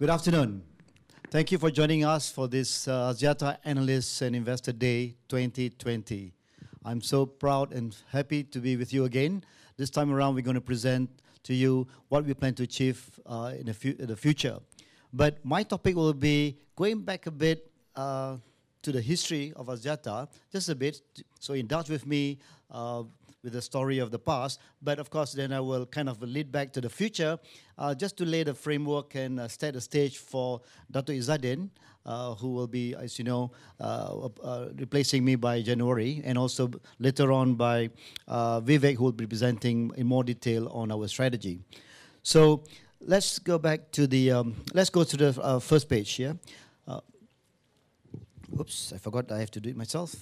Good afternoon. Thank you for joining us for this Axiata Analysts and Investors Day 2020. I'm so proud and happy to be with you again. This time around, we're going to present to you what we plan to achieve in the future. But my topic will be going back a bit to the history of Axiata just a bit, so in touch with me with the story of the past. But of course, then I will kind of lead back to the future just to lay the framework and set the stage for Dr. Izzaddin, who will be, as you know, replacing me by January and also later on by Vivek, who will be presenting in more detail on our strategy. So let's go back to the, let's go to the first page here. Oops, I forgot I have to do it myself.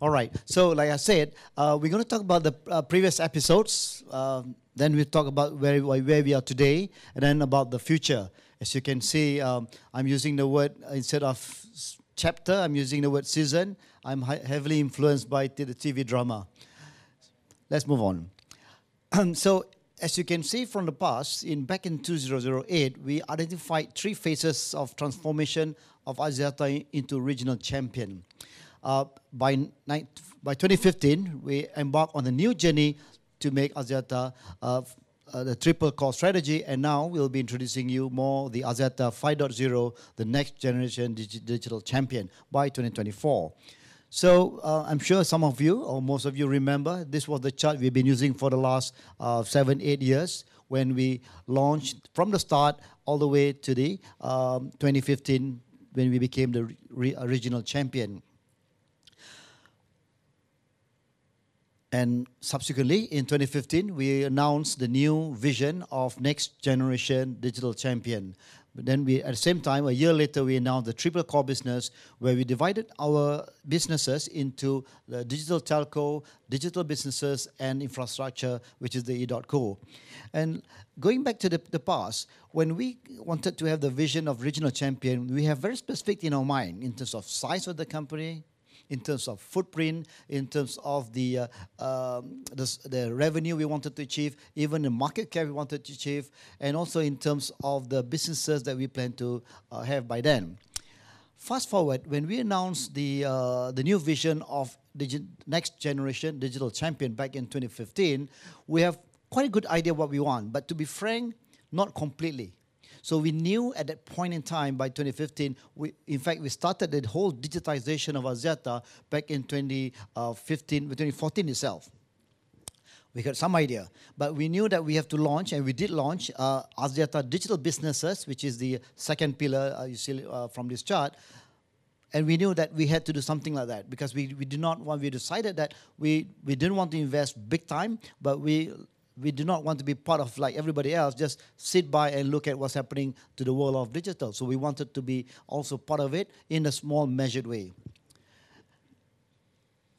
All right. So like I said, we're going to talk about the previous episodes. Then we'll talk about where we are today and then about the future. As you can see, I'm using the word instead of chapter, I'm using the word season. I'm heavily influenced by the TV drama. Let's move on. So as you can see from the past, back in 2008, we identified three phases of transformation of Axiata into regional champion. By 2015, we embarked on a new journey to make Axiata the triple-core strategy. And now we'll be introducing you more to Axiata 5.0, the next generation digital champion by 2024. So I'm sure some of you, or most of you, remember this was the chart we've been using for the last seven, eight years when we launched from the start all the way to 2015 when we became the regional champion. Subsequently, in 2015, we announced the new vision of next generation digital champion. But then we, at the same time, a year later, we announced the triple-core business where we divided our businesses into digital telco, digital businesses, and infrastructure, which is the EDOTCO. Going back to the past, when we wanted to have the vision of regional champion, we have very specific in our mind in terms of size of the company, in terms of footprint, in terms of the revenue we wanted to achieve, even the market cap we wanted to achieve, and also in terms of the businesses that we plan to have by then. Fast forward, when we announced the new vision of next generation digital champion back in 2015, we have quite a good idea of what we want, but to be frank, not completely. So we knew at that point in time by 2015, in fact, we started the whole digitization of Axiata back in 2015, 2014 itself. We had some idea, but we knew that we have to launch, and we did launch Axiata digital businesses, which is the second pillar you see from this chart. And we knew that we had to do something like that because we did not want, we decided that we didn't want to invest big time, but we did not want to be part of like everybody else just sit by and look at what's happening to the world of digital. So we wanted to be also part of it in a small measured way.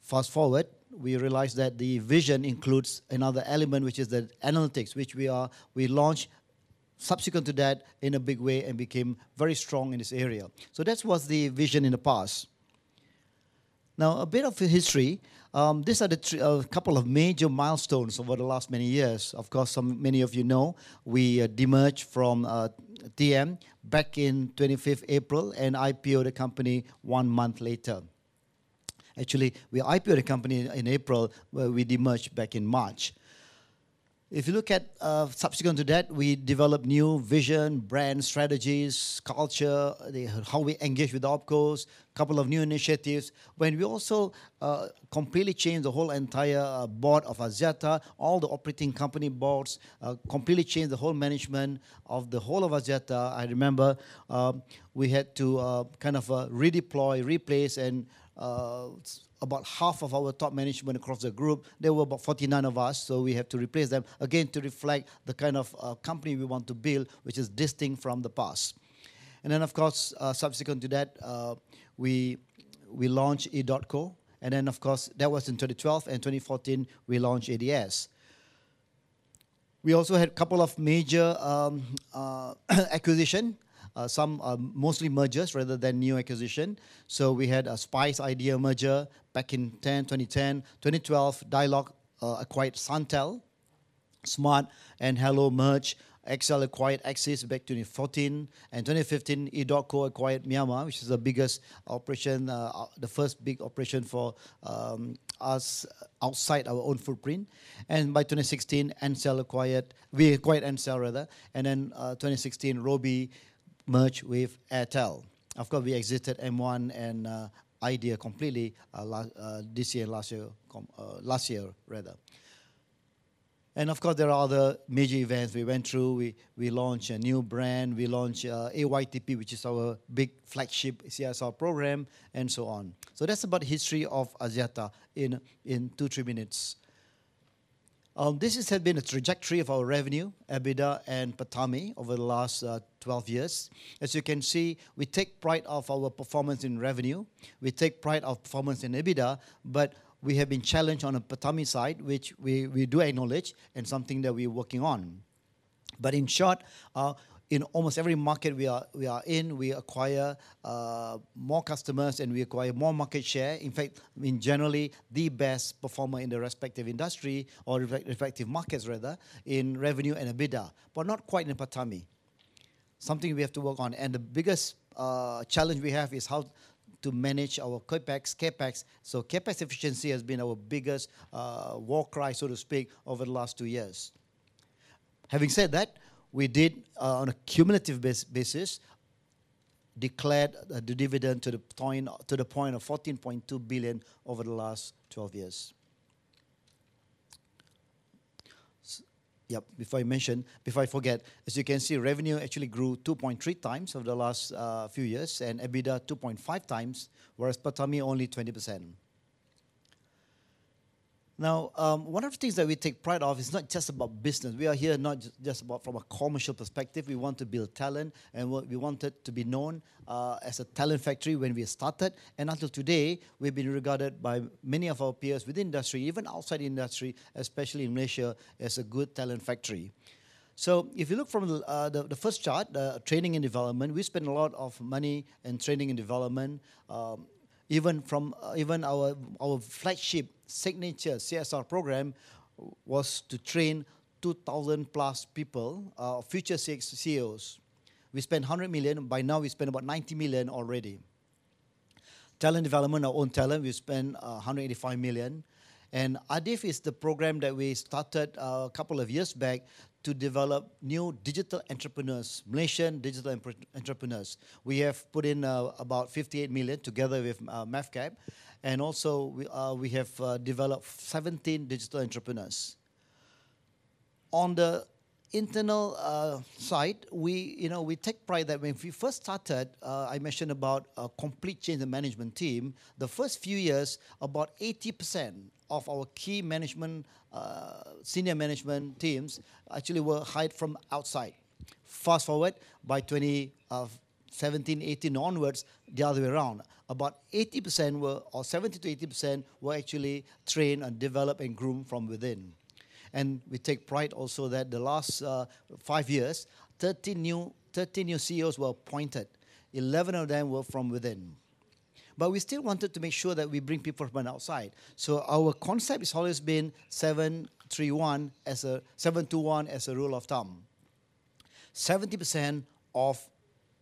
Fast forward, we realized that the vision includes another element, which is the analytics, which we launched subsequent to that in a big way and became very strong in this area. So that was the vision in the past. Now, a bit of history. These are a couple of major milestones over the last many years. Of course, many of you know we demerged from TM back in 25th April and IPO the company one month later. Actually, we IPO the company in April, but we demerged back in March. If you look at subsequent to that, we developed new vision, brand strategies, culture, how we engage with the OpCos, a couple of new initiatives when we also completely changed the whole entire board of Axiata, all the operating company boards, completely changed the whole management of the whole of Axiata. I remember we had to kind of redeploy, replace, and about half of our top management across the group. There were about 49 of us, so we had to replace them again to reflect the kind of company we want to build, which is distinct from the past. Subsequent to that, we launched EDOTCO. That was in 2012. In 2014, we launched ADS. We also had a couple of major acquisitions, some mostly mergers rather than new acquisitions. We had a Spice-Idea merger back in 2010. In 2012, Dialog acquired Suntel. Smart and Hello merged. XL acquired Axis back in 2014. In 2015, EDOTCO acquired Myanmar, which is the biggest operation, the first big operation for us outside our own footprint. By 2016, Ncell acquired—we acquired Ncell, rather. Then 2016, Robi merged with Airtel. Of course, we exited M1 and Idea completely this year and last year, rather, and of course, there are other major events we went through. We launched a new brand. We launched AYTP, which is our big flagship CSR program, and so on, so that's about the history of Axiata in two, three minutes. This has been the trajectory of our revenue, EBITDA and PATAMI over the last 12 years. As you can see, we take pride in our performance in revenue. We take pride in our performance in EBITDA, but we have been challenged on the PATAMI side, which we do acknowledge and something that we are working on, but in short, in almost every market we are in, we acquire more customers and we acquire more market share. In fact, generally, the best performer in the respective industry or respective markets, rather, in revenue and EBITDA, but not quite in PATAMI. Something we have to work on and the biggest challenge we have is how to manage our CapEx, so CapEx efficiency has been our biggest war cry, so to speak, over the last two years. Having said that, we did, on a cumulative basis, declare the dividend to the point of 14.2 billion over the last 12 years. Yep, before I mentioned, before I forget, as you can see, revenue actually grew 2.3x over the last few years and EBITDA 2.5x, whereas PATAMI only 20%. Now, one of the things that we take pride in is not just about business. We are here not just from a commercial perspective. We want to build talent, and we wanted to be known as a talent factory when we started. And until today, we've been regarded by many of our peers within the industry, even outside the industry, especially in Malaysia, as a good talent factory. So if you look from the first chart, training and development, we spent a lot of money in training and development. Even our flagship signature CSR program was to train 2,000-plus people, future CEOs. We spent 100 million. By now, we spent about 90 million already. Talent development, our own talent, we spent 185 million. And ADIF is the program that we started a couple of years back to develop new digital entrepreneurs, Malaysian digital entrepreneurs. We have put in about 58 million together with MAVCAP. And also, we have developed 17 digital entrepreneurs. On the internal side, we take pride that when we first started, I mentioned about a complete change of management team. The first few years, about 80% of our key management, senior management teams actually were hired from outside. Fast forward, by 2017, 2018 onwards, the other way around, about 70%-80% were actually trained and developed and groomed from within. And we take pride also that the last five years, 13 new CEOs were appointed. 11 of them were from within. But we still wanted to make sure that we bring people from outside. So our concept has always been 7-2-1 as a rule of thumb. 70% of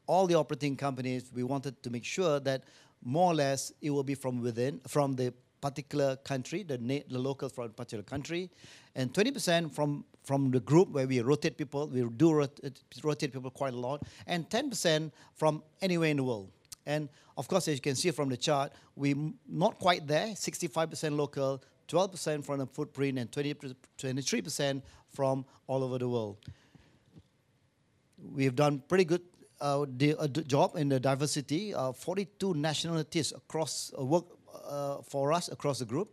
all the operating companies, we wanted to make sure that more or less it will be from within, from the particular country, the local from the particular country, and 20% from the group where we rotate people. We do rotate people quite a lot, and 10% from anywhere in the world. And of course, as you can see from the chart, we're not quite there. 65% local, 12% from the footprint, and 23% from all over the world. We have done a pretty good job in the diversity. 42 nationalities work for us across the group,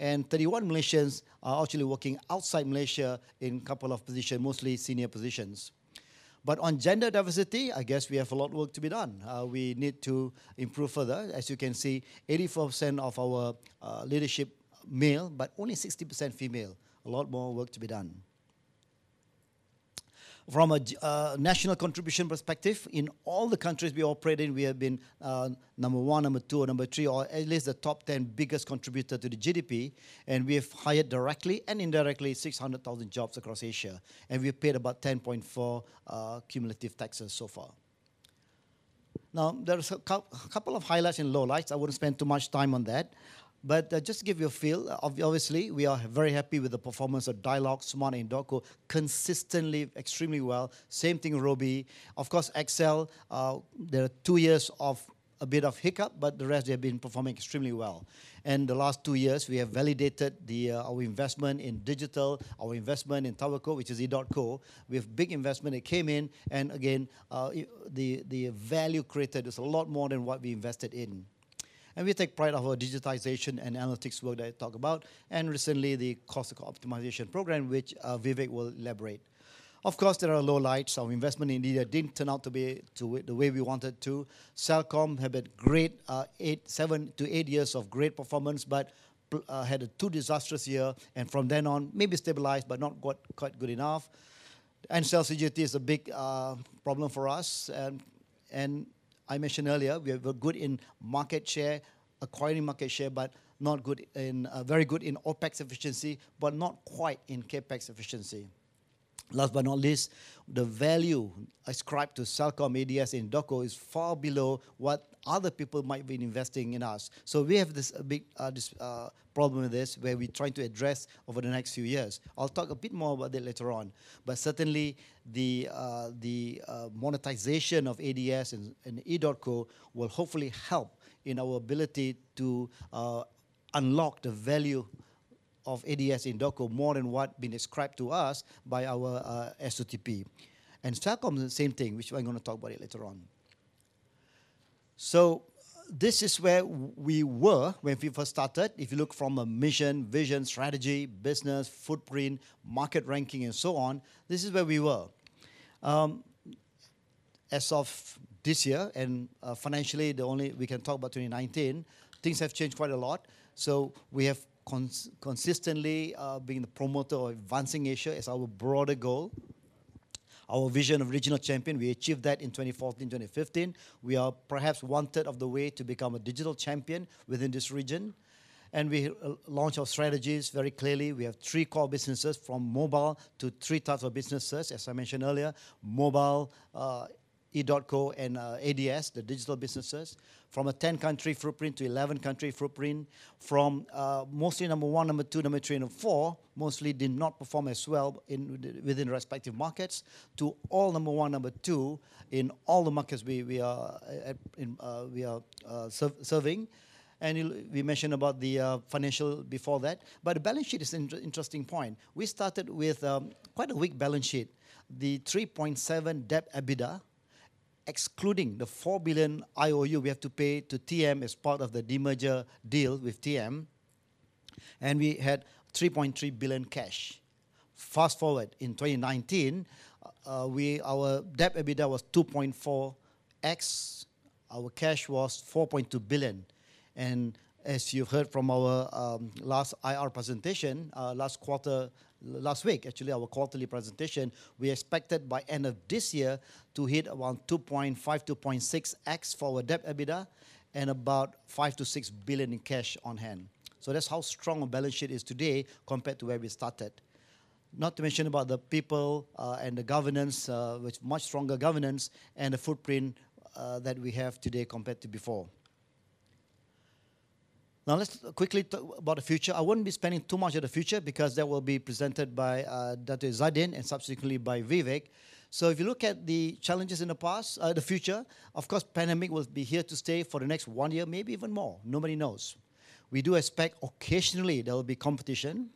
and 31 Malaysians are actually working outside Malaysia in a couple of positions, mostly senior positions. But on gender diversity, I guess we have a lot of work to be done. We need to improve further. As you can see, 84% of our leadership are male, but only 60% female. A lot more work to be done. From a national contribution perspective, in all the countries we operate in, we have been number one, number two, or number three, or at least the top 10 biggest contributor to the GDP. We have hired directly and indirectly 600,000 jobs across Asia. We've paid about 10.4 cumulative taxes so far. Now, there are a couple of highlights and lowlights. I wouldn't spend too much time on that. But just to give you a feel, obviously, we are very happy with the performance of Dialog, Smart, and Ncell, consistently, extremely well. Same thing with Robi. Of course, XL, there are two years of a bit of hiccup, but the rest, they have been performing extremely well. And the last two years, we have validated our investment in digital, our investment in telco, which is EDOTCO. We have big investment that came in. And again, the value created is a lot more than what we invested in. And we take pride in our digitization and analytics work that I talked about, and recently the cost optimization program, which Vivek will elaborate. Of course, there are lowlights. Our investment in media didn't turn out to be the way we wanted to. Celcom had a great seven to eight years of great performance, but had a too disastrous year. And from then on, maybe stabilized, but not quite good enough. Ncell CGT is a big problem for us. And I mentioned earlier, we were good in market share, acquiring market share, but not very good in OpEx efficiency, but not quite in CapEx efficiency. Last but not least, the value ascribed to Celcom, ADS, and EDOTCO is far below what other people might be investing in us. So we have this big problem with this where we're trying to address over the next few years. I'll talk a bit more about that later on. But certainly, the monetization of ADS and EDOTCO will hopefully help in our ability to unlock the value of ADS and EDOTCO more than what has been ascribed to us by our SOTP. And Celcom is the same thing, which I'm going to talk about later on. So this is where we were when we first started. If you look from a mission, vision, strategy, business, footprint, market ranking, and so on, this is where we were. As of this year, and financially, we can talk about 2019, things have changed quite a lot. So we have consistently been the promoter of advancing Asia as our broader goal, our vision of regional champion. We achieved that in 2014, 2015. We are perhaps one third of the way to become a digital champion within this region. We launched our strategies very clearly. We have three core businesses from mobile to three types of businesses, as I mentioned earlier, mobile, EDOTCO, and ADS, the digital businesses, from a 10-country footprint to 11-country footprint, from mostly number one, number two, number three, and four, mostly did not perform as well within respective markets to all number one, number two in all the markets we are serving. We mentioned about the financial before that. But the balance sheet is an interesting point. We started with quite a weak balance sheet. The 3.7x debt to EBITDA, excluding the 4 billion IOU we have to pay to TM as part of the demerger deal with TM, and we had 3.3 billion cash. Fast forward, in 2019, our debt to EBITDA was 2.4x, our cash was 4.2 billion. As you've heard from our last IR presentation, last quarter, last week, actually, our quarterly presentation, we expected by end of this year to hit around 2.5-2.6x for our debt EBITDA and about 5-6 billion in cash on hand. That's how strong our balance sheet is today compared to where we started. Not to mention about the people and the governance, with much stronger governance and the footprint that we have today compared to before. Now, let's quickly talk about the future. I wouldn't be spending too much on the future because that will be presented by Dr. Izzadin and subsequently by Vivek. If you look at the challenges in the past, the future, of course, the pandemic will be here to stay for the next one year, maybe even more. Nobody knows. We do expect occasionally there will be competition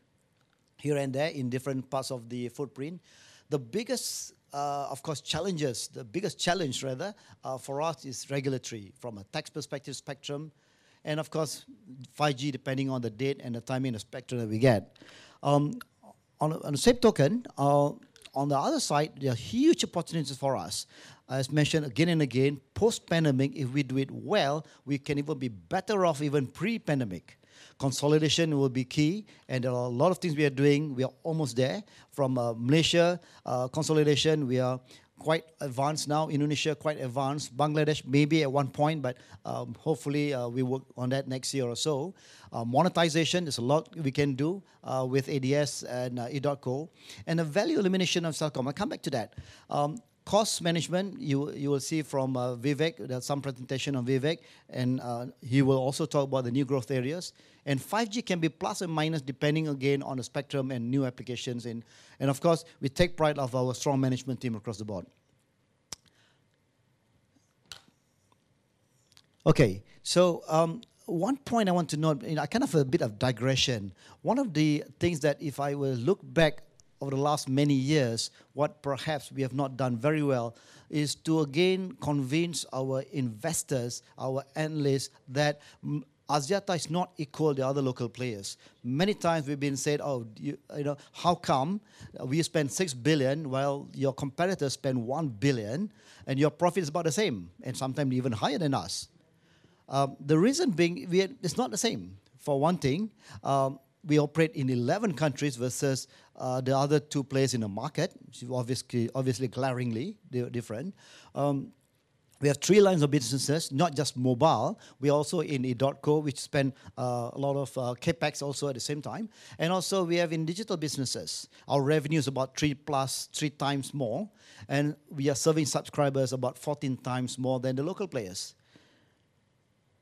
here and there in different parts of the footprint. The biggest, of course, challenges, the biggest challenge, rather, for us is regulatory from a tax perspective spectrum and, of course, 5G, depending on the date and the timing of the spectrum that we get. On the same token, on the other side, there are huge opportunities for us. As mentioned again and again, post-pandemic, if we do it well, we can even be better off even pre-pandemic. Consolidation will be key, and there are a lot of things we are doing. We are almost there. From Malaysia, consolidation, we are quite advanced now. Indonesia, quite advanced. Bangladesh, maybe at one point, but hopefully we work on that next year or so. Monetization is a lot we can do with ADS and EDOTCO. The value elimination of Celcom, I'll come back to that. Cost management, you will see from Vivek. There's some presentation on Vivek, and he will also talk about the new growth areas. 5G can be plus and minus depending, again, on the spectrum and new applications. Of course, we take pride in our strong management team across the board. Okay, so one point I want to note, kind of a bit of digression. One of the things that if I will look back over the last many years, what perhaps we have not done very well is to, again, convince our investors, our analysts, that Axiata is not equal to the other local players. Many times we've been said, "Oh, how come we spend six billion while your competitors spend one billion and your profit is about the same and sometimes even higher than us?" The reason being, it's not the same. For one thing, we operate in 11 countries versus the other two players in the market, obviously glaringly different. We have three lines of businesses, not just mobile. We are also in EDOTCO, which spent a lot of CapEx also at the same time. And also, we have in digital businesses. Our revenue is about 3x more, and we are serving subscribers about 14x more than the local players.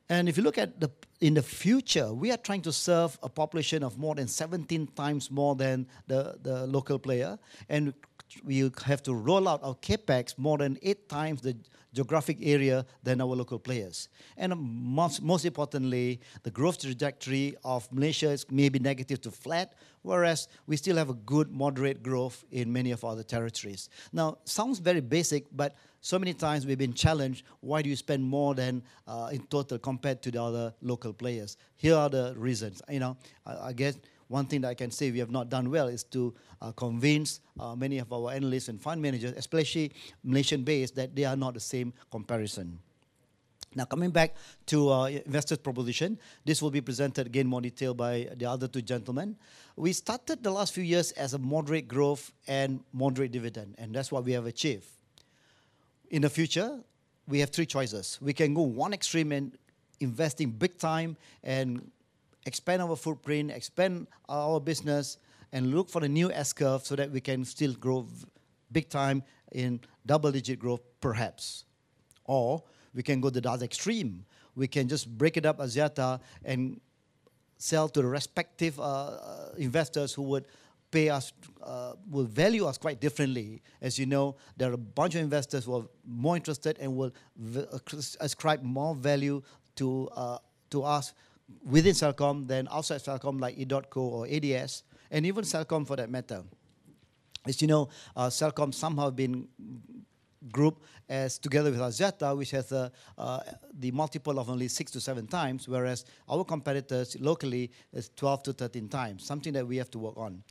And if you look at the future, we are trying to serve a population of more than 17x more than the local player. We have to roll out our CapEx more than 8x the geographic area than our local players. And most importantly, the growth trajectory of Malaysia is maybe negative to flat, whereas we still have a good moderate growth in many of our territories. Now, it sounds very basic, but so many times we've been challenged, "Why do you spend more than in total compared to the other local players?" Here are the reasons. I guess one thing that I can say we have not done well is to convince many of our analysts and fund managers, especially Malaysian-based, that they are not the same comparison. Now, coming back to investors' proposition, this will be presented again in more detail by the other two gentlemen. We started the last few years as a moderate growth and moderate dividend, and that's what we have achieved. In the future, we have three choices. We can go one extreme and investing big time and expand our footprint, expand our business, and look for the new S curve so that we can still grow big time in double-digit growth, perhaps. Or we can go the other extreme. We can just break it up, Axiata, and sell to the respective investors who would value us quite differently. As you know, there are a bunch of investors who are more interested and will ascribe more value to us within Celcom than outside Celcom like EDOTCO or ADS, and even Celcom for that matter. As you know, Celcom somehow has been grouped together with Axiata, which has the multiple of only 6x-7x, whereas our competitors locally is 12x-13x, something that we have to work on.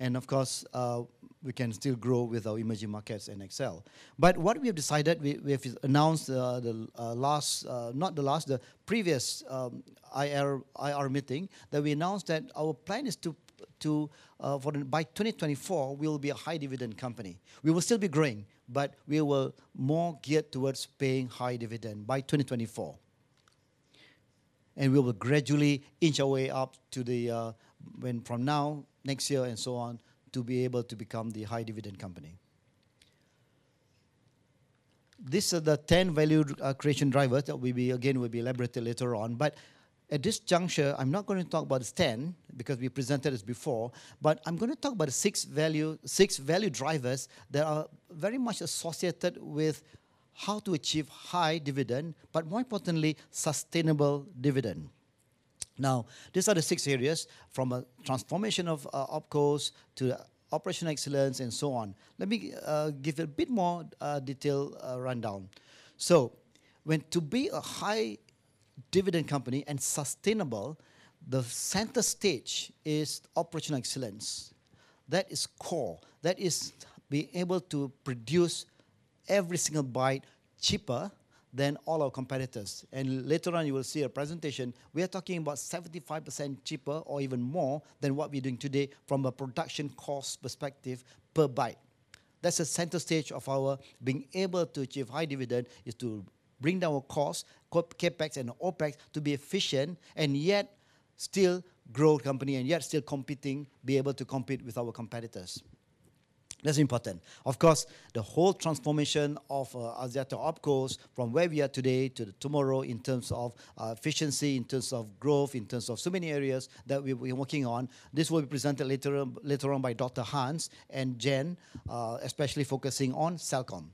And of course, we can still grow with our emerging markets and XL. But what we have decided, we have announced the last, not the last, the previous IR meeting, that we announced that our plan is to, by 2024, we will be a high-dividend company. We will still be growing, but we will more geared towards paying high dividend by 2024. And we will gradually inch our way up to the, from now, next year, and so on, to be able to become the high-dividend company. These are the 10 value creation drivers that we will, again, elaborate later on. But at this juncture, I'm not going to talk about the 10 because we presented it before, but I'm going to talk about the six value drivers that are very much associated with how to achieve high dividend, but more importantly, sustainable dividend. Now, these are the six areas from a transformation of OpCos to operational excellence and so on. Let me give you a bit more detail rundown. So to be a high-dividend company and sustainable, the center stage is operational excellence. That is core. That is being able to produce every single byte cheaper than all our competitors. And later on, you will see a presentation. We are talking about 75% cheaper or even more than what we're doing today from a production cost perspective per byte. That's the center stage of our being able to achieve high dividend is to bring down our cost, CapEx and OpEx to be efficient and yet still grow a company and yet still competing, be able to compete with our competitors. That's important. Of course, the whole transformation of Axiata OpCos from where we are today to tomorrow in terms of efficiency, in terms of growth, in terms of so many areas that we're working on. This will be presented later on by Dr. Hans and Jen, especially focusing on Celcom.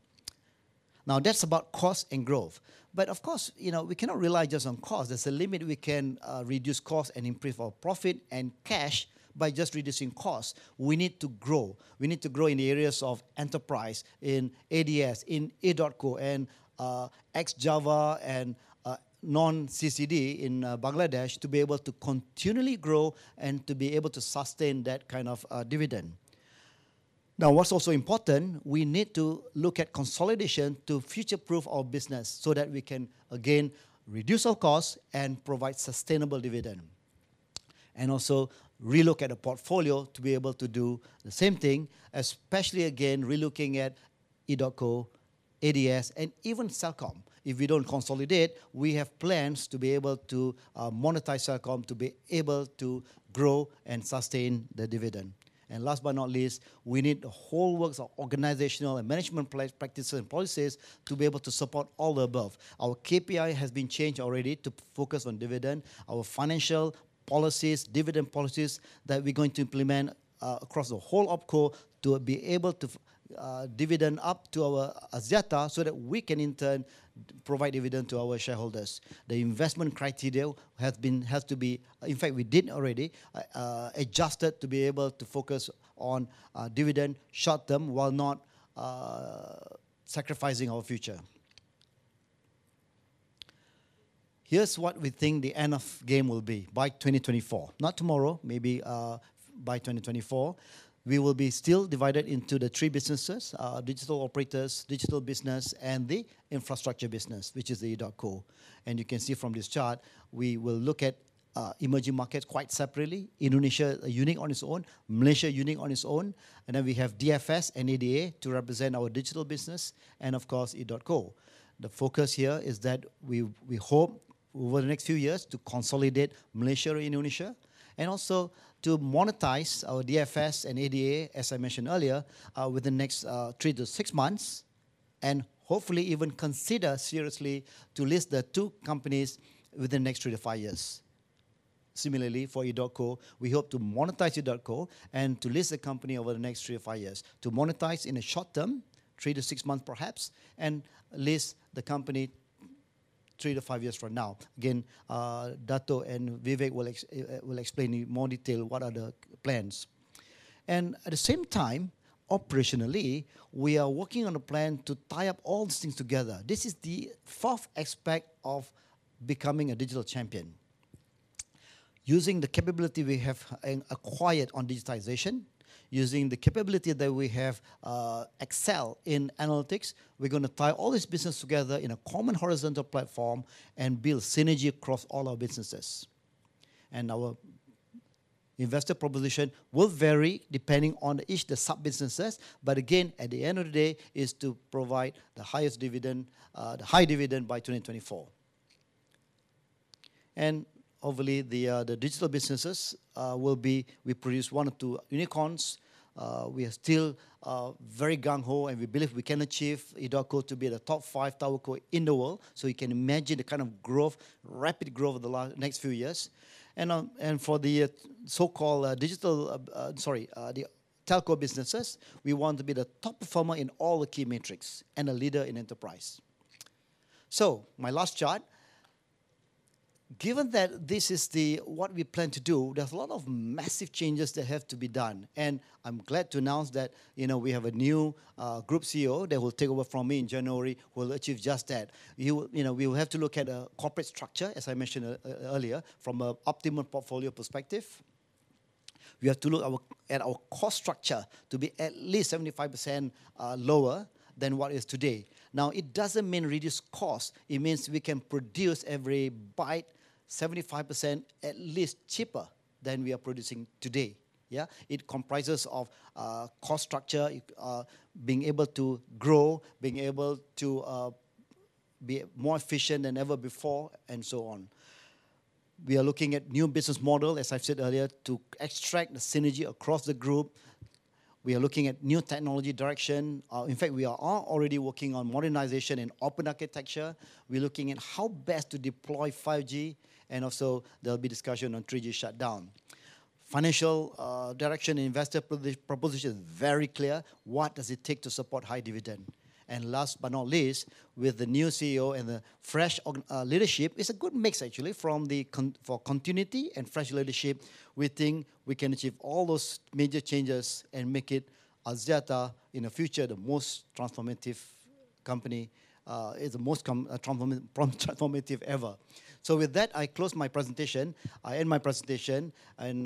Now, that's about cost and growth. But of course, we cannot rely just on cost. There's a limit we can reduce cost and improve our profit and cash by just reducing cost. We need to grow. We need to grow in the areas of enterprise, in ADS, in EDOTCO, and ex-Java and non-CCD in Bangladesh to be able to continually grow and to be able to sustain that kind of dividend. Now, what's also important, we need to look at consolidation to future-proof our business so that we can, again, reduce our cost and provide sustainable dividend. And also relook at the portfolio to be able to do the same thing, especially, again, relooking at EDOTCO, ADS, and even Celcom. If we don't consolidate, we have plans to be able to monetize Celcom to be able to grow and sustain the dividend. And last but not least, we need the whole works of organizational and management practices and policies to be able to support all the above. Our KPI has been changed already to focus on dividend, our financial policies, dividend policies that we're going to implement across the whole opco to be able to dividend up to our Axiata so that we can in turn provide dividend to our shareholders. The investment criteria has to be. In fact, we did already adjust it to be able to focus on dividend short term while not sacrificing our future. Here's what we think the endgame will be by 2024. Not tomorrow, maybe by 2024. We will be still divided into the three businesses: digital operators, digital business, and the infrastructure business, which is EDOTCO. You can see from this chart, we will look at emerging markets quite separately. Indonesia is unique on its own. Malaysia is unique on its own. Then we have DFS and ADA to represent our digital business. Of course, EDOTCO. The focus here is that we hope over the next few years to consolidate Malaysia and Indonesia and also to monetize our DFS and ADA, as I mentioned earlier, within the next three to six months and hopefully even consider seriously to list the two companies within the next three to five years. Similarly, for EDOTCO, we hope to monetize EDOTCO and to list the company over the next three to five years to monetize in the short term, three to six months perhaps, and list the company three to five years from now. Again, Dato' and Vivek will explain in more detail what are the plans. At the same time, operationally, we are working on a plan to tie up all these things together. This is the fourth aspect of becoming a digital champion. Using the capability we have acquired on digitization, using the capability that we have excelled in analytics, we're going to tie all this business together in a common horizontal platform and build synergy across all our businesses. Our investor proposition will vary depending on each of the sub-businesses. But again, at the end of the day, is to provide the highest dividend, the high dividend by 2024. And hopefully, the digital businesses will be we produce one or two unicorns. We are still very gung-ho and we believe we can achieve EDOTCO to be the top five TowerCo in the world. So you can imagine the kind of growth, rapid growth of the next few years. And for the so-called digital, sorry, the telco businesses, we want to be the top performer in all the key metrics and a leader in enterprise. So my last chart, given that this is what we plan to do, there's a lot of massive changes that have to be done. And I'm glad to announce that we have a new Group CEO that will take over from me in January, who will achieve just that. We will have to look at a corporate structure, as I mentioned earlier, from an optimal portfolio perspective. We have to look at our cost structure to be at least 75% lower than what it is today. Now, it doesn't mean reduce cost. It means we can produce every byte 75% at least cheaper than we are producing today. It comprises of cost structure, being able to grow, being able to be more efficient than ever before, and so on. We are looking at new business models, as I've said earlier, to extract the synergy across the group. We are looking at new technology direction. In fact, we are already working on modernization and open architecture. We're looking at how best to deploy 5G, and also there'll be discussion on 3G shutdown. Financial direction and investor proposition is very clear. What does it take to support high dividend? And last but not least, with the new CEO and the fresh leadership, it's a good mix, actually, for continuity and fresh leadership. We think we can achieve all those major changes and make it Axiata in the future, the most transformative company, the most transformative ever. So with that, I close my presentation. I end my presentation. And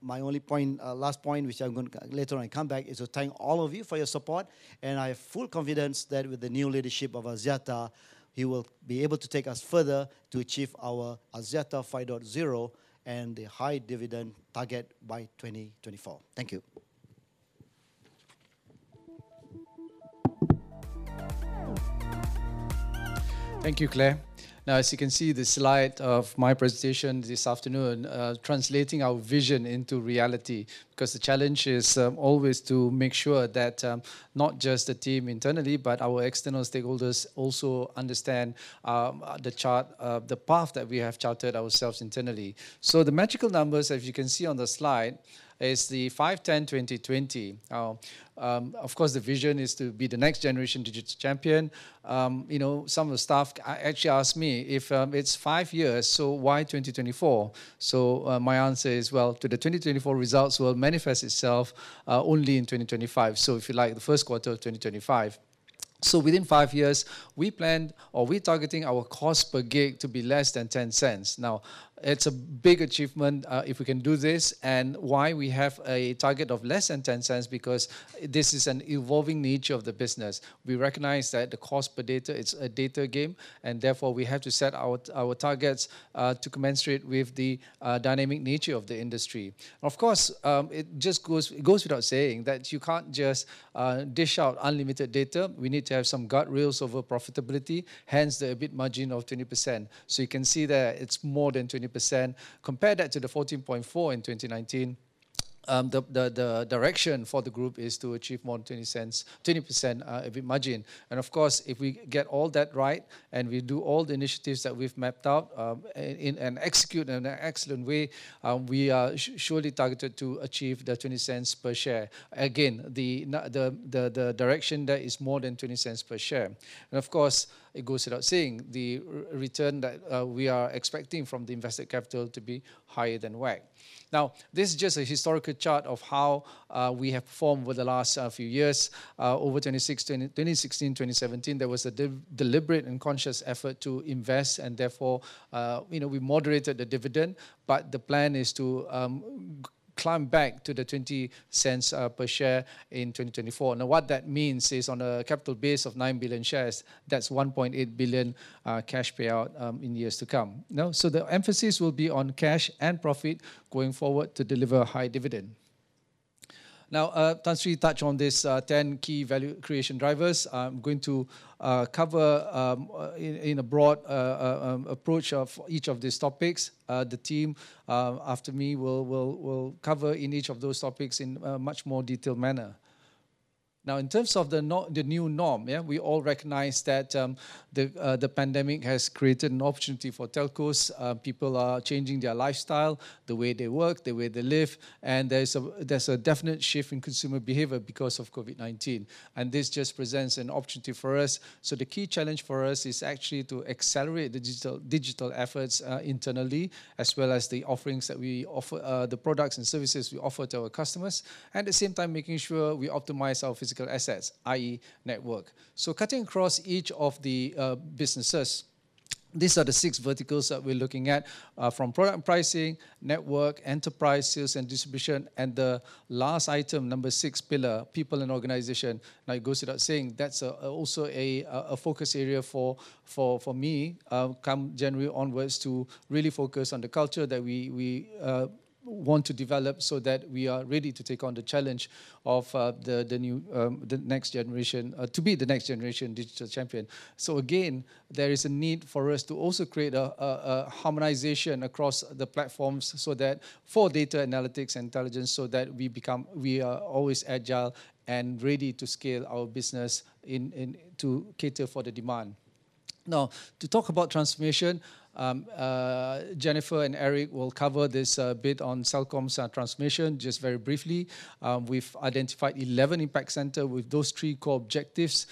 my only point, last point, which I'm going to later on come back, is to thank all of you for your support. And I have full confidence that with the new leadership of Axiata, he will be able to take us further to achieve our Axiata 5.0 and the high dividend target by 2024. Thank you. Thank you, Clare. Now, as you can see, the slide of my presentation this afternoon translating our vision into reality because the challenge is always to make sure that not just the team internally, but our external stakeholders also understand the path that we have charted ourselves internally. So the magical numbers, as you can see on the slide, is the 5/10/2020. Of course, the vision is to be the next generation digital champion. Some of the staff actually asked me if it's five years, so why 2024? So my answer is, well, the 2024 results will manifest itself only in 2025, so if you like, the first quarter of 2025. So within five years, we plan or we're targeting our cost per gig to be less than 0.10. Now, it's a big achievement if we can do this. And why we have a target of less than 0.10? Because this is an evolving nature of the business. We recognize that the cost per data, it's a data game, and therefore we have to set our targets to commensurate with the dynamic nature of the industry. Of course, it just goes without saying that you can't just dish out unlimited data. We need to have some guardrails over profitability, hence the EBIT margin of 20%. So you can see that it's more than 20%. Compare that to the 14.4% in 2019. The direction for the group is to achieve more than MYR 0.20, 20% EBIT margin. And of course, if we get all that right and we do all the initiatives that we've mapped out and execute in an excellent way, we are surely targeted to achieve the 0.20 per share. Again, the direction there is more than 0.20 per share. And of course, it goes without saying, the return that we are expecting from the invested capital to be higher than WACC. Now, this is just a historical chart of how we have performed over the last few years. Over 2016, 2017, there was a deliberate and conscious effort to invest, and therefore, we moderated the dividend. But the plan is to climb back to 0.20 per share in 2024. Now, what that means is on a capital base of 9 billion shares, that's 1.8 billion cash payout in years to come. So the emphasis will be on cash and profit going forward to deliver high dividend. Now, Tan Sri touched on these 10 key value creation drivers. I'm going to cover in a broad approach of each of these topics. The team after me will cover in each of those topics in a much more detailed manner. Now, in terms of the new norm, we all recognize that the pandemic has created an opportunity for telcos. People are changing their lifestyle, the way they work, the way they live, and there's a definite shift in consumer behavior because of COVID-19, and this just presents an opportunity for us, so the key challenge for us is actually to accelerate the digital efforts internally, as well as the offerings that we offer, the products and services we offer to our customers, and at the same time, making sure we optimize our physical assets, i.e., network, so cutting across each of the businesses, these are the six verticals that we're looking at from product pricing, network, enterprise, sales, and distribution, and the last item, number six, pillar, people and organization. Now, it goes without saying, that's also a focus area for me come January onwards to really focus on the culture that we want to develop so that we are ready to take on the challenge of the next generation to be the next generation digital champion. So again, there is a need for us to also create a harmonization across the platforms for data analytics and intelligence so that we are always agile and ready to scale our business to cater for the demand. Now, to talk about transformation, Jennifer and Eri will cover this bit on Celcom's transformation just very briefly. We've identified 11 impact centers with those three core objectives: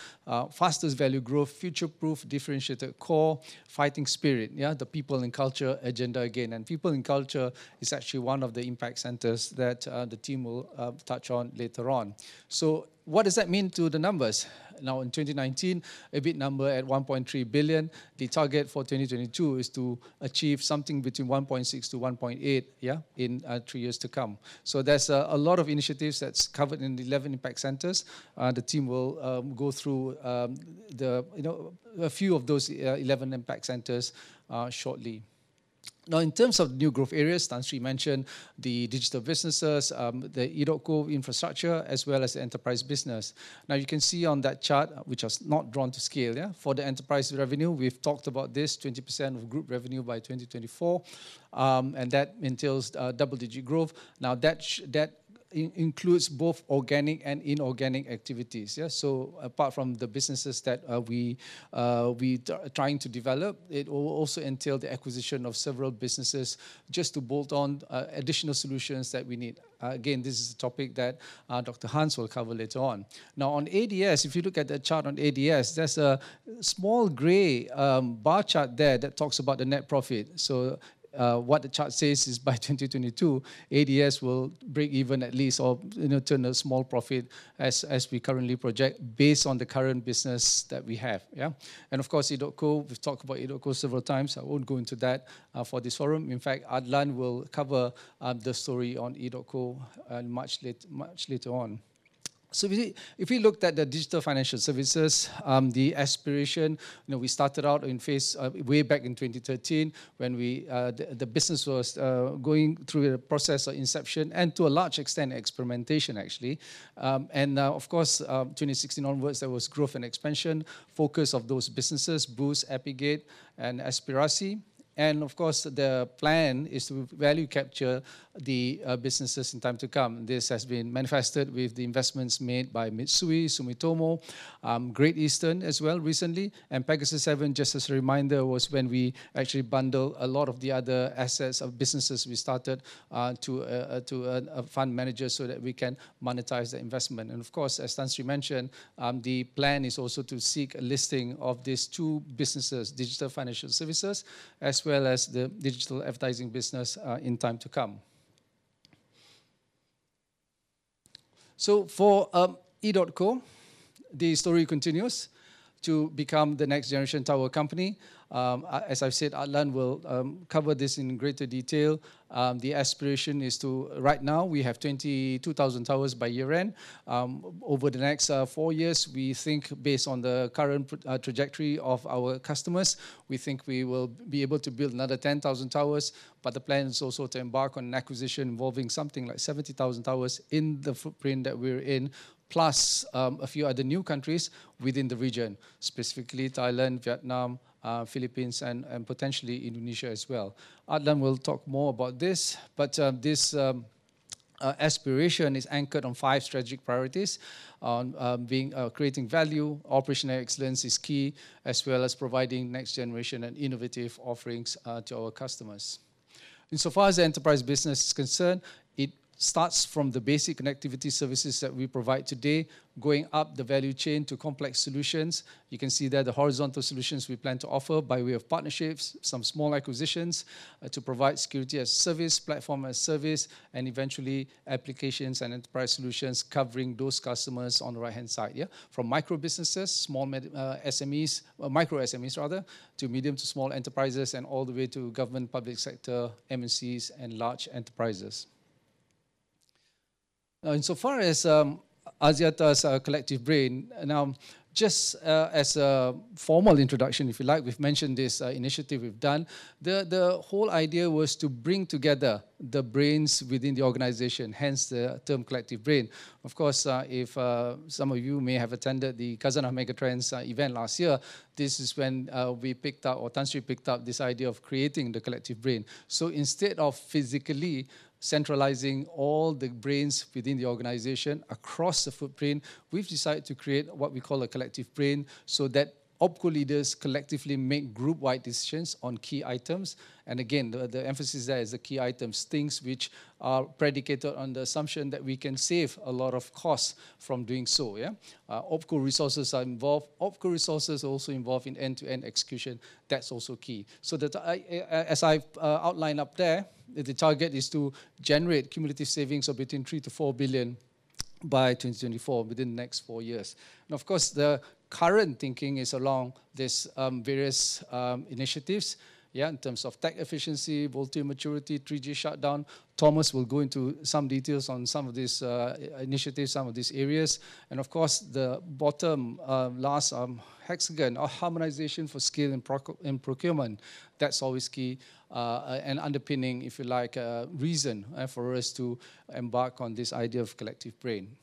fastest value growth, future-proof, differentiated core, fighting spirit, the people and culture agenda again. People and culture is actually one of the impact centers that the team will touch on later on. So what does that mean to the numbers? Now, in 2019, EBIT number at 1.3 billion. The target for 2022 is to achieve something between 1.6 billion to 1.8 billion in three years to come. So there's a lot of initiatives that's covered in the 11 impact centers. The team will go through a few of those 11 impact centers shortly. Now, in terms of new growth areas, Tan Sri mentioned the digital businesses, the EDOTCO infrastructure, as well as the enterprise business. Now, you can see on that chart, which is not drawn to scale, for the enterprise revenue, we've talked about this, 20% of group revenue by 2024, and that entails double-digit growth. Now, that includes both organic and inorganic activities. Apart from the businesses that we are trying to develop, it will also entail the acquisition of several businesses just to bolt on additional solutions that we need. Again, this is a topic that Dr. Hans will cover later on. Now, on ADS, if you look at the chart on ADS, there's a small gray bar chart there that talks about the net profit. So what the chart says is by 2022, ADS will break even at least or turn a small profit as we currently project based on the current business that we have. And of course, EDOTCO, we've talked about EDOTCO several times. I won't go into that for this forum. In fact, Adlan will cover the story on EDOTCO much later on. So if we looked at the digital financial services, the Aspirasi, we started out in phase way back in 2013 when the business was going through the process of inception and to a large extent experimentation, actually. And of course, 2016 onwards, there was growth and expansion focus of those businesses, Boost, Apigate, and Aspirasi. And of course, the plan is to value capture the businesses in time to come. This has been manifested with the investments made by Mitsui, Sumitomo, Great Eastern as well recently, and Pegasus 7, just as a reminder, was when we actually bundled a lot of the other assets of businesses we started to a fund manager so that we can monetize the investment. And of course, as Tan Sri mentioned, the plan is also to seek a listing of these two businesses, digital financial services, as well as the digital advertising business in time to come. So for EDOTCO, the story continues to become the next generation tower company. As I've said, Adlan will cover this in greater detail. The aspiration is to, right now, we have 22,000 towers by year-end. Over the next four years, we think, based on the current trajectory of our customers, we think we will be able to build another 10,000 towers. But the plan is also to embark on an acquisition involving something like 70,000 towers in the footprint that we're in, plus a few other new countries within the region, specifically Thailand, Vietnam, Philippines, and potentially Indonesia as well. Adlan will talk more about this, but this aspiration is anchored on five strategic priorities. Creating value, operational excellence is key, as well as providing next-generation and innovative offerings to our customers. Insofar as the enterprise business is concerned, it starts from the basic connectivity services that we provide today, going up the value chain to complex solutions. You can see there the horizontal solutions we plan to offer by way of partnerships, some small acquisitions to provide security as a service, platform as a service, and eventually applications and enterprise solutions covering those customers on the right-hand side. From micro businesses, small SMEs, micro SMEs, rather, to medium to small enterprises and all the way to government, public sector, MNCs, and large enterprises. Insofar as Axiata's Collective Brain, now, just as a formal introduction, if you like, we've mentioned this initiative we've done. The whole idea was to bring together the brains within the organization, hence the term Collective Brain. Of course, if some of you may have attended the Khazanah Megatrends event last year, this is when Tan Sri picked up this idea of creating the Collective Brain. Instead of physically centralizing all the brains within the organization across the footprint, we've decided to create what we call a Collective Brain so that opco leaders collectively make group-wide decisions on key items. And again, the emphasis there is the key items, things which are predicated on the assumption that we can save a lot of costs from doing so. Opco resources are involved. Opco resources are also involved in end-to-end execution. That's also key. As I outlined up there, the target is to generate cumulative savings of between 3-4 billion by 2024 within the next four years. Of course, the current thinking is along these various initiatives in terms of tech efficiency, VoLTE maturity, 3G shutdown. Thomas will go into some details on some of these initiatives, some of these areas. Of course, the bottom last hexagon, harmonization for scale and procurement. That's always key and underpinning, if you like, reason for us to embark on this idea of Collective Brain.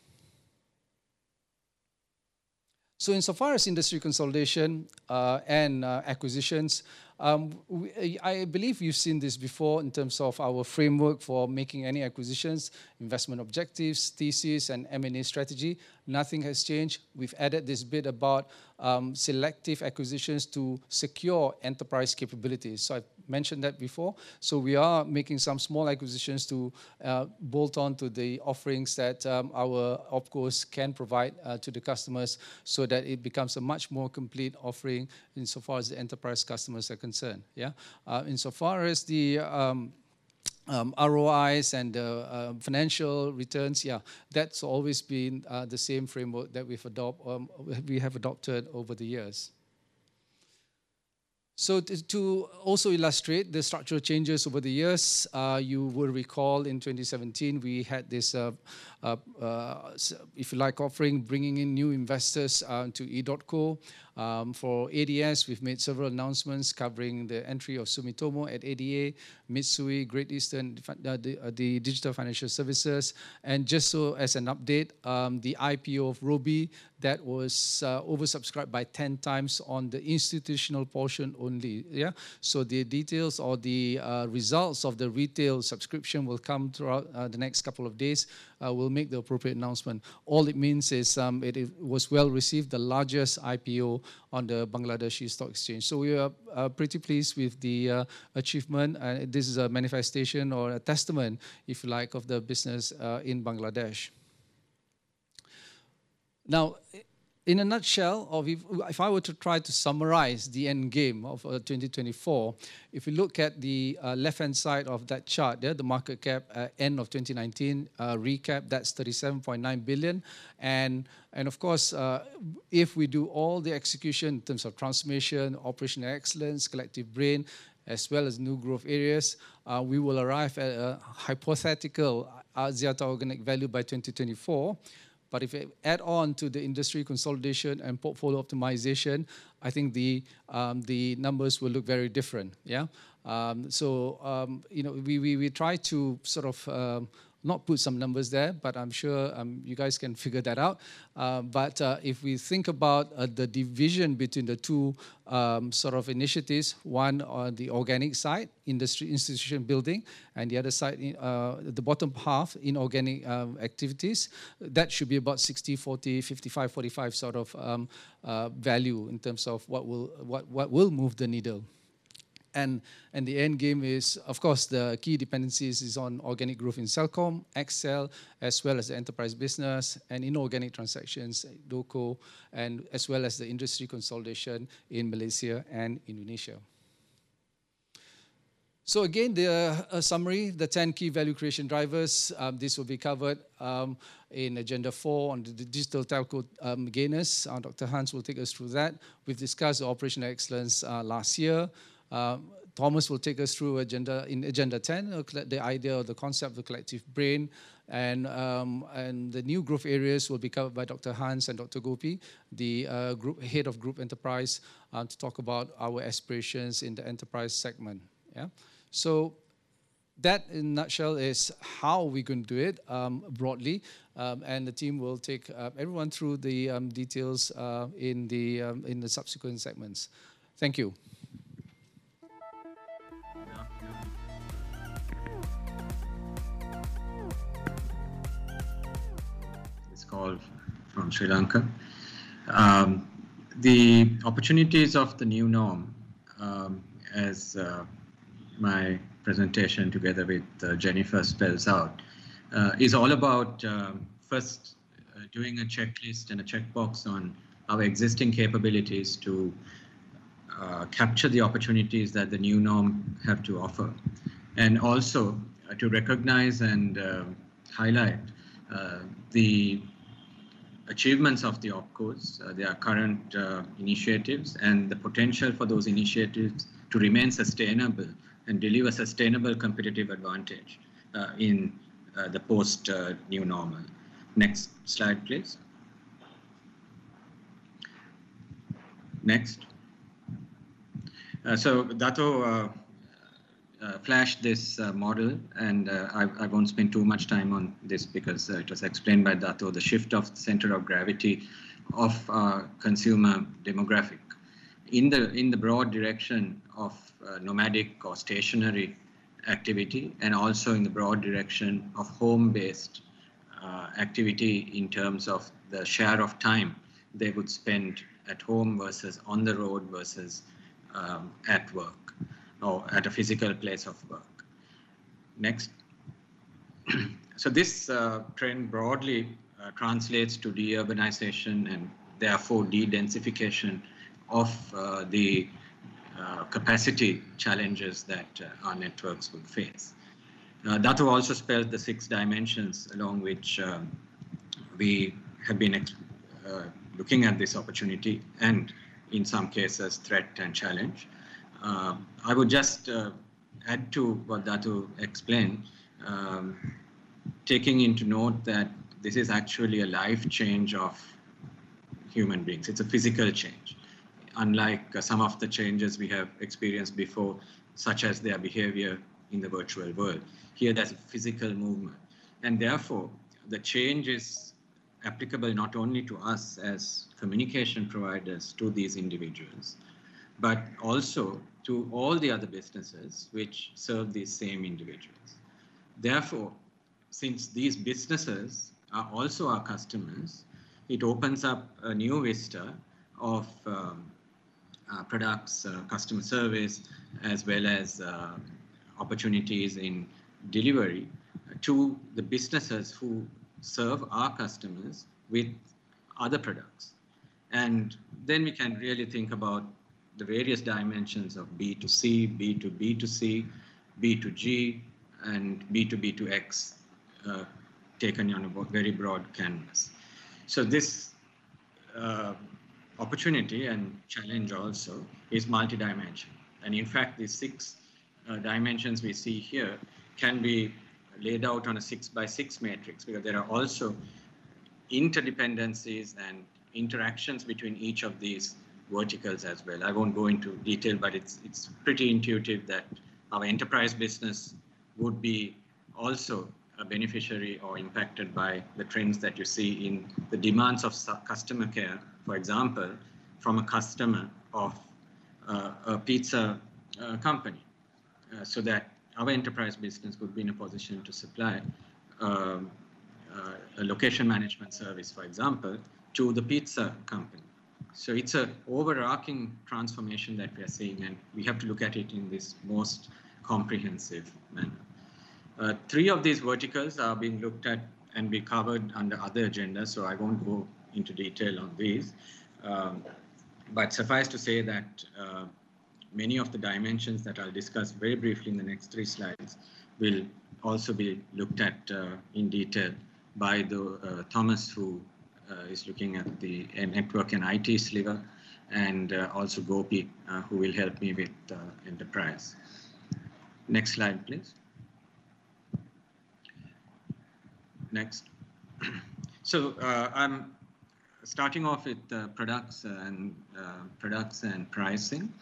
Insofar as industry consolidation and acquisitions, I believe you've seen this before in terms of our framework for making any acquisitions, investment objectives, thesis, and M&A strategy. Nothing has changed. We've added this bit about selective acquisitions to secure enterprise capabilities. I've mentioned that before. We are making some small acquisitions to bolt on to the offerings that our OpCos can provide to the customers so that it becomes a much more complete offering insofar as the enterprise customers are concerned. Insofar as the ROIs and the financial returns, yeah, that's always been the same framework that we have adopted over the years. To also illustrate the structural changes over the years, you will recall in 2017, we had this, if you like, offering bringing in new investors to EDOTCO. For ADS, we've made several announcements covering the entry of Sumitomo at ADA, Mitsui, Great Eastern, the digital financial services. Just so as an update, the IPO of Robi that was oversubscribed by 10x on the institutional portion only. The details or the results of the retail subscription will come throughout the next couple of days. We'll make the appropriate announcement. All it means is it was well received, the largest IPO on the Bangladesh Stock Exchange. We are pretty pleased with the achievement. This is a manifestation or a testament, if you like, of the business in Bangladesh. Now, in a nutshell, if I were to try to summarize the end game of 2024, if you look at the left-hand side of that chart, the market cap end of 2019 recap, that's 37.9 billion, and of course, if we do all the execution in terms of transformation, operational excellence, Collective Brain, as well as new growth areas, we will arrive at a hypothetical Axiata organic value by 2024, but if we add on to the industry consolidation and portfolio optimization, I think the numbers will look very different, so we try to sort of not put some numbers there, but I'm sure you guys can figure that out. But if we think about the division between the two sort of initiatives, one on the organic side, industry institution building, and the other side, the bottom half, inorganic activities, that should be about 60, 40, 55, 45 sort of value in terms of what will move the needle. And the end game is, of course, the key dependencies is on organic growth in Celcom, XL, as well as the enterprise business and inorganic transactions, local, and as well as the industry consolidation in Malaysia and Indonesia. So again, the summary, the 10 key value creation drivers, this will be covered in Agenda 4 on the digital telco gainers. Dr. Hans will take us through that. We've discussed operational excellence last year. Thomas will take us through Agenda 10, the idea of the concept of the Collective Brain. And the new growth areas will be covered by Dr. Hans and Dr. Gopi, the head of Group Enterprise, to talk about our aspirations in the enterprise segment, so that in a nutshell is how we're going to do it broadly, and the team will take everyone through the details in the subsequent segments. Thank you. It's called from Sri Lanka. The opportunities of the new norm, as my presentation together with Jennifer spells out, is all about first doing a checklist and a checkbox on our existing capabilities to capture the opportunities that the new norm have to offer. And also to recognize and highlight the achievements of the OpCos, their current initiatives, and the potential for those initiatives to remain sustainable and deliver sustainable competitive advantage in the post-new normal. Next slide, please. Next. So Dato' flashed this model, and I won't spend too much time on this because it was explained by Dato', the shift of the center of gravity of consumer demographic in the broad direction of nomadic or stationary activity and also in the broad direction of home-based activity in terms of the share of time they would spend at home versus on the road versus at work or at a physical place of work. Next. So this trend broadly translates to deurbanization and therefore de-densification of the capacity challenges that our networks will face. Dato' also spelled the six dimensions along which we have been looking at this opportunity and in some cases threat and challenge. I would just add to what Dato' explained, taking into note that this is actually a life change of human beings. It's a physical change, unlike some of the changes we have experienced before, such as their behavior in the virtual world. Here, there's a physical movement. And therefore, the change is applicable not only to us as communication providers to these individuals, but also to all the other businesses which serve these same individuals. Therefore, since these businesses are also our customers, it opens up a new vista of products, customer service, as well as opportunities in delivery to the businesses who serve our customers with other products, and then we can really think about the various dimensions of B2C, B2B2C, B2G, and B2B2X taken on a very broad canvas, so this opportunity and challenge also is multi-dimensional, and in fact, the six dimensions we see here can be laid out on a six-by-six matrix because there are also interdependencies and interactions between each of these verticals as well. I won't go into detail, but it's pretty intuitive that our enterprise business would be also a beneficiary or impacted by the trends that you see in the demands of customer care, for example, from a customer of a pizza company so that our enterprise business would be in a position to supply a location management service, for example, to the pizza company. So it's an overarching transformation that we are seeing, and we have to look at it in this most comprehensive manner. Three of these verticals are being looked at and be covered under other agendas, so I won't go into detail on these. But suffice to say that many of the dimensions that I'll discuss very briefly in the next three slides will also be looked at in detail by Thomas, who is looking at the network and IT sliver, and also Gopi, who will help me with enterprise. Next slide, please. Next. So I'm starting off with products and pricing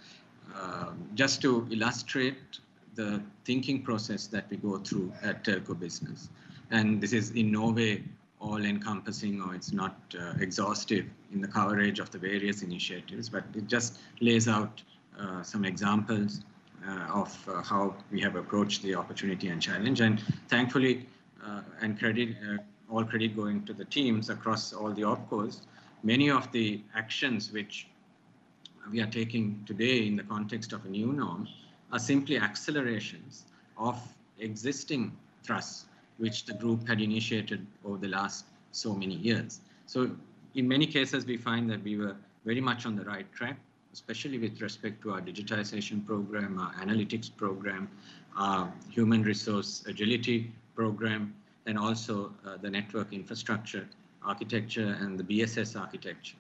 just to illustrate the thinking process that we go through at Telco Business. And this is in no way all-encompassing or it's not exhaustive in the coverage of the various initiatives, but it just lays out some examples of how we have approached the opportunity and challenge. Thankfully, all credit going to the teams across all the OpCos, many of the actions which we are taking today in the context of a new norm are simply accelerations of existing thrusts which the group had initiated over the last so many years. So in many cases, we find that we were very much on the right track, especially with respect to our digitization program, our analytics program, our human resource agility program, and also the network infrastructure architecture and the BSS architecture,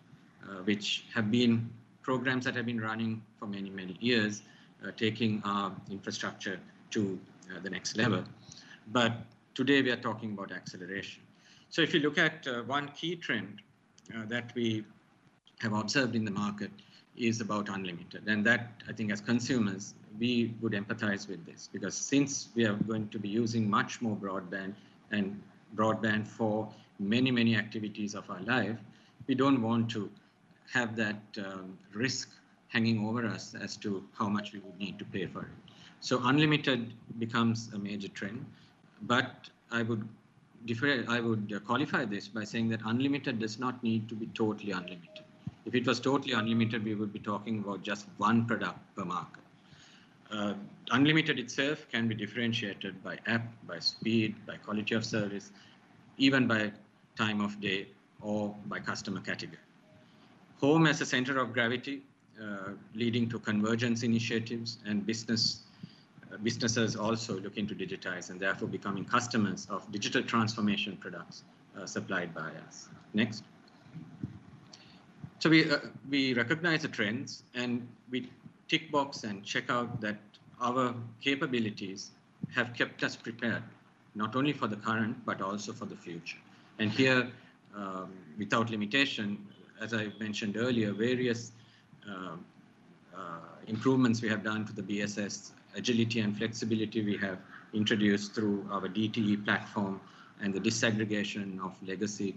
which have been programs that have been running for many, many years, taking our infrastructure to the next level. But today, we are talking about acceleration. So if you look at one key trend that we have observed in the market is about unlimited. And that, I think, as consumers, we would empathize with this because since we are going to be using much more broadband and broadband for many, many activities of our life, we don't want to have that risk hanging over us as to how much we would need to pay for it. So unlimited becomes a major trend. But I would qualify this by saying that unlimited does not need to be totally unlimited. If it was totally unlimited, we would be talking about just one product per market. Unlimited itself can be differentiated by app, by speed, by quality of service, even by time of day or by customer category. Home as a center of gravity leading to convergence initiatives and businesses also looking to digitize and therefore becoming customers of digital transformation products supplied by us. Next. So we recognize the trends and we tick box and check out that our capabilities have kept us prepared not only for the current, but also for the future. And here, without limitation, as I mentioned earlier, various improvements we have done to the BSS agility and flexibility we have introduced through our DTE platform and the disaggregation of legacy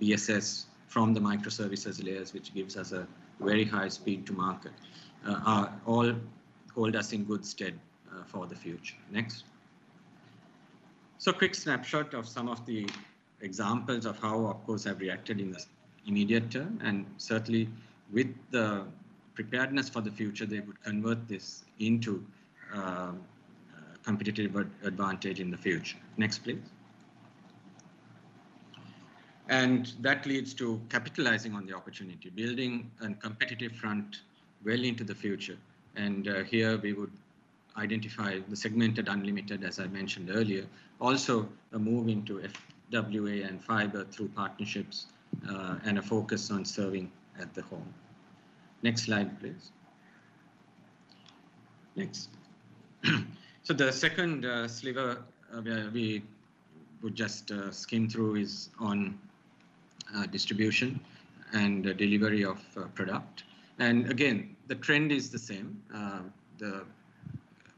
BSS from the microservices layers, which gives us a very high speed to market, all hold us in good stead for the future. Next. So quick snapshot of some of the examples of how OpCos have reacted in the immediate term. And certainly, with the preparedness for the future, they would convert this into competitive advantage in the future. Next, please. And that leads to capitalizing on the opportunity, building a competitive front well into the future. And here, we would identify the segmented unlimited, as I mentioned earlier, also moving to FWA and fiber through partnerships and a focus on serving at the home. Next slide, please. Next. So the second sliver we would just skim through is on distribution and delivery of product. And again, the trend is the same.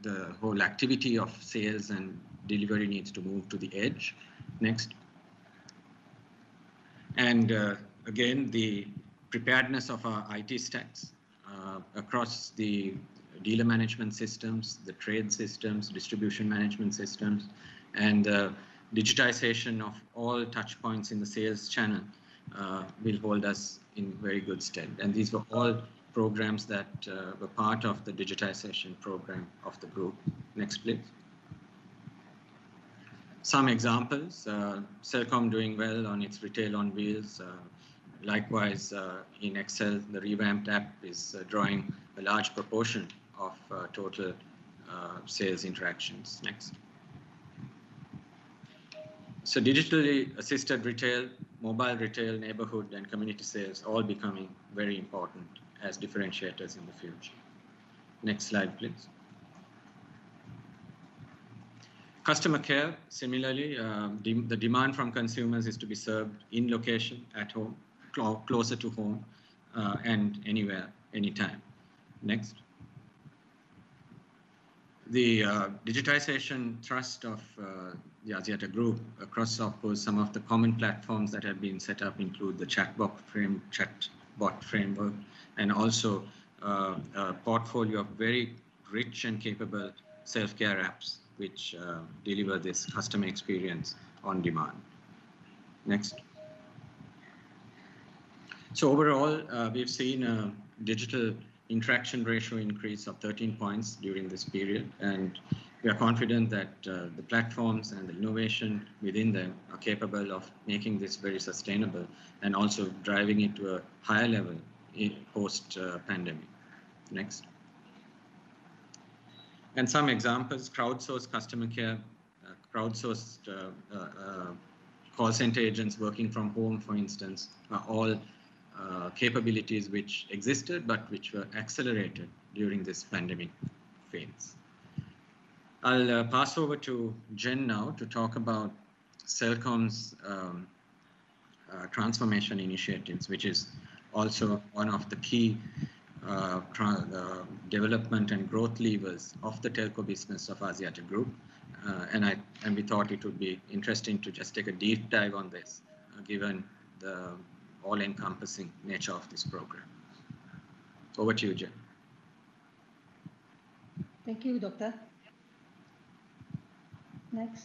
The whole activity of sales and delivery needs to move to the edge. Next. And again, the preparedness of our IT stacks across the dealer management systems, the trade systems, distribution management systems, and the digitization of all touchpoints in the sales channel will hold us in very good stead. And these were all programs that were part of the digitization program of the group. Next, please. Some examples, Celcom doing well on its retail on wheels. Likewise, in XL, the revamped app is drawing a large proportion of total sales interactions. Next. Digitally assisted retail, mobile retail, neighborhood, and community sales all becoming very important as differentiators in the future. Next slide, please. Customer care, similarly, the demand from consumers is to be served in location, at home, closer to home, and anywhere, anytime. Next. The digitization thrust of the Axiata Group across some of the common platforms that have been set up include the Chatbot framework and also a portfolio of very rich and capable self-care apps which deliver this customer experience on demand. Next. Overall, we've seen a digital interaction ratio increase of 13 points during this period. And we are confident that the platforms and the innovation within them are capable of making this very sustainable and also driving it to a higher level post-pandemic. Next. Some examples, crowdsourced customer care, crowdsourced call center agents working from home, for instance, are all capabilities which existed but which were accelerated during this pandemic phase. I'll pass over to Jen now to talk about Celcom's transformation initiatives, which is also one of the key development and growth levers of the Telco Business of Axiata Group. We thought it would be interesting to just take a deep dive on this given the all-encompassing nature of this program. Over to you, Jen. Thank you, Doctor. Next.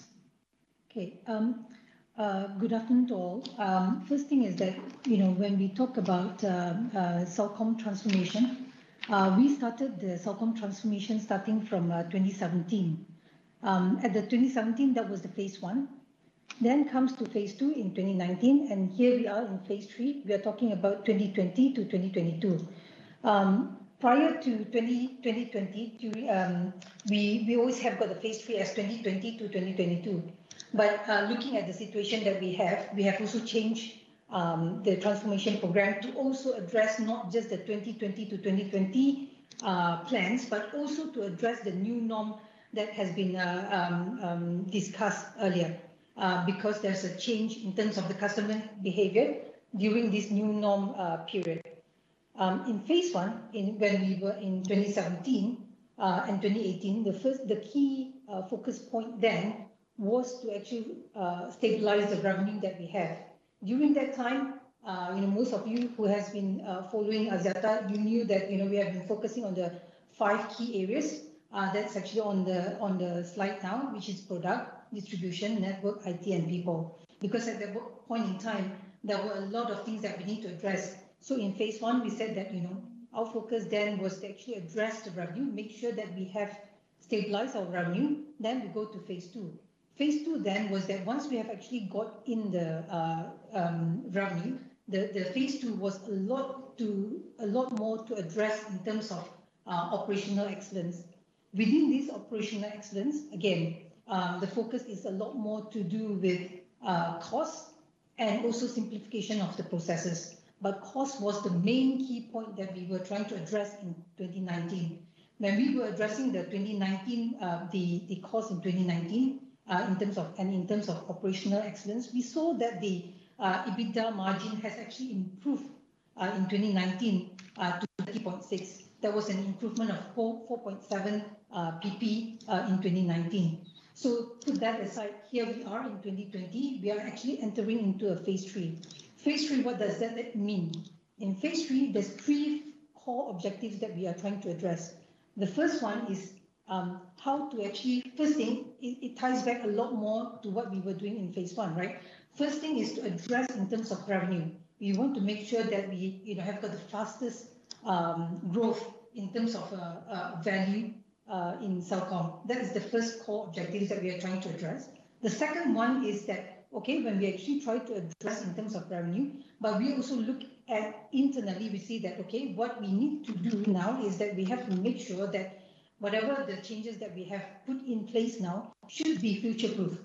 Okay. Good afternoon to all. First thing is that when we talk about Celcom transformation, we started the Celcom transformation starting from 2017. At the 2017, that was the phase one. Then comes to phase two in 2019. Here we are in phase three. We are talking about 2020 to 2022. Prior to 2020, we always have got the Phase Three as 2020 to 2022. Looking at the situation that we have, we have also changed the transformation program to also address not just the 2020 to 2022 plans, but also to address the new norm that has been discussed earlier because there's a change in terms of the customer behavior during this new norm period. In Phase One, when we were in 2017 and 2018, the key focus point then was to actually stabilize the revenue that we have. During that time, most of you who have been following Axiata, you knew that we have been focusing on the five key areas. That's actually on the slide now, which is product, distribution, network, IT, and people. Because at that point in time, there were a lot of things that we need to address. In phase one, we said that our focus then was to actually address the revenue, make sure that we have stabilized our revenue. Then we go to phase two. Phase two then was that once we have actually got in the revenue, the phase two was a lot more to address in terms of operational excellence. Within this operational excellence, again, the focus is a lot more to do with cost and also simplification of the processes. But cost was the main key point that we were trying to address in 2019. When we were addressing the cost in 2019 and in terms of operational excellence, we saw that the EBITDA margin has actually improved in 2019 to 30.6%. There was an improvement of 4.7 PP in 2019. So put that aside, here we are in 2020. We are actually entering into a phase three. Phase three, what does that mean? In phase three, there's three core objectives that we are trying to address. The first one is how to actually first thing, it ties back a lot more to what we were doing in phase one, right? First thing is to address in terms of revenue. We want to make sure that we have got the fastest growth in terms of value in Celcom. That is the first core objective that we are trying to address. The second one is that, okay, when we actually try to address in terms of revenue, but we also look at internally, we see that, okay, what we need to do now is that we have to make sure that whatever the changes that we have put in place now should be future-proof.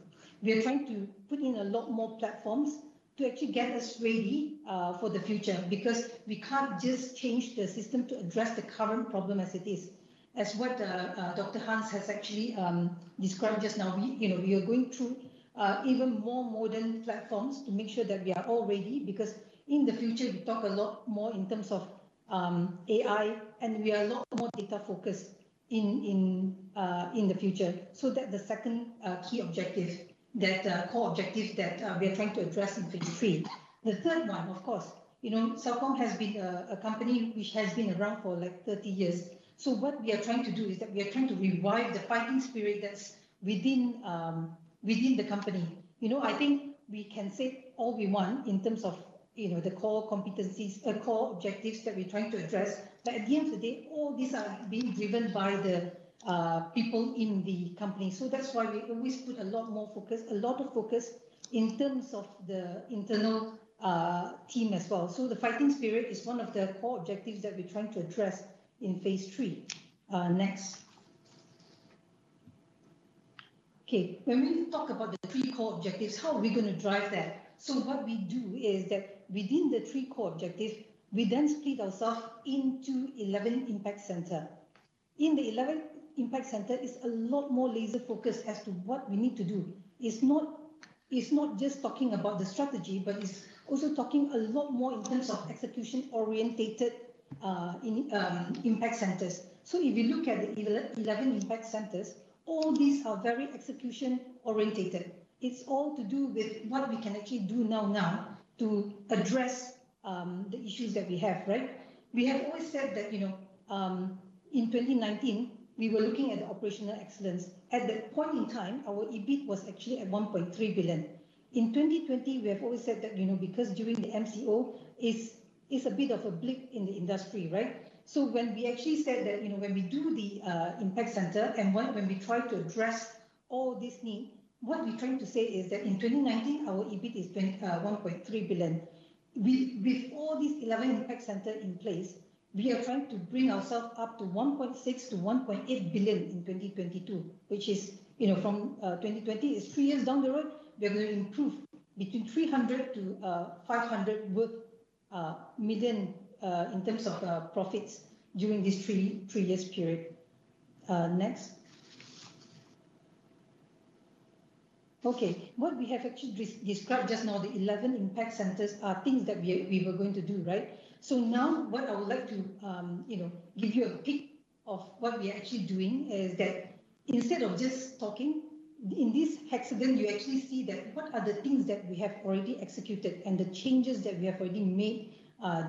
We are trying to put in a lot more platforms to actually get us ready for the future because we can't just change the system to address the current problem as it is. As what Dr. Hans has actually described just now, we are going through even more modern platforms to make sure that we are all ready because in the future, we talk a lot more in terms of AI, and we are a lot more data-focused in the future. So that's the second key objective, that core objective that we are trying to address in phase three. The third one, of course, Celcom has been a company which has been around for like 30 years. So what we are trying to do is that we are trying to revive the fighting spirit that's within the company. I think we can say all we want in terms of the core competencies, core objectives that we're trying to address. But at the end of the day, all these are being driven by the people in the company. So that's why we always put a lot more focus, a lot of focus in terms of the internal team as well. So the fighting spirit is one of the core objectives that we're trying to address in phase three. Next. Okay. When we talk about the three core objectives, how are we going to drive that? So what we do is that within the three core objectives, we then split ourselves into 11 impact centers. In the 11 impact centers, it's a lot more laser-focused as to what we need to do. It's not just talking about the strategy, but it's also talking a lot more in terms of execution-orientated impact centers. So if you look at the 11 impact centers, all these are very execution-orientated. It's all to do with what we can actually do now now to address the issues that we have, right? We have always said that in 2019, we were looking at the operational excellence. At that point in time, our EBIT was actually at 1.3 billion. In 2020, we have always said that because during the MCO, it's a bit of a blip in the industry, right? So when we actually said that when we do the impact center and when we try to address all this need, what we're trying to say is that in 2019, our EBIT is 1.3 billion. With all these 11 impact centers in place, we are trying to bring ourselves up to 1.6 billion-1.8 billion in 2022, which is from 2020. It's three years down the road. We are going to improve between 300 million-500 million in terms of profits during this three-year period. Next. Okay. What we have actually described just now, the 11 impact centers are things that we were going to do, right? So now what I would like to give you a peek of what we are actually doing is that instead of just talking, in this hexagon, you actually see that what are the things that we have already executed and the changes that we have already made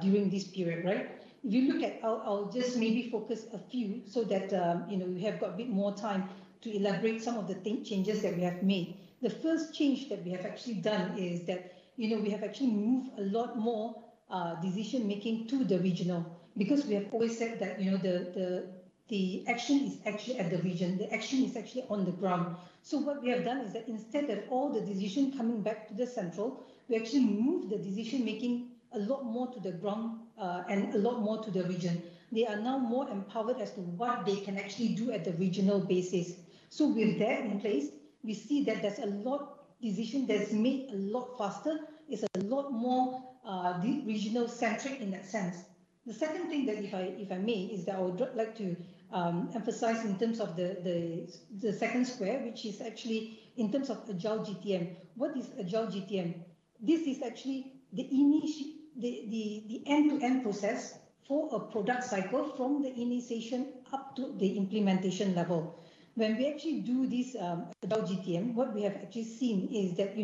during this period, right? If you look at, I'll just maybe focus a few so that we have got a bit more time to elaborate some of the changes that we have made. The first change that we have actually done is that we have actually moved a lot more decision-making to the regional because we have always said that the action is actually at the region. The action is actually on the ground. So what we have done is that instead of all the decision coming back to the central, we actually moved the decision-making a lot more to the ground and a lot more to the region. They are now more empowered as to what they can actually do at the regional basis. So with that in place, we see that there's a lot of decision that's made a lot faster. It's a lot more regional-centric in that sense. The second thing, if I may, is that I would like to emphasize in terms of the second square, which is actually in terms of Agile GTM. What is Agile GTM? This is actually the end-to-end process for a product cycle from the initiation up to the implementation level. When we actually do this Agile GTM, what we have actually seen is that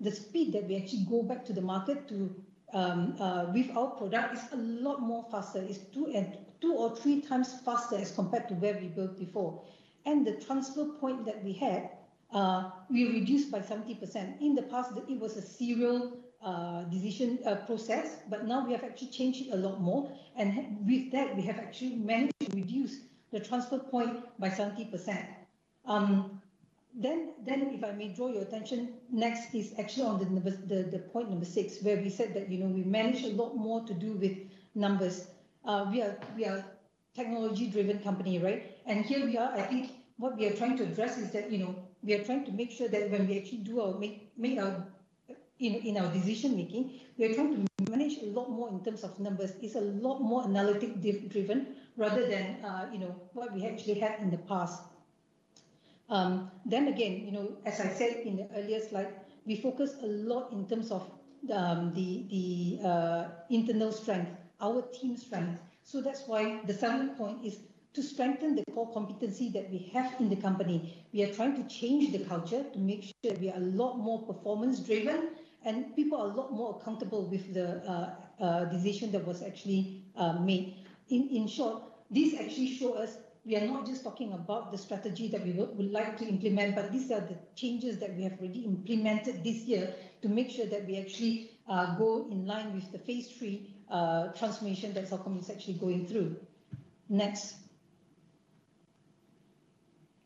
the speed that we actually go back to the market with our product is a lot more faster. It's 2x or 3x faster as compared to where we built before. And the transfer point that we had, we reduced by 70%. In the past, it was a serial decision process, but now we have actually changed it a lot more. And with that, we have actually managed to reduce the transfer point by 70%. Then, if I may draw your attention, next is actually on the point number six, where we said that we manage a lot more to do with numbers. We are a technology-driven company, right? And here we are, I think what we are trying to address is that we are trying to make sure that when we actually do our decision-making, we are trying to manage a lot more in terms of numbers. It's a lot more analytic-driven rather than what we actually had in the past. Then again, as I said in the earlier slide, we focus a lot in terms of the internal strength, our team strength. So that's why the second point is to strengthen the core competency that we have in the company. We are trying to change the culture to make sure that we are a lot more performance-driven and people are a lot more accountable with the decision that was actually made. In short, this actually shows us we are not just talking about the strategy that we would like to implement, but these are the changes that we have already implemented this year to make sure that we actually go in line with the phase three transformation that Celcom is actually going through. Next.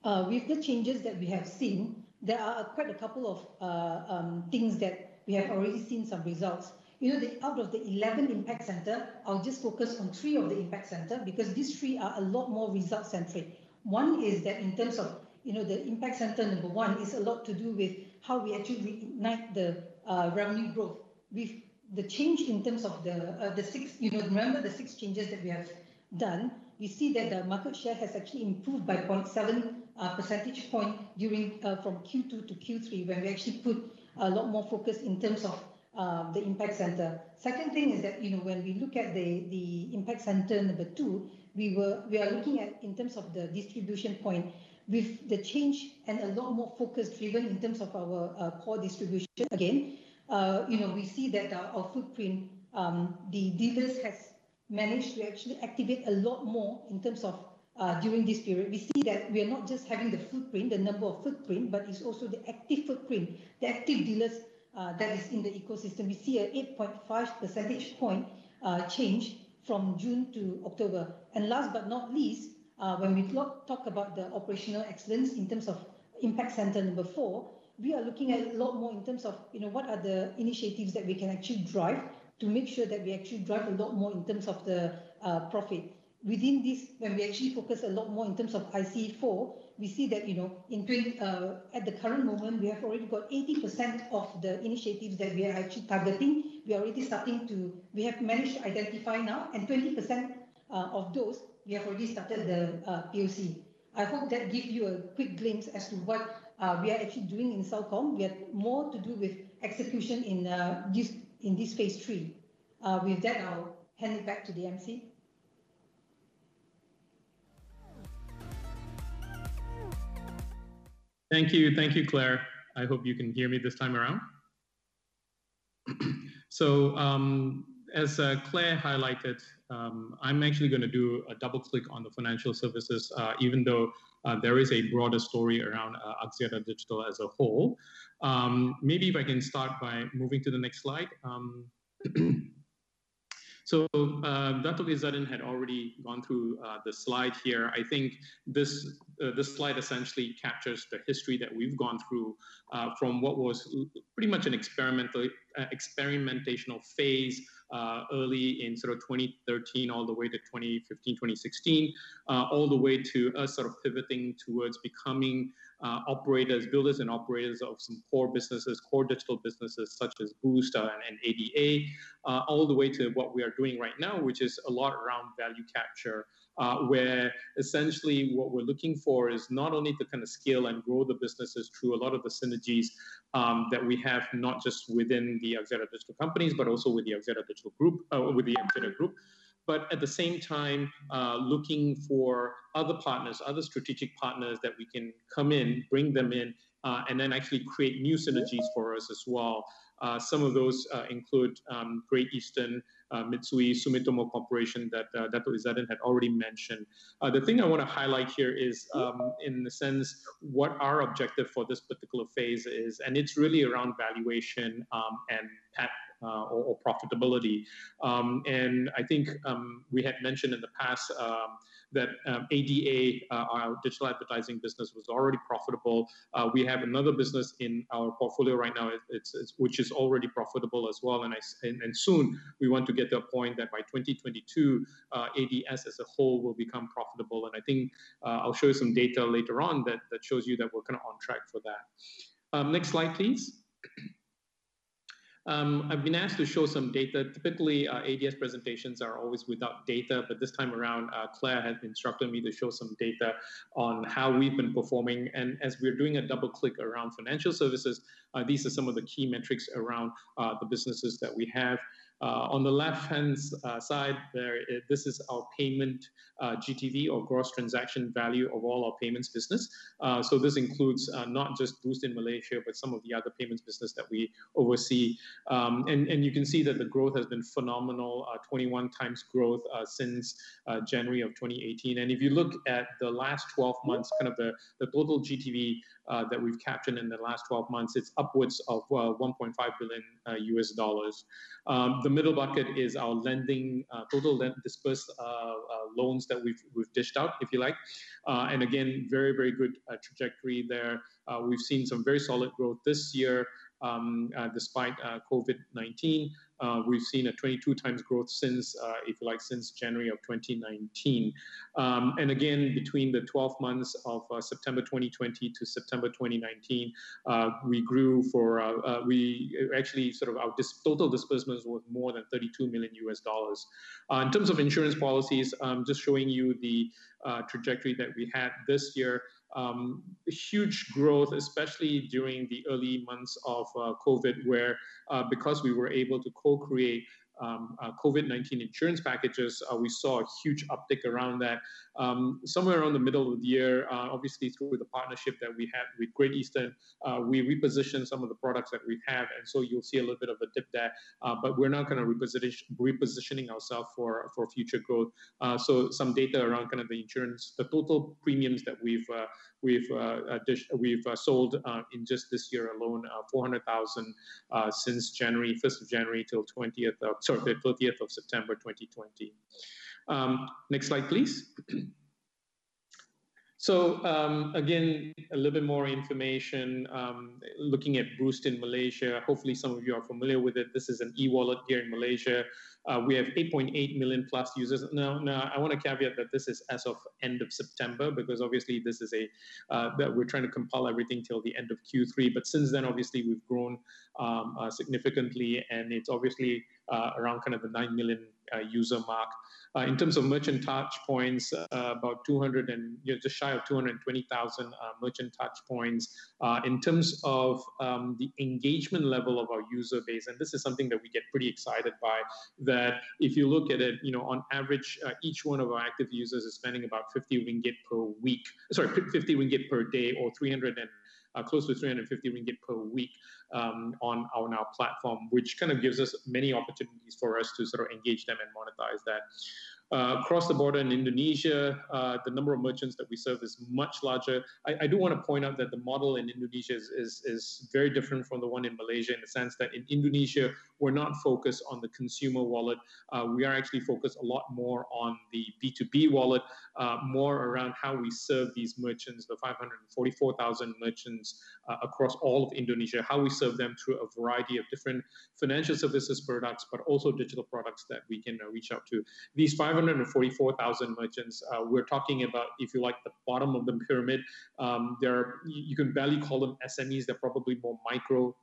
With the changes that we have seen, there are quite a couple of things that we have already seen some results. Out of the 11 impact centers, I'll just focus on three of the impact centers because these three are a lot more result-centric. One is that in terms of the impact center number one, it's a lot to do with how we actually reignite the revenue growth. With the change in terms of the six, remember the six changes that we have done, we see that the market share has actually improved by 0.7 percentage points from Q2 to Q3 when we actually put a lot more focus in terms of the impact center. Second thing is that when we look at the impact center number two, we are looking at in terms of the distribution point with the change and a lot more focus driven in terms of our core distribution. Again, we see that our footprint, the dealers have managed to actually activate a lot more in terms of during this period. We see that we are not just having the footprint, the number of footprint, but it's also the active footprint, the active dealers that are in the ecosystem. We see an 8.5 percentage point change from June to October. And last but not least, when we talk about the operational excellence in terms of impact center number four, we are looking at a lot more in terms of what are the initiatives that we can actually drive to make sure that we actually drive a lot more in terms of the profit. Within this, when we actually focus a lot more in terms of IC4, we see that at the current moment, we have already got 80% of the initiatives that we are actually targeting. We are already starting to. We have managed to identify now, and 20% of those, we have already started the POC. I hope that gives you a quick glimpse as to what we are actually doing in Celcom. We have more to do with execution in this phase three. With that, I'll hand it back to DMC. Thank you. Thank you, Clare. I hope you can hear me this time around. As Clare highlighted, I'm actually going to do a double-click on the financial services, even though there is a broader story around Axiata Digital as a whole. Maybe if I can start by moving to the next slide. Dr. Izzaddin had already gone through the slide here. I think this slide essentially captures the history that we've gone through from what was pretty much an experimental phase early in sort of 2013 all the way to 2015, 2016, all the way to us sort of pivoting towards becoming builders and operators of some core businesses, core digital businesses such as Boost and ADA, all the way to what we are doing right now, which is a lot around value capture. Where essentially what we're looking for is not only to kind of scale and grow the businesses through a lot of the synergies that we have, not just within the Axiata Digital companies, but also with the Axiata Digital Group, with the Axiata Group, but at the same time, looking for other partners, other strategic partners that we can come in, bring them in, and then actually create new synergies for us as well. Some of those include Great Eastern, Mitsui, Sumitomo Corporation that Dr. Izzadin had already mentioned. The thing I want to highlight here is, in a sense, what our objective for this particular phase is, and it's really around valuation and profitability. I think we had mentioned in the past that ADA, our digital advertising business, was already profitable. We have another business in our portfolio right now, which is already profitable as well. Soon, we want to get to a point that by 2022, ADS as a whole will become profitable. I think I'll show you some data later on that shows you that we're kind of on track for that. Next slide, please. I've been asked to show some data. Typically, ADS presentations are always without data, but this time around, Clare has instructed me to show some data on how we've been performing. As we're doing a double-click around financial services, these are some of the key metrics around the businesses that we have. On the left-hand side, this is our payment GTV, or gross transaction value of all our payments business. So this includes not just Boost in Malaysia, but some of the other payments business that we oversee. You can see that the growth has been phenomenal, 21x growth since January of 2018. If you look at the last 12 months, kind of the total GTV that we've captured in the last 12 months, it's upwards of $1.5 billion. The middle bucket is our total disbursed loans that we've dished out, if you like. Again, very, very good trajectory there. We've seen some very solid growth this year. Despite COVID-19, we've seen a 22x growth since, if you like, since January of 2019. And again, between the 12 months of September 2020 to September 2019, we grew. Actually sort of our total disbursements were more than $32 million. In terms of insurance policies, I'm just showing you the trajectory that we had this year. Huge growth, especially during the early months of COVID, where because we were able to co-create COVID-19 insurance packages, we saw a huge uptick around that. Somewhere around the middle of the year, obviously through the partnership that we had with Great Eastern, we repositioned some of the products that we have. And so you'll see a little bit of a dip there, but we're not going to reposition ourselves for future growth. So some data around kind of the insurance, the total premiums that we've sold in just this year alone, 400,000 since 1st of January till 20th, sorry, 30th of September 2020. Next slide, please. So again, a little bit more information looking at Boost in Malaysia. Hopefully, some of you are familiar with it. This is an e-wallet here in Malaysia. We have 8.8 million plus users. Now, I want to caveat that this is as of end of September because obviously this is, we're trying to compile everything till the end of Q3. But since then, obviously, we've grown significantly, and it's obviously around kind of the 9 million user mark. In terms of merchant touch points, about just shy of 220,000 merchant touch points. In terms of the engagement level of our user base, and this is something that we get pretty excited by, that if you look at it, on average, each one of our active users is spending about 50 ringgit per week, sorry, 50 ringgit per day, or close to 350 ringgit per week on our platform, which kind of gives us many opportunities for us to sort of engage them and monetize that. Across the border in Indonesia, the number of merchants that we serve is much larger. I do want to point out that the model in Indonesia is very different from the one in Malaysia in the sense that in Indonesia, we're not focused on the consumer wallet. We are actually focused a lot more on the B2B wallet, more around how we serve these merchants, the 544,000 merchants across all of Indonesia, how we serve them through a variety of different financial services products, but also digital products that we can reach out to. These 544,000 merchants, we're talking about, if you like, the bottom of the pyramid. You can barely call them SMEs. They're probably more micro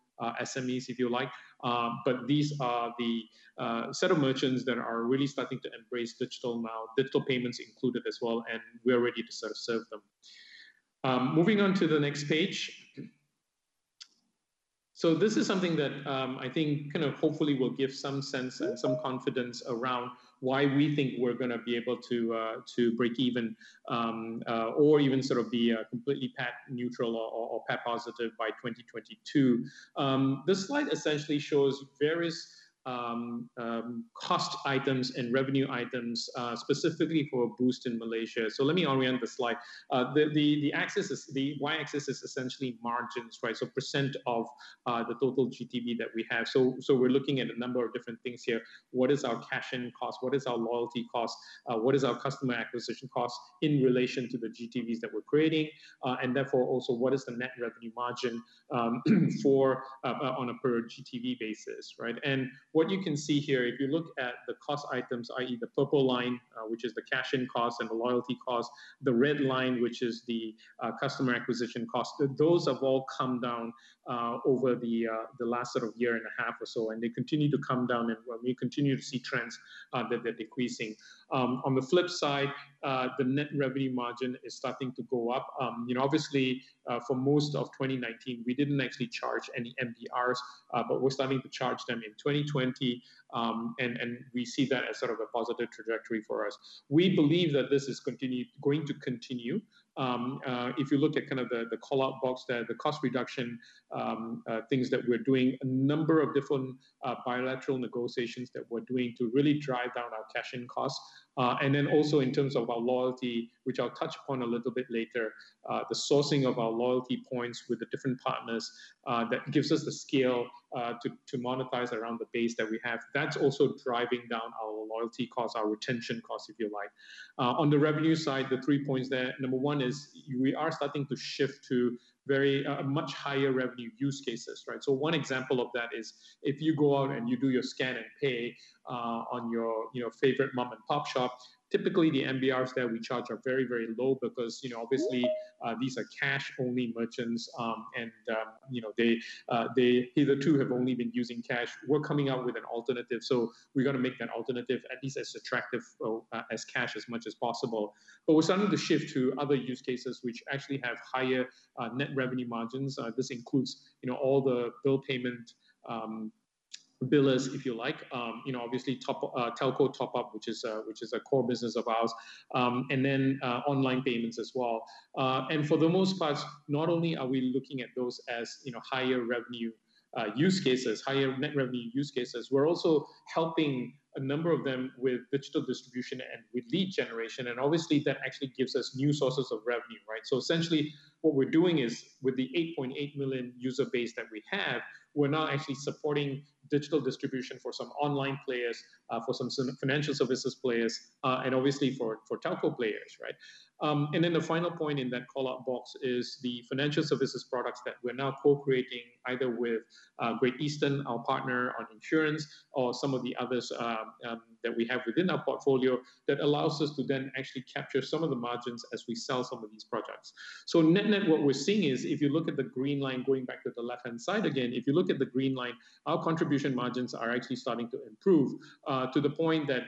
SMEs, if you like. But these are the set of merchants that are really starting to embrace digital now, digital payments included as well, and we're ready to sort of serve them. Moving on to the next page. This is something that I think kind of hopefully will give some sense and some confidence around why we think we're going to be able to break even or even sort of be completely PAT neutral or PAT positive by 2022. This slide essentially shows various cost items and revenue items specifically for Boost in Malaysia. So let me orient the slide. The Y-axis is essentially margins, right? So percent of the total GTV that we have. So we're looking at a number of different things here. What is our cash-in cost? What is our loyalty cost? What is our customer acquisition cost in relation to the GTVs that we're creating? And therefore, also, what is the net revenue margin on a per GTV basis, right? What you can see here, if you look at the cost items, i.e., the purple line, which is the cash-in cost and the loyalty cost, the red line, which is the customer acquisition cost, those have all come down over the last sort of year and a half or so, and they continue to come down, and we continue to see trends that they're decreasing. On the flip side, the net revenue margin is starting to go up. Obviously, for most of 2019, we didn't actually charge any MDRs, but we're starting to charge them in 2020, and we see that as sort of a positive trajectory for us. We believe that this is going to continue. If you look at kind of the callout box there, the cost reduction things that we're doing, a number of different bilateral negotiations that we're doing to really drive down our cash-in costs, and then also in terms of our loyalty, which I'll touch upon a little bit later, the sourcing of our loyalty points with the different partners that gives us the scale to monetize around the base that we have. That's also driving down our loyalty cost, our retention cost, if you like. On the revenue side, the three points there, number one is we are starting to shift to much higher revenue use cases, right? So one example of that is if you go out and you do your scan and pay on your favorite mom-and-pop shop. Typically the MDRs that we charge are very, very low because obviously these are cash-only merchants, and they either, too, have only been using cash. We're coming out with an alternative. So we're going to make that alternative at least as attractive as cash as much as possible. But we're starting to shift to other use cases which actually have higher net revenue margins. This includes all the bill payment, billers, if you like, obviously Telco top-up, which is a core business of ours, and then online payments as well. And for the most part, not only are we looking at those as higher revenue use cases, higher net revenue use cases, we're also helping a number of them with digital distribution and with lead generation. And obviously, that actually gives us new sources of revenue, right? So essentially, what we're doing is with the 8.8 million user base that we have, we're now actually supporting digital distribution for some online players, for some financial services players, and obviously for Telco players, right? And then the final point in that callout box is the financial services products that we're now co-creating either with Great Eastern, our partner on insurance, or some of the others that we have within our portfolio that allows us to then actually capture some of the margins as we sell some of these products. So, net net, what we're seeing is if you look at the green line going back to the left-hand side again, if you look at the green line, our contribution margins are actually starting to improve to the point that,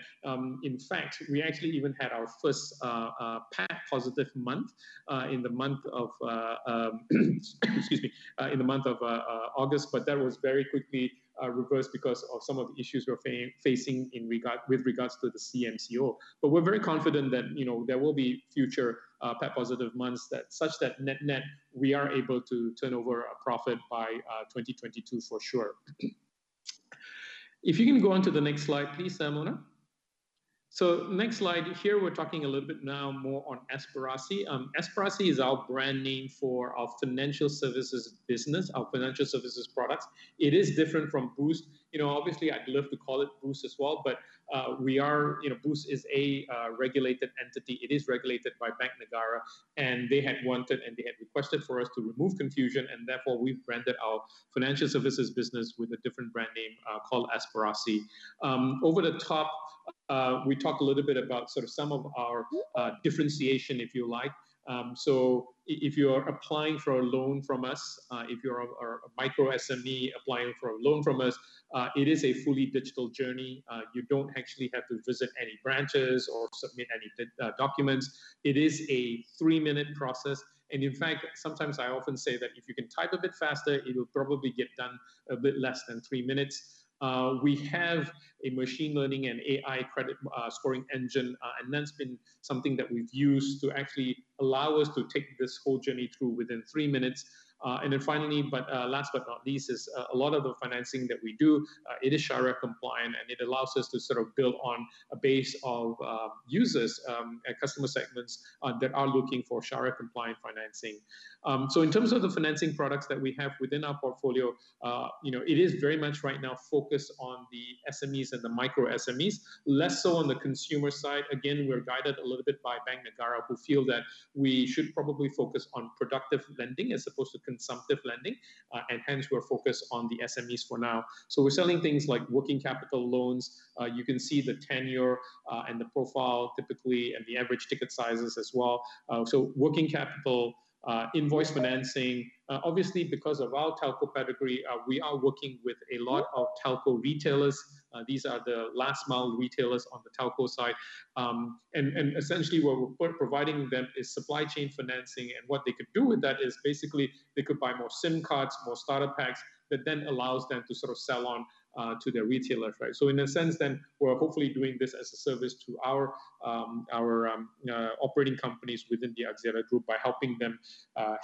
in fact, we actually even had our first PAT positive month in the month of, excuse me, in the month of August, but that was very quickly reversed because of some of the issues we're facing with regards to the CMCO. But we're very confident that there will be future PAT positive months such that net net, we are able to turn over a profit by 2022 for sure. If you can go on to the next slide, please, Simona. So next slide here, we're talking a little bit now more on Aspirasi. Aspirasi is our brand name for our financial services business, our financial services products. It is different from Boost. Obviously, I'd love to call it Boost as well, but Boost is a regulated entity. It is regulated by Bank Negara, and they had wanted and they had requested for us to remove confusion, and therefore we've branded our financial services business with a different brand name called Aspirasi. Over the top, we talk a little bit about sort of some of our differentiation, if you like. So if you are applying for a loan from us, if you're a micro SME applying for a loan from us, it is a fully digital journey. You don't actually have to visit any branches or submit any documents. It is a three-minute process. In fact, sometimes I often say that if you can type a bit faster, it will probably get done a bit less than three minutes. We have a machine learning and AI credit scoring engine, and that's been something that we've used to actually allow us to take this whole journey through within three minutes. Then finally, but last but not least, a lot of the financing that we do is Sharia compliant, and it allows us to sort of build on a base of users and customer segments that are looking for Sharia compliant financing. In terms of the financing products that we have within our portfolio, it is very much right now focused on the SMEs and the micro SMEs, less so on the consumer side. Again, we're guided a little bit by Bank Negara, who feel that we should probably focus on productive lending as opposed to consumptive lending, and hence we're focused on the SMEs for now. So we're selling things like working capital loans. You can see the tenure and the profile typically and the average ticket sizes as well. Working capital invoice financing, obviously because of our Telco pedigree, we are working with a lot of Telco retailers. These are the last mile retailers on the Telco side. And essentially what we're providing them is supply chain financing, and what they could do with that is basically they could buy more SIM cards, more starter packs that then allows them to sort of sell on to their retailers, right? In a sense then, we're hopefully doing this as a service to our operating companies within the Axiata group by helping them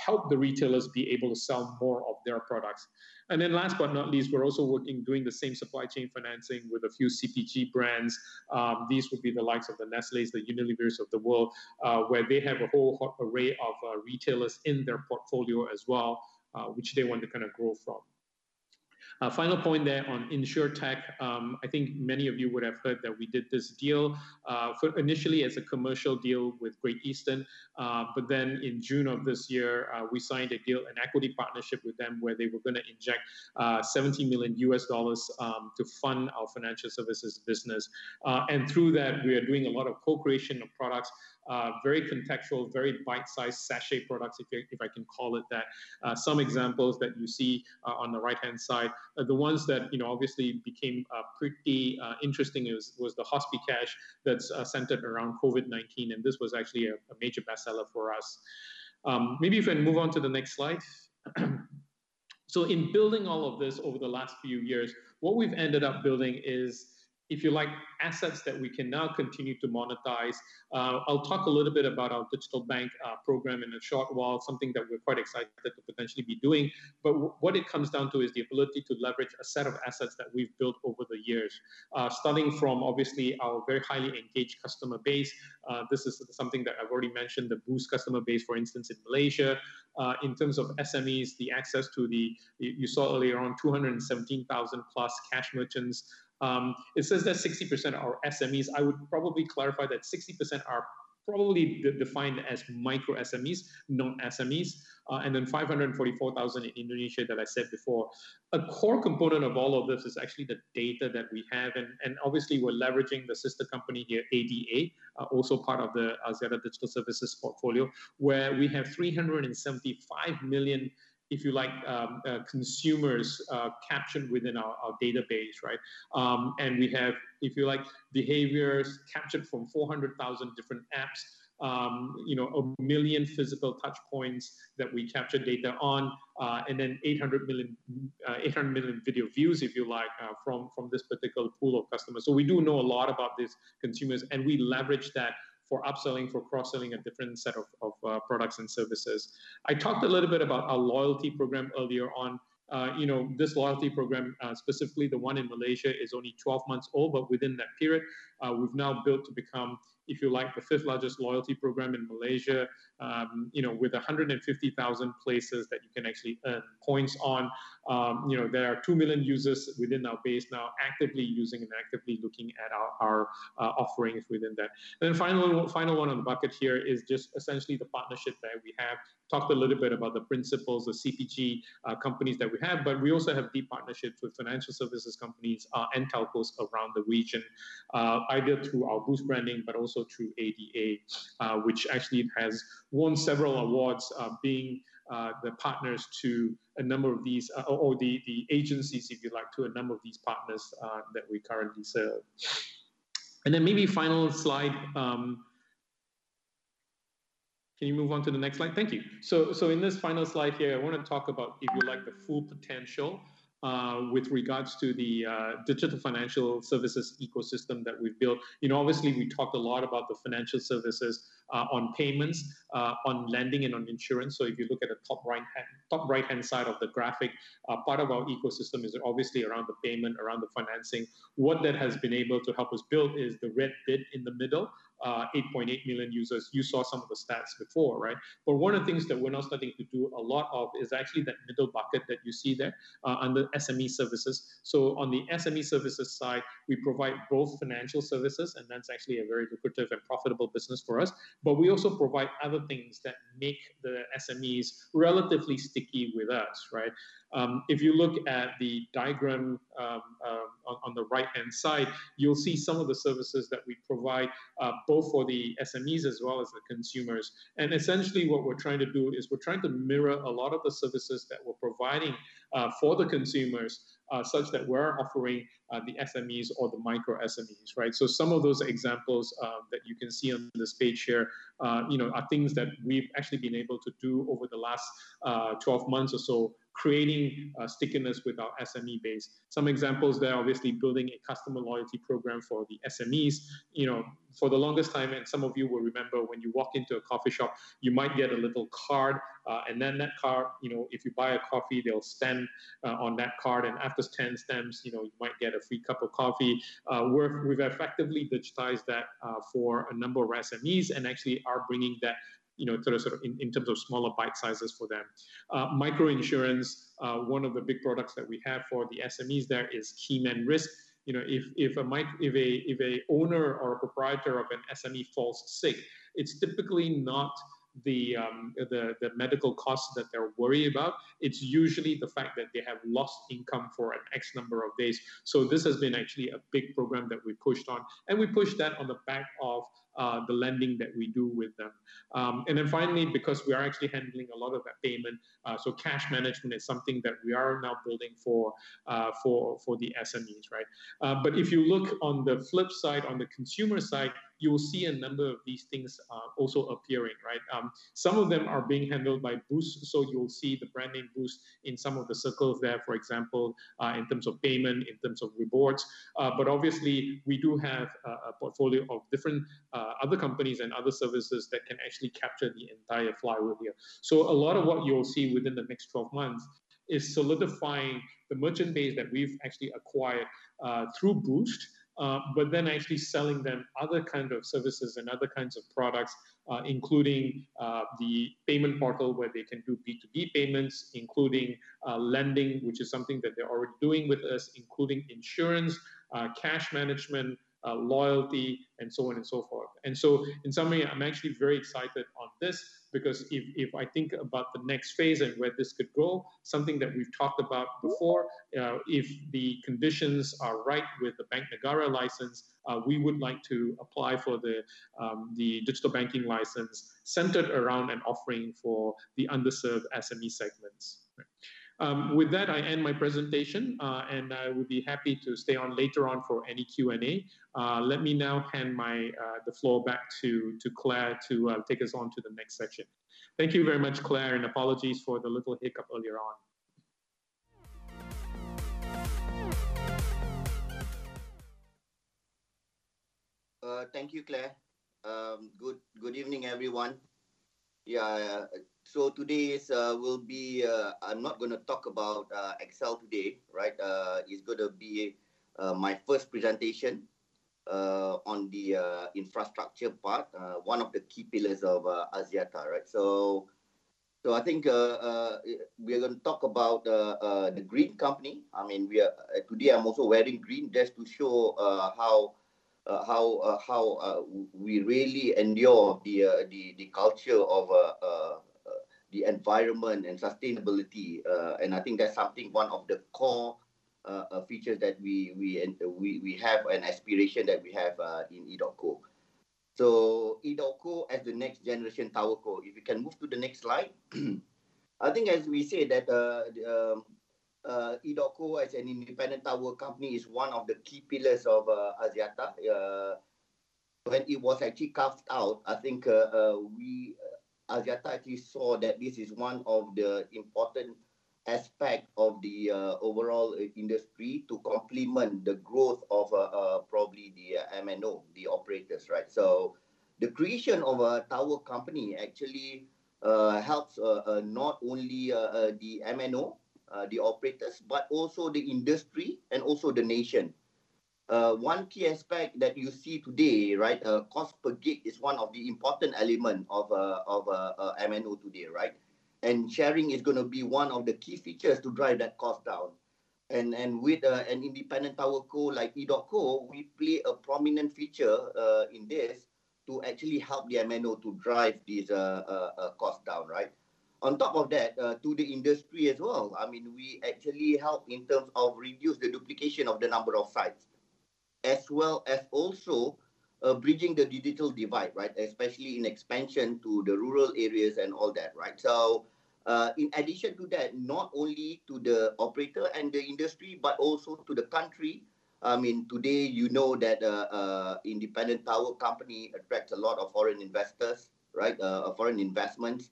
help the retailers be able to sell more of their products. And then last but not least, we're also working doing the same supply chain financing with a few CPG brands. These would be the likes of the Nestlé, the Unilever of the world, where they have a whole array of retailers in their portfolio as well, which they want to kind of grow from. Final point there on Insurtech, I think many of you would have heard that we did this deal initially as a commercial deal with Great Eastern, but then in June of this year, we signed a deal, an equity partnership with them where they were going to inject $70 million to fund our financial services business, and through that, we are doing a lot of co-creation of products, very contextual, very bite-sized sachet products, if I can call it that. Some examples that you see on the right-hand side, the ones that obviously became pretty interesting was the Hospicash that's centered around COVID-19, and this was actually a major bestseller for us. Maybe if we can move on to the next slide. So in building all of this over the last few years, what we've ended up building is, if you like, assets that we can now continue to monetize. I'll talk a little bit about our digital bank program in a short while, something that we're quite excited to potentially be doing. But what it comes down to is the ability to leverage a set of assets that we've built over the years, starting from obviously our very highly engaged customer base. This is something that I've already mentioned, the Boost customer base, for instance, in Malaysia. In terms of SMEs, the access to the, you saw earlier on, 217,000+ cash merchants. It says that 60% are SMEs. I would probably clarify that 60% are probably defined as micro SMEs, non-SMEs, and then 544,000 in Indonesia that I said before. A core component of all of this is actually the data that we have, and obviously we're leveraging the sister company here, ADA, also part of the Axiata digital services portfolio, where we have 375 million, if you like, consumers captured within our database, right? And we have, if you like, behaviors captured from 400,000 different apps, 1 million physical touch points that we capture data on, and then 800 million video views, if you like, from this particular pool of customers. So we do know a lot about these consumers, and we leverage that for upselling, for cross-selling a different set of products and services. I talked a little bit about our loyalty program earlier on. This loyalty program, specifically the one in Malaysia, is only 12 months old, but within that period, we've now built to become, if you like, the fifth largest loyalty program in Malaysia with 150,000 places that you can actually earn points on. There are 2 million users within our base now actively using and actively looking at our offerings within that, and then the final one on the bucket here is just essentially the partnership that we have. Talked a little bit about the principals, the CPG companies that we have, but we also have deep partnerships with financial services companies and telcos around the region, either through our Boost branding, but also through ADA, which actually has won several awards being the partners to a number of these or the agencies, if you like, to a number of these partners that we currently sell, and then maybe final slide. Can you move on to the next slide? Thank you. So in this final slide here, I want to talk about, if you like, the full potential with regards to the digital financial services ecosystem that we've built. Obviously, we talked a lot about the financial services on payments, on lending, and on insurance. So if you look at the top right-hand side of the graphic, part of our ecosystem is obviously around the payment, around the financing. What that has been able to help us build is the red bit in the middle, 8.8 million users. You saw some of the stats before, right? But one of the things that we're now starting to do a lot of is actually that middle bucket that you see there under SME services. So on the SME services side, we provide both financial services, and that's actually a very lucrative and profitable business for us, but we also provide other things that make the SMEs relatively sticky with us, right? If you look at the diagram on the right-hand side, you'll see some of the services that we provide both for the SMEs as well as the consumers. And essentially what we're trying to do is we're trying to mirror a lot of the services that we're providing for the consumers such that we're offering the SMEs or the micro SMEs, right? So some of those examples that you can see on this page here are things that we've actually been able to do over the last 12 months or so, creating stickiness with our SME base. Some examples there are obviously building a customer loyalty program for the SMEs for the longest time. And some of you will remember when you walk into a coffee shop, you might get a little card, and then that card, if you buy a coffee, they'll stamp on that card, and after 10 stamps, you might get a free cup of coffee. We've effectively digitized that for a number of SMEs and actually are bringing that sort of in terms of smaller bite sizes for them. Micro insurance, one of the big products that we have for the SMEs there is Keyman Risk. If an owner or a proprietor of an SME falls sick, it's typically not the medical costs that they're worried about. It's usually the fact that they have lost income for an X number of days. So this has been actually a big program that we pushed on, and we pushed that on the back of the lending that we do with them. And then finally, because we are actually handling a lot of that payment, so cash management is something that we are now building for the SMEs, right? But if you look on the flip side on the consumer side, you'll see a number of these things also appearing, right? Some of them are being handled by Boost, so you'll see the brand name Boost in some of the circles there, for example, in terms of payment, in terms of rewards. But obviously, we do have a portfolio of different other companies and other services that can actually capture the entire flywheel here. So a lot of what you'll see within the next 12 months is solidifying the merchant base that we've actually acquired through Boost, but then actually selling them other kinds of services and other kinds of products, including the payment portal where they can do B2B payments, including lending, which is something that they're already doing with us, including insurance, cash management, loyalty, and so on and so forth. And so in summary, I'm actually very excited on this because if I think about the next phase and where this could go, something that we've talked about before, if the conditions are right with the Bank Negara license, we would like to apply for the digital banking license centered around an offering for the underserved SME segments. With that, I end my presentation, and I would be happy to stay on later on for any Q&A. Let me now hand the floor back to Clare to take us on to the next section. Thank you very much, Clare, and apologies for the little hiccup earlier on. Thank you, Clare. Good evening, everyone. Yeah, so today will be, I'm not going to talk about XL today, right? It's going to be my first presentation on the infrastructure part, one of the key pillars of Axiata, right? So I think we're going to talk about the green company. I mean, today I'm also wearing green just to show how we really endure the culture of the environment and sustainability. And I think that's something, one of the core features that we have and aspiration that we have in EDOTCO. So EDOTCO as the next generation TowerCo. If you can move to the next slide. I think as we say that EDOTCO as an independent tower company is one of the key pillars of Axiata. When it was actually carved out, I think Axiata actually saw that this is one of the important aspects of the overall industry to complement the growth of probably the MNO, the operators, right? So the creation of a towerco actually helps not only the MNO, the operators, but also the industry and also the nation. One key aspect that you see today, right, cost per gig is one of the important elements of MNO today, right? And sharing is going to be one of the key features to drive that cost down. And with an independent towerco like EDOTCO, we play a prominent feature in this to actually help the MNO to drive these costs down, right? On top of that, to the industry as well, I mean, we actually help in terms of reduce the duplication of the number of sites, as well as also bridging the digital divide, right? Especially in expansion to the rural areas and all that, right? So in addition to that, not only to the operator and the industry, but also to the country. I mean, today you know that an independent tower company attracts a lot of foreign investors, right? Foreign investments,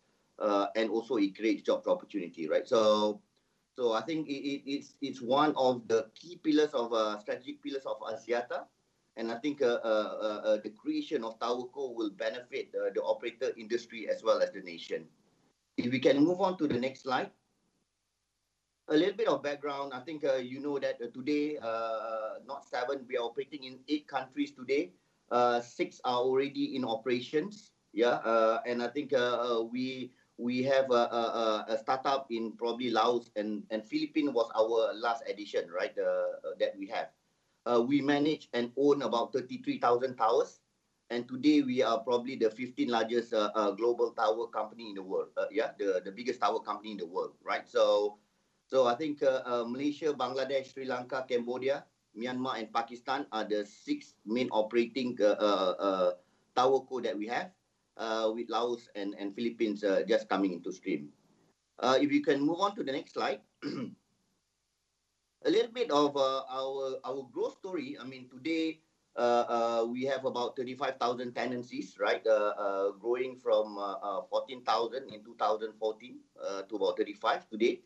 and also it creates job opportunity, right? So I think it's one of the key pillars of strategic pillars of Axiata. And I think the creation of TowerCo will benefit the operator industry as well as the nation. If we can move on to the next slide. A little bit of background. I think you know that today, not seven, we are operating in eight countries today. Six are already in operations. Yeah. And I think we have a startup in probably Laos and Philippines was our last edition, right, that we have. We manage and own about 33,000 towers. And today we are probably the 15th largest global tower company in the world. Yeah, the biggest tower company in the world, right? So I think Malaysia, Bangladesh, Sri Lanka, Cambodia, Myanmar, and Pakistan are the six main operating tower cos that we have, with Laos and Philippines just coming into stream. If you can move on to the next slide. A little bit of our growth story. I mean, today we have about 35,000 tenancies, right? Growing from 14,000 in 2014 to about 35,000 today.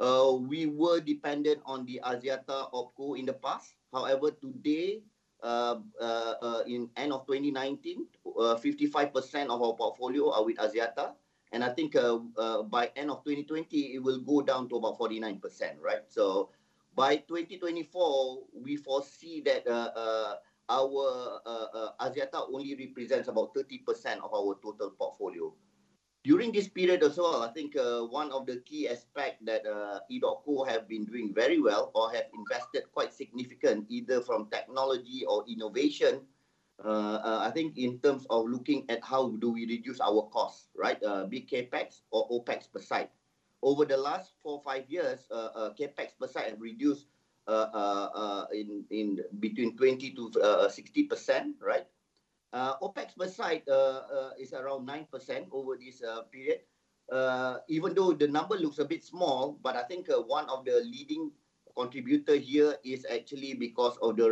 We were dependent on the Axiata opco in the past. However, today, in the end of 2019, 55% of our portfolio are with Axiata. I think by the end of 2020, it will go down to about 49%, right? So by 2024, we foresee that our Axiata only represents about 30% of our total portfolio. During this period as well, I think one of the key aspects that EDOTCO has been doing very well or has invested quite significantly either from technology or innovation, I think in terms of looking at how do we reduce our costs, right? Be it CapEx or OpEx per site. Over the last four, five years, CapEx per site has reduced between 20%-60%, right? OpEx per site is around 9% over this period. Even though the number looks a bit small, but I think one of the leading contributors here is actually because of the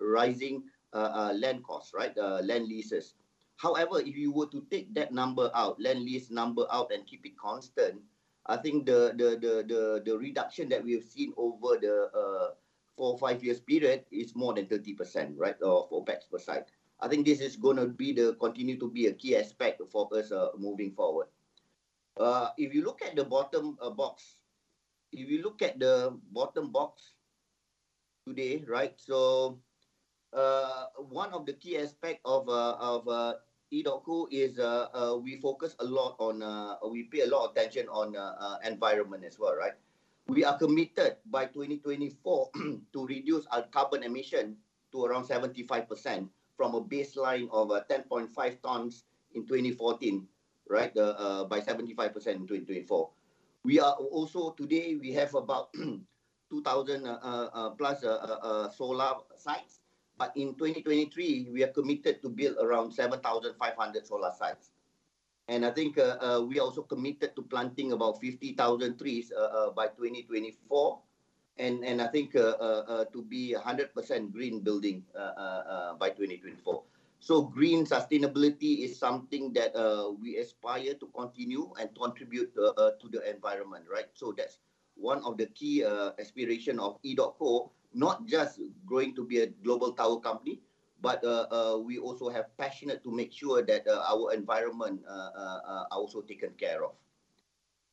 rising land costs, right? Land leases. However, if you were to take that number out, land lease number out and keep it constant, I think the reduction that we've seen over the four, five years period is more than 30%, right? Of OpEx per site. I think this is going to continue to be a key aspect for us moving forward. If you look at the bottom box, if you look at the bottom box today, right? So one of the key aspects of EDOTCO is we focus a lot on, we pay a lot of attention on environment as well, right? We are committed by 2024 to reduce our carbon emission to around 75% from a baseline of 10.5 tons in 2014, right? By 75% in 2024. We are also today, we have about 2,000 plus solar sites, but in 2023, we are committed to build around 7,500 solar sites. I think we are also committed to planting about 50,000 trees by 2024. I think to be 100% green building by 2024. Green sustainability is something that we aspire to continue and contribute to the environment, right? That's one of the key aspirations of EDOTCO, not just growing to be a global tower company, but we also are passionate to make sure that our environment is also taken care of.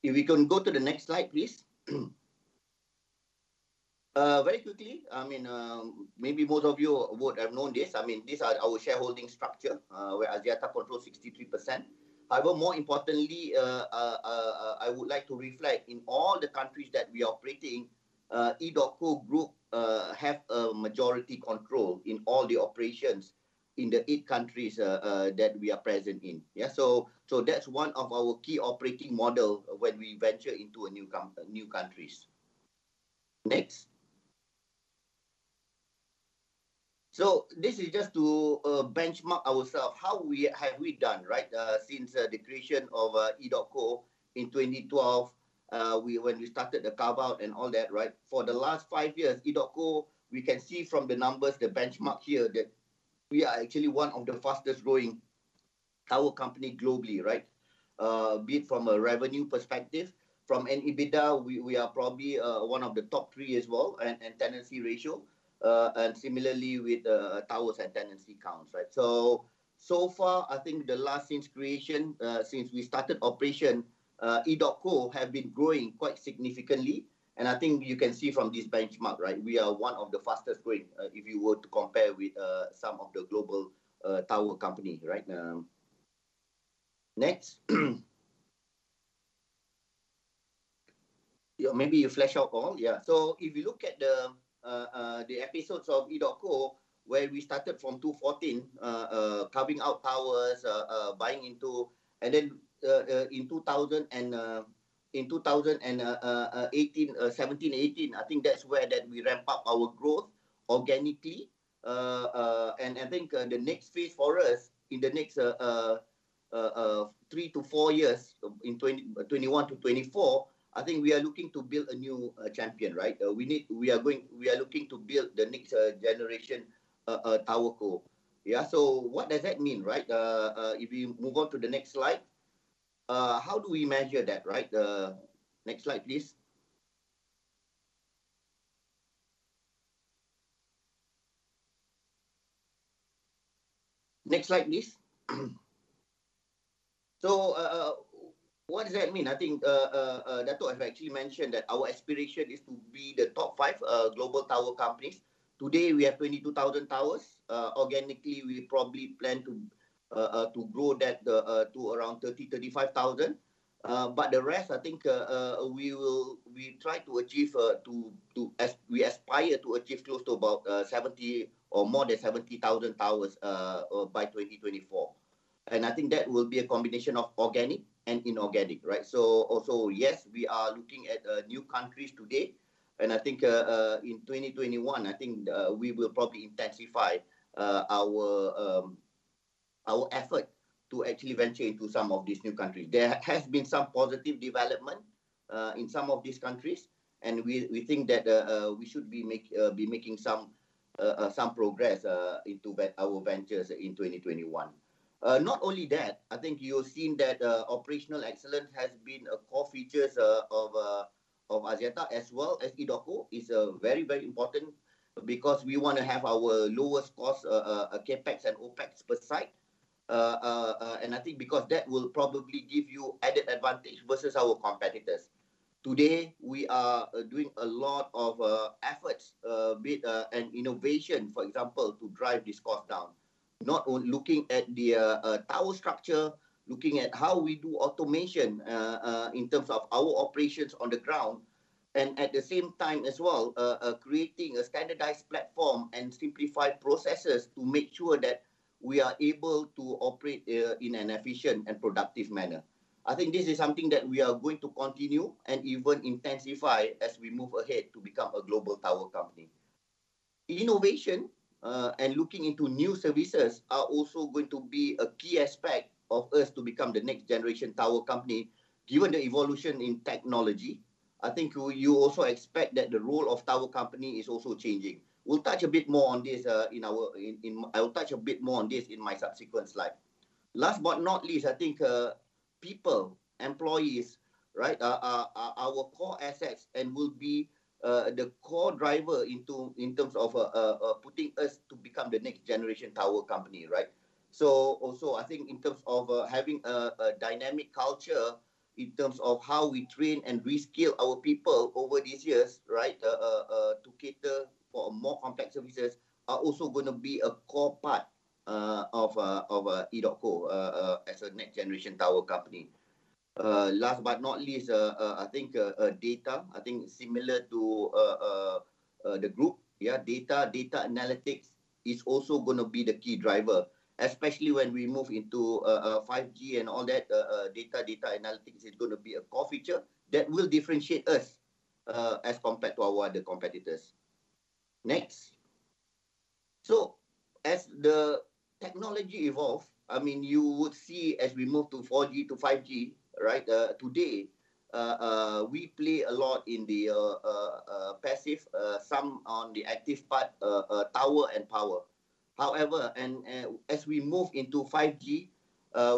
If we can go to the next slide, please. Very quickly, I mean, maybe most of you would have known this. I mean, this is our shareholding structure where Axiata controls 63%. However, more importantly, I would like to reflect in all the countries that we are operating, EDOTCO Group has a majority control in all the operations in the eight countries that we are present in. Yeah. So that's one of our key operating models when we venture into new countries. Next. So this is just to benchmark ourselves, how have we done, right? Since the creation of EDOTCO in 2012, when we started the carve-out and all that, right? For the last five years, EDOTCO, we can see from the numbers, the benchmark here that we are actually one of the fastest-growing tower companies globally, right? Be it from a revenue perspective. From EBITDA, we are probably one of the top three as well in tenancy ratio. And similarly with towers and tenancy counts, right? So far, I think the last since creation, since we started operation, EDOTCO has been growing quite significantly. And I think you can see from this benchmark, right? We are one of the fastest growing if you were to compare with some of the global tower companies, right? Next. Maybe you flesh out all. Yeah. So if you look at the evolution of EDOTCO where we started from 2014, carving out towers, buying into, and then in 2018, 2017, 2018, I think that's where we ramp up our growth organically. And I think the next phase for us in the next three to four years, in 2021 to 2024, I think we are looking to build a new champion, right? We are looking to build the next generation Tower Co. Yeah. So what does that mean, right? If you move on to the next slide, how do we measure that, right? Next slide, please. Next slide, please. So what does that mean? I think Datuk has actually mentioned that our aspiration is to be the top five global tower companies. Today, we have 22,000 towers. Organically, we probably plan to grow that to around 30,000-35,000. But the rest, I think we try to achieve, we aspire to achieve close to about 70 or more than 70,000 towers by 2024. And I think that will be a combination of organic and inorganic, right? So yes, we are looking at new countries today. And I think in 2021, I think we will probably intensify our effort to actually venture into some of these new countries. There has been some positive development in some of these countries. And we think that we should be making some progress into our ventures in 2021. Not only that, I think you've seen that operational excellence has been a core feature of Axiata as well as EDOTCO. It's very, very important because we want to have our lowest cost, CapEx and OpEx per site. And I think because that will probably give you added advantage versus our competitors. Today, we are doing a lot of efforts and innovation, for example, to drive this cost down, not looking at the tower structure, looking at how we do automation in terms of our operations on the ground, and at the same time as well, creating a standardized platform and simplified processes to make sure that we are able to operate in an efficient and productive manner. I think this is something that we are going to continue and even intensify as we move ahead to become a global tower company. Innovation and looking into new services are also going to be a key aspect of us to become the next generation tower company. Given the evolution in technology, I think you also expect that the role of tower company is also changing. We'll touch a bit more on this in our. I'll touch a bit more on this in my subsequent slide. Last but not least, I think people, employees, right, are our core assets and will be the core driver in terms of putting us to become the next generation tower company, right? So also I think in terms of having a dynamic culture in terms of how we train and reskill our people over these years, right, to cater for more complex services are also going to be a core part of EDOTCO as a next generation tower company. Last but not least, I think data. I think similar to the group, yeah, data analytics is also going to be the key driver, especially when we move into 5G and all that. Data analytics is going to be a core feature that will differentiate us as compared to our other competitors. Next. So as the technology evolves, I mean, you would see as we move to 4G to 5G, right. Today, we play a lot in the passive, some on the active part, tower and power. However, as we move into 5G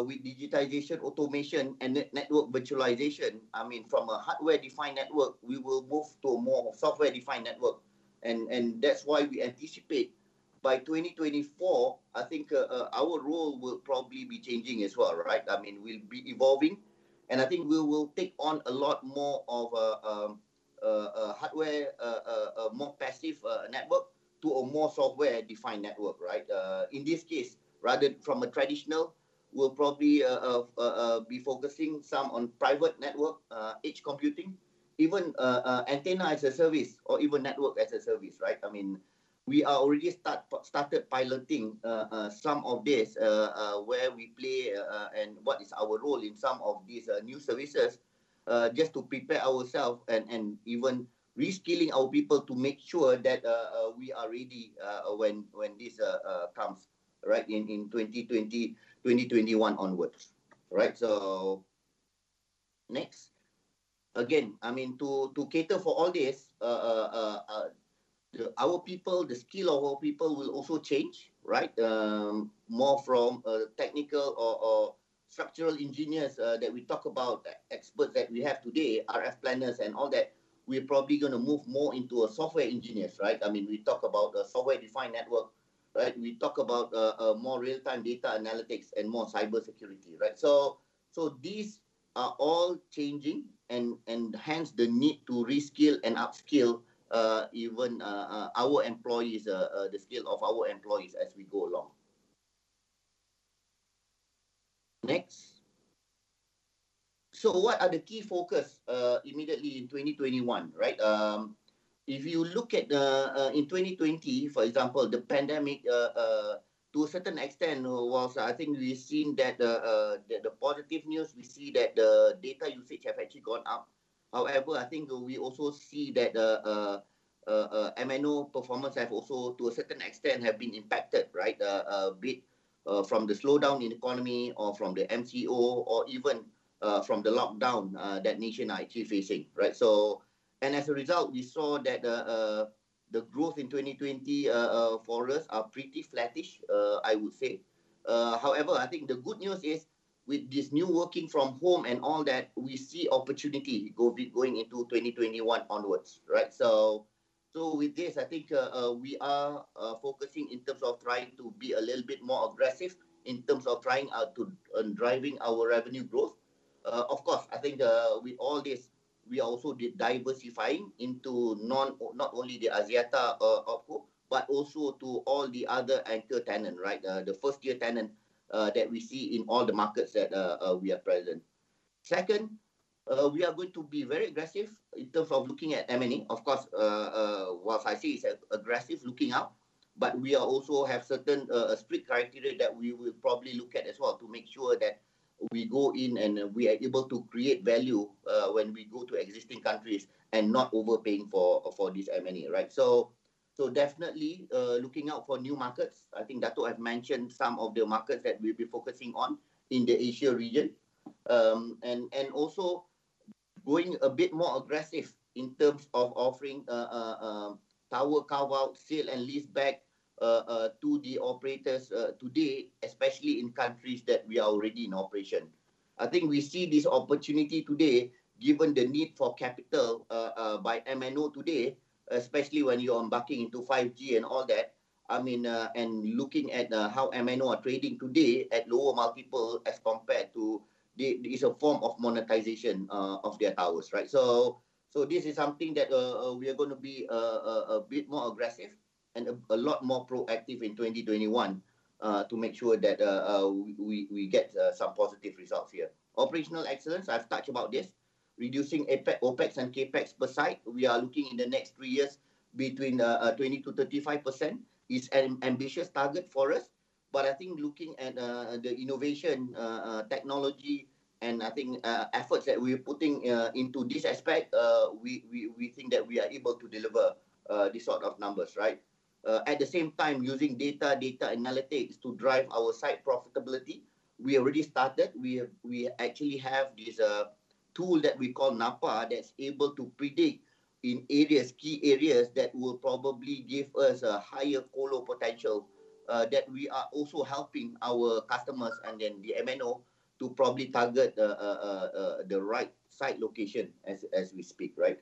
with digitization, automation, and network virtualization, I mean, from a hardware-defined network, we will move to a more software-defined network. And that's why we anticipate by 2024, I think our role will probably be changing as well, right? I mean, we'll be evolving. I think we will take on a lot more of a hardware, more passive network to a more software-defined network, right? In this case, rather than from a traditional, we'll probably be focusing some on private network, edge computing, even antenna as a service, or even network as a service, right? I mean, we are already started piloting some of this where we play and what is our role in some of these new services just to prepare ourselves and even reskilling our people to make sure that we are ready when this comes, right, in 2020, 2021 onwards, right? Next. Again, I mean, to cater for all this, our people, the skill of our people will also change, right? More from technical or structural engineers that we talk about, experts that we have today, RF planners and all that, we're probably going to move more into software engineers, right? I mean, we talk about a software-defined network, right? We talk about more real-time data analytics and more cybersecurity, right? So these are all changing and hence the need to reskill and upskill even our employees, the skill of our employees as we go along. Next. So what are the key focuses immediately in 2021, right? If you look at in 2020, for example, the pandemic, to a certain extent, while I think we've seen that the positive news, we see that the data usage has actually gone up. However, I think we also see that MNO performance has also, to a certain extent, been impacted, right? A bit from the slowdown in the economy or from the MCO or even from the lockdown that nation is actually facing, right? So as a result, we saw that the growth in 2020 for us is pretty flattish, I would say. However, I think the good news is with this new working from home and all that, we see opportunity going into 2021 onwards, right? So with this, I think we are focusing in terms of trying to be a little bit more aggressive in terms of trying out to drive our revenue growth. Of course, I think with all this, we are also diversifying into not only the Axiata opco, but also to all the other anchor tenants, right? The first-tier tenants that we see in all the markets that we are present. Second, we are going to be very aggressive in terms of looking at M&A. Of course, while I say it's aggressive looking out, but we also have certain strict criteria that we will probably look at as well to make sure that we go in and we are able to create value when we go to existing countries and not overpaying for this MNO, right? So definitely looking out for new markets. I think Datuk has mentioned some of the markets that we'll be focusing on in the Asia region, and also going a bit more aggressive in terms of offering tower carve-out, sale and lease back to the operators today, especially in countries that we are already in operation. I think we see this opportunity today given the need for capital by MNO today, especially when you're embarking into 5G and all that. I mean, and looking at how M&A are trading today at lower multiple as compared to. It's a form of monetization of their towers, right? So this is something that we are going to be a bit more aggressive and a lot more proactive in 2021 to make sure that we get some positive results here. Operational excellence, I've touched about this. Reducing OpEx and CapEx per site, we are looking in the next three years between 20%-35% is an ambitious target for us. But I think looking at the innovation technology and I think efforts that we're putting into this aspect, we think that we are able to deliver this sort of numbers, right? At the same time, using data analytics to drive our site profitability, we already started. We actually have this tool that we call NaPA that's able to predict in key areas that will probably give us a higher call-up potential that we are also helping our customers and then the MNO to probably target the right site location as we speak, right?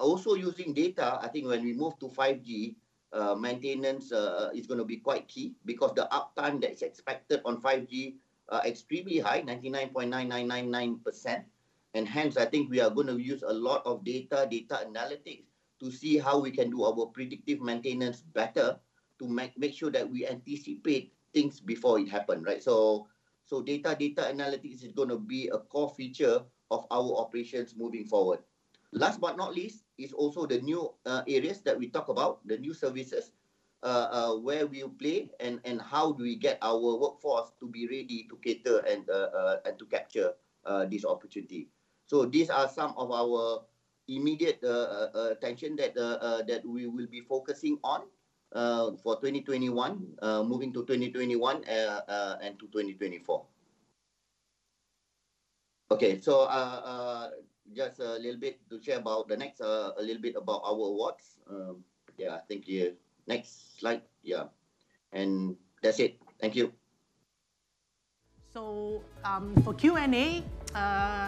Also using data, I think when we move to 5G, maintenance is going to be quite key because the uptime that's expected on 5G is extremely high, 99.9999%. And hence, I think we are going to use a lot of data analytics to see how we can do our predictive maintenance better to make sure that we anticipate things before it happens, right? So data analytics is going to be a core feature of our operations moving forward. Last but not least, it's also the new areas that we talk about, the new services where we play and how do we get our workforce to be ready to cater and to capture this opportunity. So these are some of our immediate attention that we will be focusing on for 2021, moving to 2021 and to 2024. Okay. So just a little bit to share about the next, a little bit about our awards. Yeah. Thank you. Next slide. Yeah. And that's it. Thank you. So for Q&A,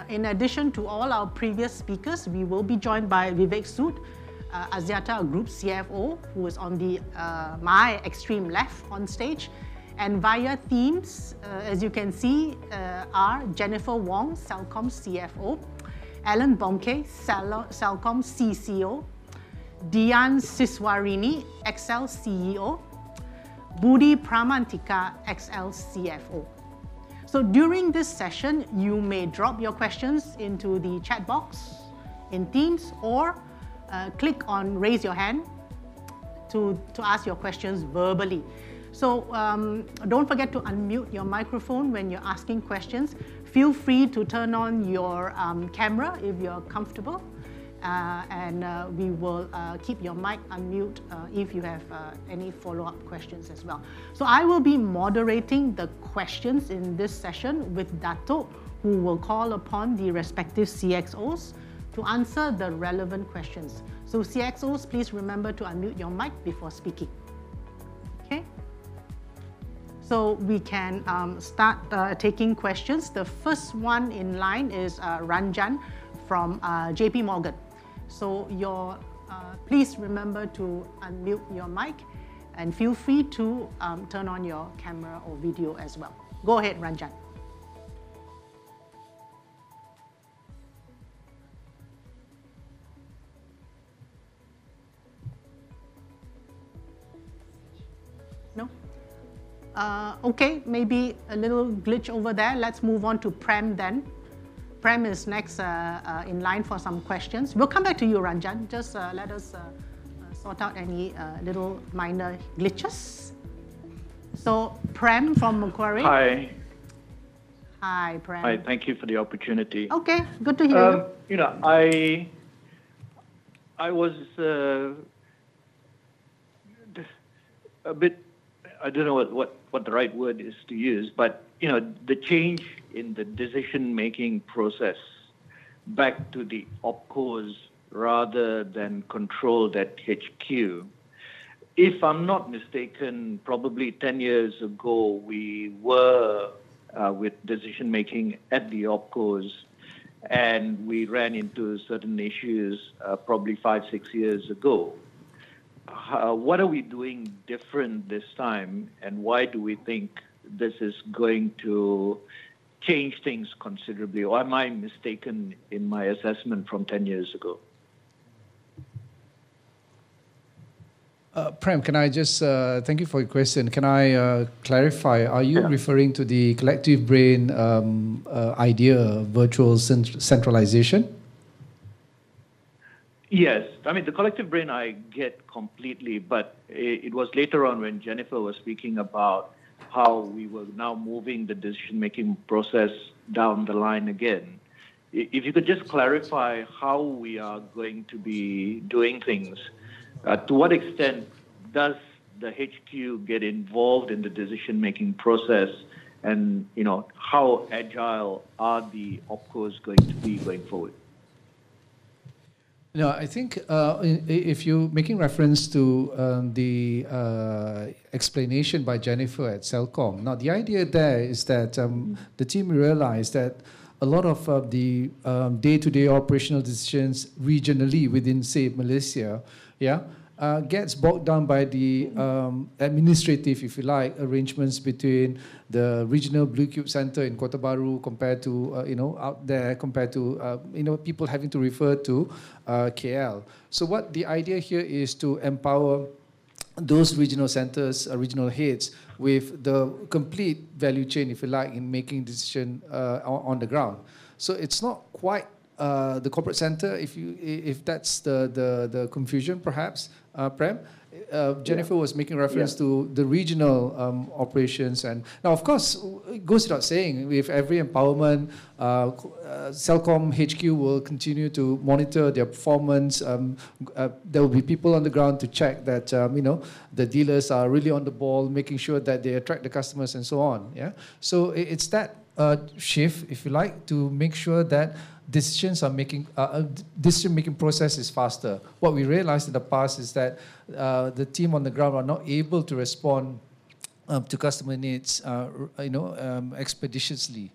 in addition to all our previous speakers, we will be joined by Vivek Sood, Axiata Group CFO, who is on my extreme left on stage. And via Teams, as you can see, are Jennifer Wong, Celcom CFO, Allan Bonke, Celcom CCO, Dian Siswarini, XL CEO, Budi Pramantika, XL CFO. So during this session, you may drop your questions into the chat box in Teams or click on raise your hand to ask your questions verbally. So don't forget to unmute your microphone when you're asking questions. Feel free to turn on your camera if you're comfortable. And we will keep your mic unmute if you have any follow-up questions as well. So I will be moderating the questions in this session with Datuk, who will call upon the respective CXOs to answer the relevant questions. So CXOs, please remember to unmute your mic before speaking. Okay. So we can start taking questions. The first one in line is Ranjan from JPMorgan. So please remember to unmute your mic and feel free to turn on your camera or video as well. Go ahead, Ranjan. No? Okay. Maybe a little glitch over there. Let's move on to Prem then. Prem is next in line for some questions. We'll come back to you, Ranjan. Just let us sort out any little minor glitches. So Prem from Macquarie. Hi. Hi, Prem. Hi. Thank you for the opportunity. Okay. Good to hear you. I was a bit, I don't know what the right word is to use, but the change in the decision-making process back to the OpCos rather than control that HQ. If I'm not mistaken, probably 10 years ago, we were with decision-making at the OpCos, and we ran into certain issues probably five, six years ago. What are we doing different this time, and why do we think this is going to change things considerably? Am I mistaken in my assessment from 10 years ago? Prem, can I just, thank you for your question. Can I clarify? Are you referring to the collective brain idea, virtual centralization? Yes. I mean, the Collective Brain I get completely, but it was later on when Jennifer was speaking about how we were now moving the decision-making process down the line again. If you could just clarify how we are going to be doing things, to what extent does the HQ get involved in the decision-making process, and how agile are the OpCos going to be going forward? No, I think if you're making reference to the explanation by Jennifer at Celcom, now the idea there is that the team realized that a lot of the day-to-day operational decisions regionally within, say, Malaysia, yeah, gets bogged down by the administrative, if you like, arrangements between the regional Blue Cube Center in Kota Bharu compared to out there, compared to people having to refer to KL. So what the idea here is to empower those regional centers, regional heads, with the complete value chain, if you like, in making decisions on the ground. So it's not quite the corporate center, if that's the confusion, perhaps, Prem. Jennifer was making reference to the regional operations. And now, of course, it goes without saying, with every empowerment, Celcom HQ will continue to monitor their performance. There will be people on the ground to check that the dealers are really on the ball, making sure that they attract the customers and so on, yeah? So it's that shift, if you like, to make sure that decision-making process is faster. What we realized in the past is that the team on the ground are not able to respond to customer needs expeditiously.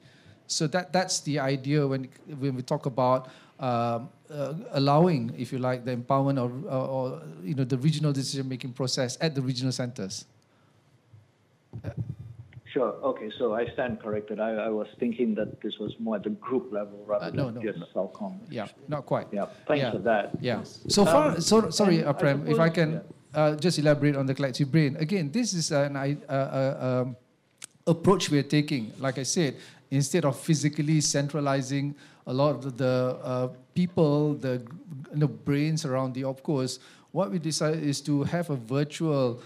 So that's the idea when we talk about allowing, if you like, the empowerment or the regional decision-making process at the regional centers. Sure. Okay. So I stand corrected. I was thinking that this was more at the group level rather than just Celcom. Yeah. Not quite. Yeah. Thanks for that. Yeah. So far, sorry, Prem, if I can just elaborate on the Collective Brain. Again, this is an approach we're taking. Like I said, instead of physically centralizing a lot of the people, the brains around the OpCos, what we decided is to have a virtual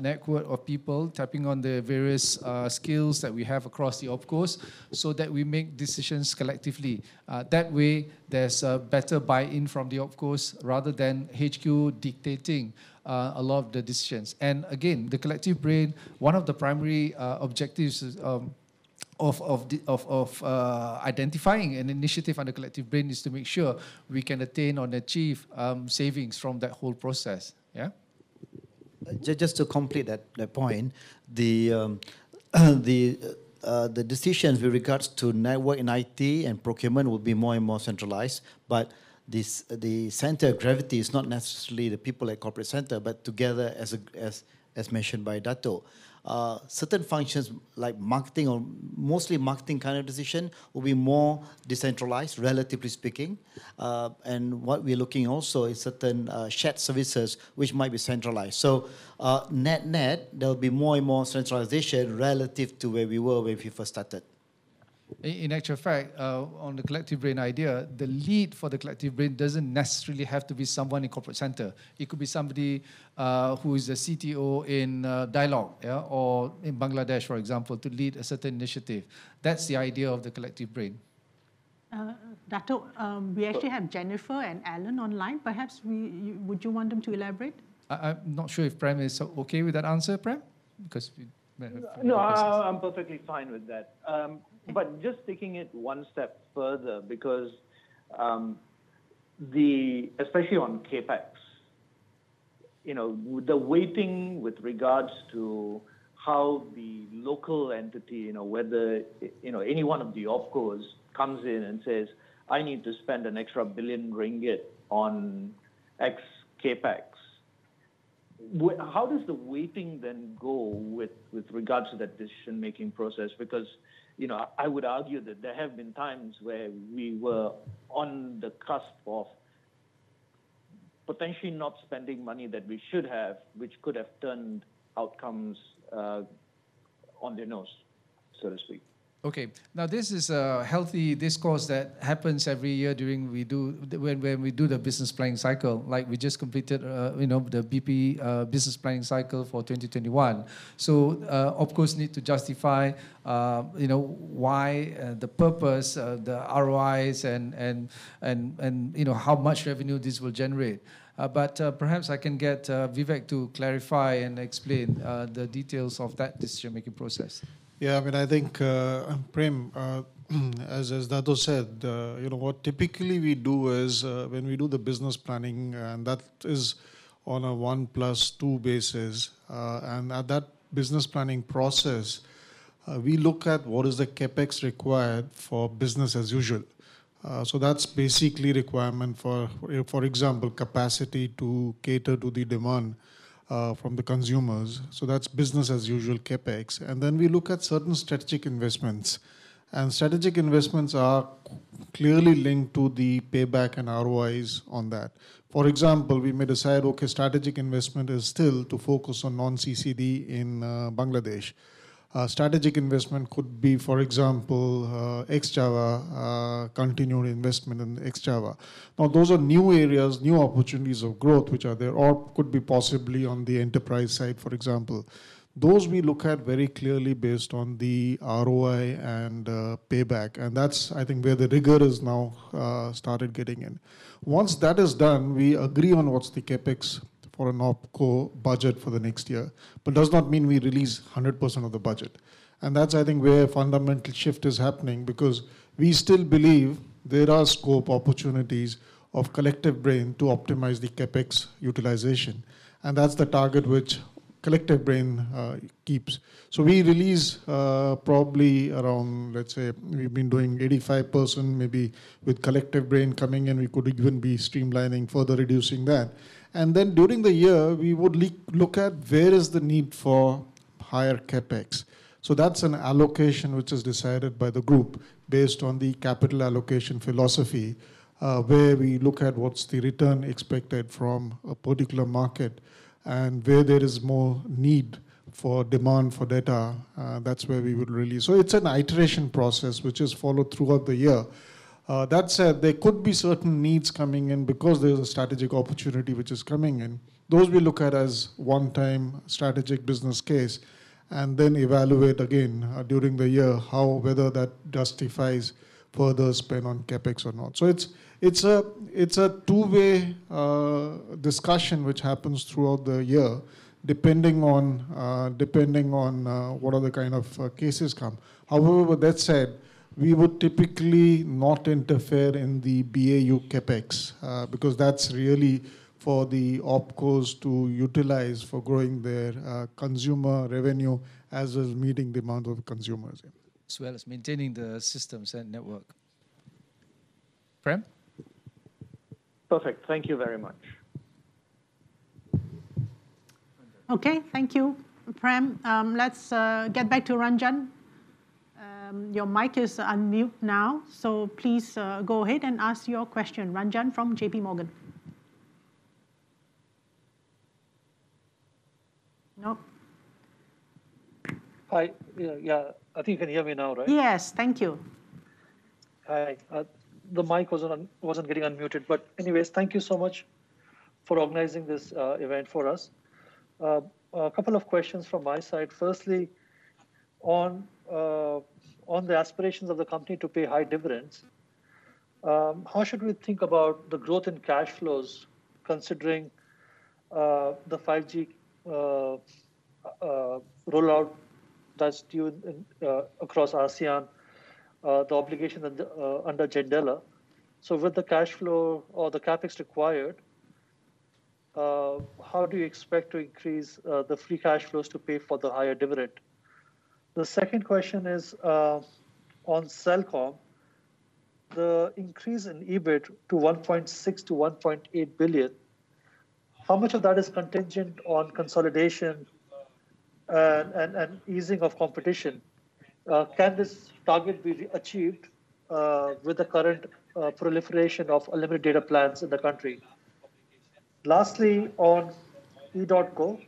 network of people tapping on the various skills that we have across the OpCos so that we make decisions collectively. That way, there's a better buy-in from the OpCos rather than HQ dictating a lot of the decisions. Again, the Collective Brain, one of the primary objectives of identifying an initiative under Collective Brain is to make sure we can attain or achieve savings from that whole process, yeah? Just to complete that point, the decisions with regards to network and IT and procurement will be more and more centralized. But the center of gravity is not necessarily the people at corporate center, but together, as mentioned by Datuk. Certain functions like marketing or mostly marketing kind of decision will be more decentralized, relatively speaking. And what we're looking also is certain shared services which might be centralized. So net-net, there will be more and more centralization relative to where we were when we first started. In actual fact, on the Collective Brain idea, the lead for the Collective Brain doesn't necessarily have to be someone in corporate center. It could be somebody who is a CTO in Dialog, yeah, or in Bangladesh, for example, to lead a certain initiative. That's the idea of the Collective Brain. Datuk, we actually have Jennifer and Allan online. Perhaps would you want them to elaborate? I'm not sure if Prem is okay with that answer, Prem, because we. No, I'm perfectly fine with that. But just taking it one step further, because especially on CapEx, the weighting with regards to how the local entity, whether any one of the OpCos comes in and says, "I need to spend an extra 1 billion ringgit on X CapEx," how does the weighting then go with regards to that decision-making process? Because I would argue that there have been times where we were on the cusp of potentially not spending money that we should have, which could have turned outcomes on their nose, so to speak. Okay. Now, this is a healthy discourse that happens every year when we do the business planning cycle. We just completed the BP business planning cycle for 2021. So OpCos need to justify why the purpose, the ROIs, and how much revenue this will generate. But perhaps I can get Vivek to clarify and explain the details of that decision-making process. Yeah. I mean, I think, Prem, as Datuk said, what typically we do is when we do the business planning, and that is on a one-plus-two basis. And at that business planning process, we look at what is the CapEx required for business as usual. So that's basically a requirement for, for example, capacity to cater to the demand from the consumers. So that's business as usual CapEx. And then we look at certain strategic investments. And strategic investments are clearly linked to the payback and ROIs on that. For example, we may decide, okay, strategic investment is still to focus on non-CCD in Bangladesh. Strategic investment could be, for example, Ex-Java, continued investment in Ex-Java. Now, those are new areas, new opportunities of growth, which are there, or could be possibly on the enterprise side, for example. Those we look at very clearly based on the ROI and payback, and that's, I think, where the rigor has now started getting in. Once that is done, we agree on what's the CapEx for an OpCo budget for the next year, but it does not mean we release 100% of the budget. And that's, I think, where a fundamental shift is happening because we still believe there are scope opportunities of Collective Brain to optimize the CapEx utilization, and that's the target which Collective Brain keeps. So we release probably around, let's say, we've been doing 85%. Maybe with Collective Brain coming in, we could even be streamlining, further reducing that. And then during the year, we would look at where is the need for higher CapEx. So that's an allocation which is decided by the group based on the capital allocation philosophy, where we look at what's the return expected from a particular market and where there is more need for demand for data. That's where we would release. So it's an iteration process which is followed throughout the year. That said, there could be certain needs coming in because there's a strategic opportunity which is coming in. Those we look at as one-time strategic business case and then evaluate again during the year whether that justifies further spend on CapEx or not. So it's a two-way discussion which happens throughout the year, depending on what other kind of cases come. However, with that said, we would typically not interfere in the BAU CapEx because that's really for the OpCos to utilize for growing their consumer revenue as well as meeting the amount of consumers. As well as maintaining the systems and network. Prem? Perfect. Thank you very much. Okay. Thank you, Prem. Let's get back to Ranjan. Your mic is unmuted now. So please go ahead and ask your question, Ranjan from JPMorgan. No? Hi. Yeah. I think you can hear me now, right? Yes. Thank you. Hi. The mic wasn't getting unmuted. But anyways, thank you so much for organizing this event for us. A couple of questions from my side. Firstly, on the aspirations of the company to pay high dividends, how should we think about the growth in cash flows considering the 5G rollout that's due across ASEAN, the obligation under JENDELA? So with the cash flow or the CapEx required, how do you expect to increase the free cash flows to pay for the higher dividend? The second question is on Celcom, the increase in EBIT to 1.6 billion-1.8 billion. How much of that is contingent on consolidation and easing of competition? Can this target be achieved with the current proliferation of unlimited data plans in the country? Lastly, on EDOTCO,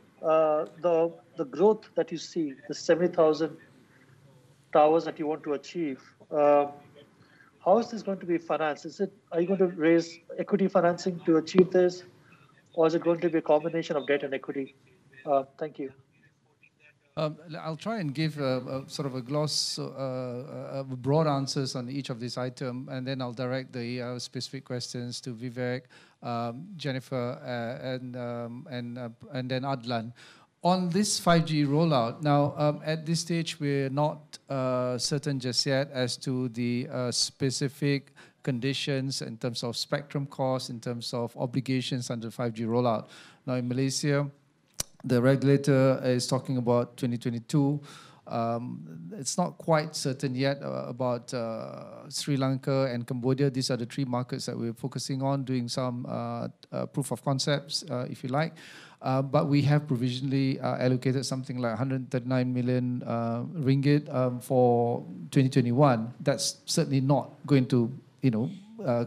the growth that you see, the 70,000 towers that you want to achieve, how is this going to be financed? Are you going to raise equity financing to achieve this, or is it going to be a combination of debt and equity? Thank you. I'll try and give sort of a gloss, broad answers on each of these items, and then I'll direct the specific questions to Vivek, Jennifer, and then Adlan. On this 5G rollout, now, at this stage, we're not certain just yet as to the specific conditions in terms of spectrum costs, in terms of obligations under 5G rollout. Now, in Malaysia, the regulator is talking about 2022. It's not quite certain yet about Sri Lanka and Cambodia. These are the three markets that we're focusing on, doing some proof of concepts, if you like. But we have provisionally allocated something like 139 million ringgit for 2021. That's certainly not going to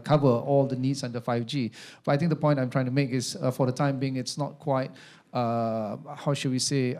cover all the needs under 5G. But I think the point I'm trying to make is, for the time being, it's not quite, how should we say,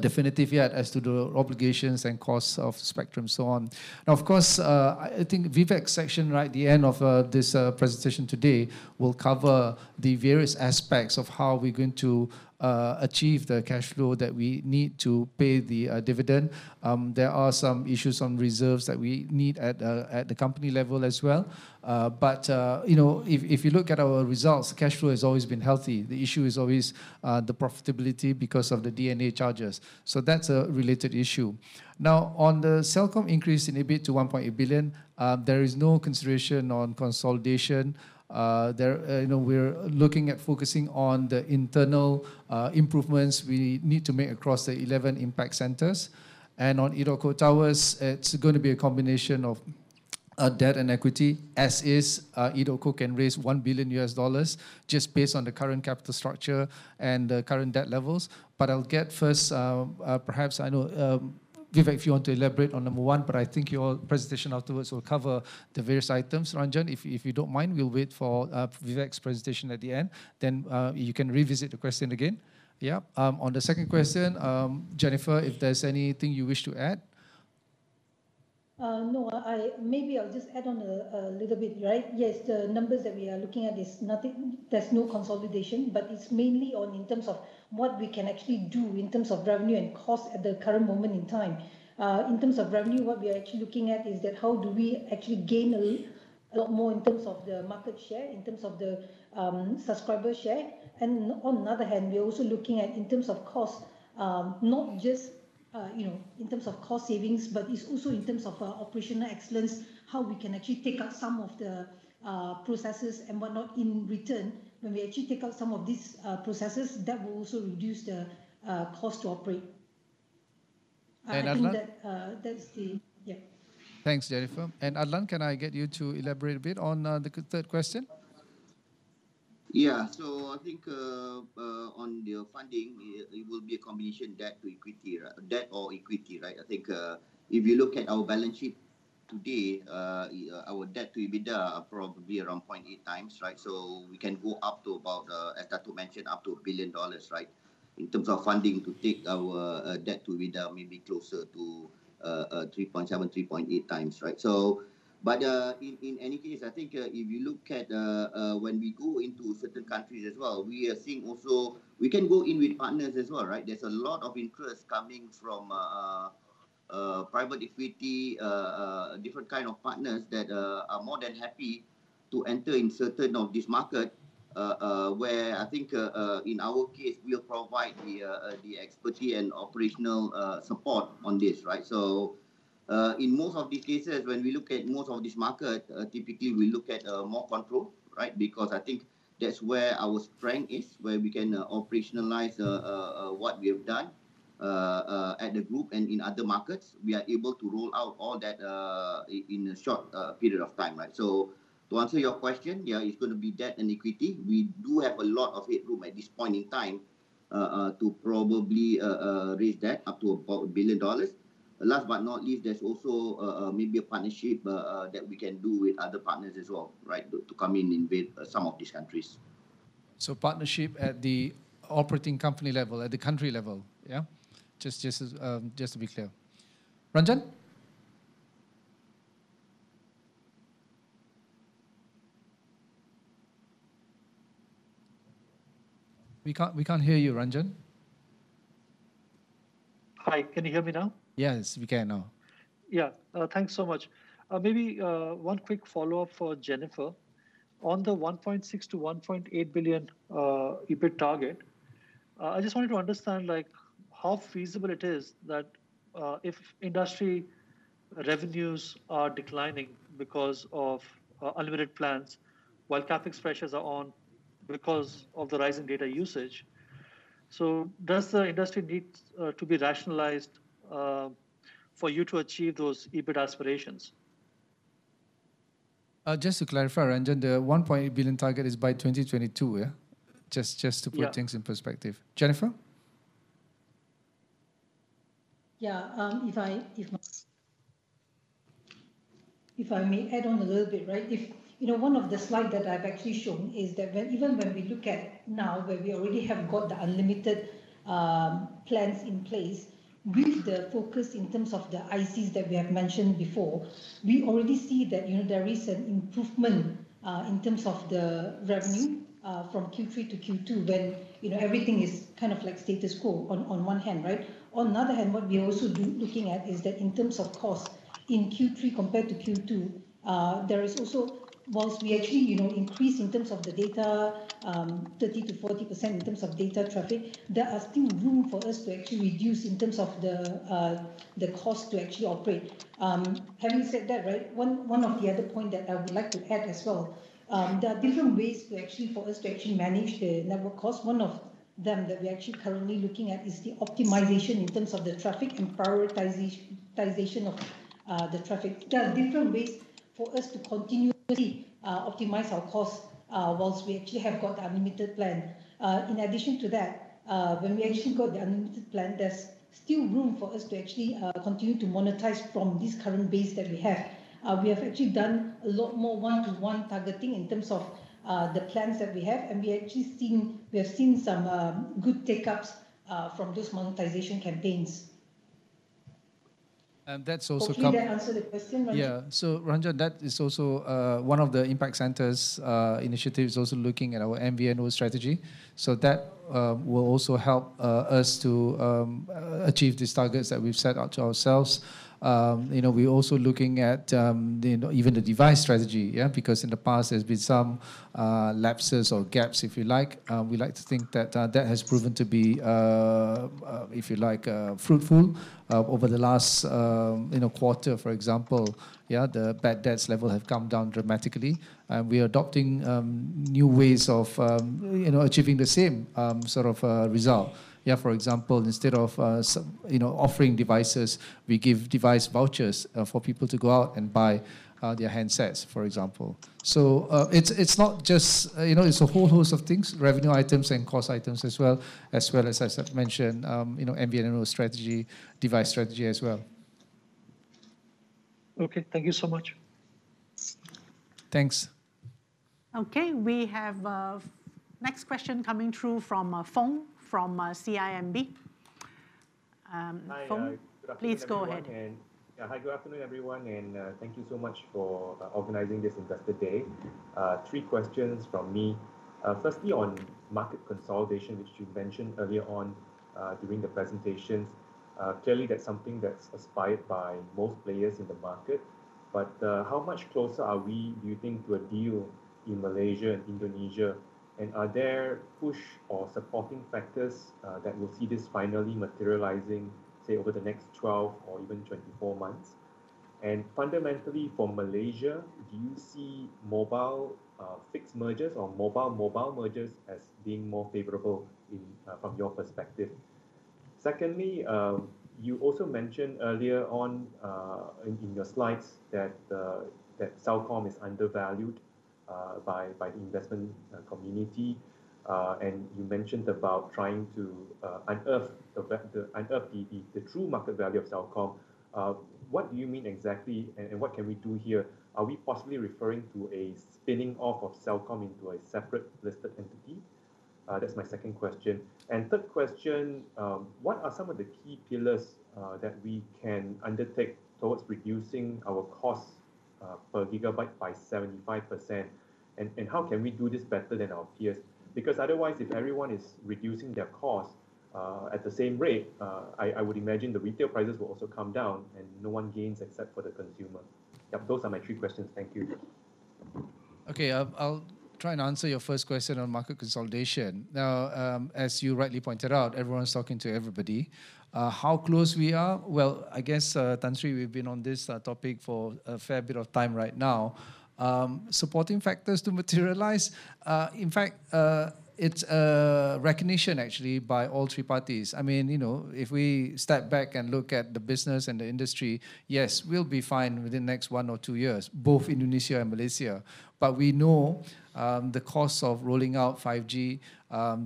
definitive yet as to the obligations and costs of spectrum and so on. Now, of course, I think Vivek's section right at the end of this presentation today will cover the various aspects of how we're going to achieve the cash flow that we need to pay the dividend. There are some issues on reserves that we need at the company level as well. But if you look at our results, cash flow has always been healthy. The issue is always the profitability because of the DNA charges. So that's a related issue. Now, on the Celcom increase in EBIT to 1.8 billion, there is no consideration on consolidation. We're looking at focusing on the internal improvements we need to make across the 11 impact centers. On EDOTCO towers, it's going to be a combination of debt and equity. As is, EDOTCO can raise $1 billion just based on the current capital structure and the current debt levels. But I'll get first, perhaps I know Vivek, if you want to elaborate on number one, but I think your presentation afterwards will cover the various items. Ranjan, if you don't mind, we'll wait for Vivek's presentation at the end. Then you can revisit the question again. Yeah. On the second question, Jennifer, if there's anything you wish to add? No, maybe I'll just add on a little bit, right? Yes, the numbers that we are looking at, there's no consolidation, but it's mainly in terms of what we can actually do in terms of revenue and cost at the current moment in time. In terms of revenue, what we are actually looking at is that how do we actually gain a lot more in terms of the market share, in terms of the subscriber share. And on the other hand, we're also looking at in terms of cost, not just in terms of cost savings, but it's also in terms of operational excellence, how we can actually take out some of the processes and whatnot in return. When we actually take out some of these processes, that will also reduce the cost to operate. I think that's the yeah. Thanks, Jennifer. And Adlan, can I get you to elaborate a bit on the third question? Yeah. So I think on the funding, it will be a combination debt to equity, debt or equity, right? I think if you look at our balance sheet today, our debt to EBITDA are probably around 0.8x, right? So we can go up to about, as Datuk mentioned, up to $1 billion, right? In terms of funding to take our debt to EBITDA, maybe closer to 3.7x-3.8x, right? But in any case, I think if you look at when we go into certain countries as well, we are seeing also we can go in with partners as well, right? There's a lot of interest coming from private equity, different kinds of partners that are more than happy to enter in certain of this market, where I think in our case, we'll provide the expertise and operational support on this, right? So in most of these cases, when we look at most of this market, typically we look at more control, right? Because I think that's where our strength is, where we can operationalize what we have done at the group and in other markets. We are able to roll out all that in a short period of time, right? So to answer your question, yeah, it's going to be debt and equity. We do have a lot of headroom at this point in time to probably raise debt up to about $1 billion. Last but not least, there's also maybe a partnership that we can do with other partners as well, right, to come in and invade some of these countries. So partnership at the operating company level, at the country level, yeah? Just to be clear. Ranjan? We can't hear you, Ranjan. Hi. Can you hear me now? Yes, we can now. Yeah. Thanks so much. Maybe one quick follow-up for Jennifer. On the $1.6 billion-$1.8 billion EBIT target, I just wanted to understand how feasible it is that if industry revenues are declining because of unlimited plans while CapEx pressures are on because of the rising data usage. So does the industry need to be rationalized for you to achieve those EBIT aspirations? Just to clarify, Ranjan, the $1.8 billion target is by 2022, yeah? Just to put things in perspective. Jennifer? Yeah. If I may add on a little bit, right? One of the slides that I've actually shown is that even when we look at now, where we already have got the unlimited plans in place with the focus in terms of the ICs that we have mentioned before, we already see that there is an improvement in terms of the revenue from Q3 to Q2 when everything is kind of like status quo on one hand, right? On the other hand, what we are also looking at is that in terms of cost in Q3 compared to Q2, there is also, while we actually increase in terms of the data, 30% to 40% in terms of data traffic, there are still room for us to actually reduce in terms of the cost to actually operate. Having said that, right, one of the other points that I would like to add as well, there are different ways for us to actually manage the network cost. One of them that we're actually currently looking at is the optimization in terms of the traffic and prioritization of the traffic. There are different ways for us to continuously optimize our costs while we actually have got the unlimited plan. In addition to that, when we actually got the unlimited plan, there's still room for us to actually continue to monetize from this current base that we have. We have actually done a lot more one-to-one targeting in terms of the plans that we have, and we actually have seen some good take-ups from those monetization campaigns. And that's also. Can you answer the question, Ranjan? Yeah. So Ranjan, that is also one of the impact centers' initiatives is also looking at our MVNO strategy. So that will also help us to achieve these targets that we've set out to ourselves. We're also looking at even the device strategy, yeah, because in the past, there's been some lapses or gaps, if you like. We like to think that that has proven to be, if you like, fruitful. Over the last quarter, for example, yeah, the bad debts level has come down dramatically, and we're adopting new ways of achieving the same sort of result. Yeah, for example, instead of offering devices, we give device vouchers for people to go out and buy their handsets, for example. So it's not just, it's a whole host of things, revenue items and cost items as well, as well as, as I mentioned, MVNO strategy, device strategy as well. Okay. Thank you so much. Thanks. Okay. We have a next question coming through from Foong from CIMB. Foong, please go ahead. Hi, good afternoon, everyone, and thank you so much for organizing this Investor Day. Three questions from me. Firstly, on market consolidation, which you mentioned earlier on during the presentations, clearly that's something that's aspired by most players in the market. But how much closer are we, do you think, to a deal in Malaysia and Indonesia? And are there push or supporting factors that will see this finally materializing, say, over the next 12 or even 24 months? And fundamentally, for Malaysia, do you see mobile fixed mergers or mobile-mobile mergers as being more favorable from your perspective? Secondly, you also mentioned earlier on in your slides that Celcom is undervalued by the investment community. And you mentioned about trying to unearth the true market value of Celcom. What do you mean exactly, and what can we do here? Are we possibly referring to a spinning off of Celcom into a separate listed entity? That's my second question. And third question, what are some of the key pillars that we can undertake towards reducing our cost per gigabyte by 75%? And how can we do this better than our peers? Because otherwise, if everyone is reducing their cost at the same rate, I would imagine the retail prices will also come down, and no one gains except for the consumer. Yep, those are my three questions. Thank you. Okay, I'll try and answer your first question on market consolidation. Now, as you rightly pointed out, everyone's talking to everybody. How close we are? Well, I guess, Tan Sri, we've been on this topic for a fair bit of time right now. Supporting factors to materialize? In fact, it's a recognition actually by all three parties. I mean, if we step back and look at the business and the industry, yes, we'll be fine within the next one or two years, both Indonesia and Malaysia. But we know the cost of rolling out 5G,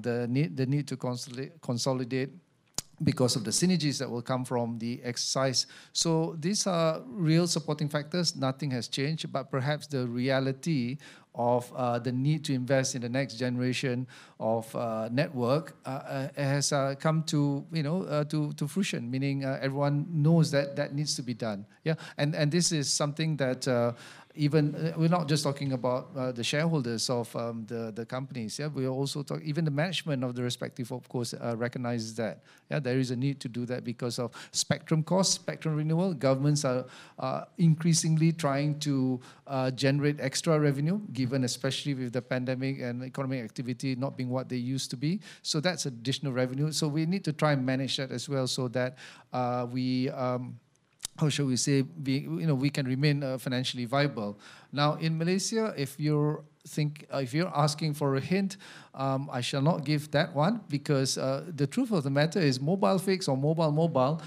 the need to consolidate because of the synergies that will come from the exercise. So these are real supporting factors. Nothing has changed, but perhaps the reality of the need to invest in the next generation of network has come to fruition, meaning everyone knows that that needs to be done. Yeah. And this is something that even we're not just talking about the shareholders of the companies. Yeah, we are also talking even the management of the respective, of course, recognizes that. Yeah, there is a need to do that because of spectrum cost, spectrum renewal. Governments are increasingly trying to generate extra revenue, given especially with the pandemic and economic activity not being what they used to be. So that's additional revenue. So we need to try and manage that as well so that we, how should we say, we can remain financially viable. Now, in Malaysia, if you're asking for a hint, I shall not give that one because the truth of the matter is mobile fix or mobile-mobile,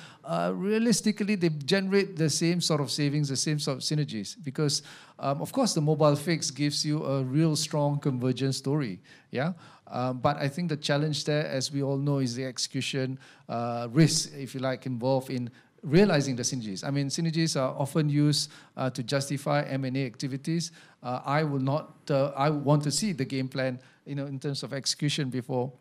realistically, they generate the same sort of savings, the same sort of synergies. Because, of course, the mobile fix gives you a real strong convergence story. Yeah. But I think the challenge there, as we all know, is the execution risk, if you like, involved in realizing the synergies. I mean, synergies are often used to justify M&A activities. I will not want to see the game plan in terms of execution before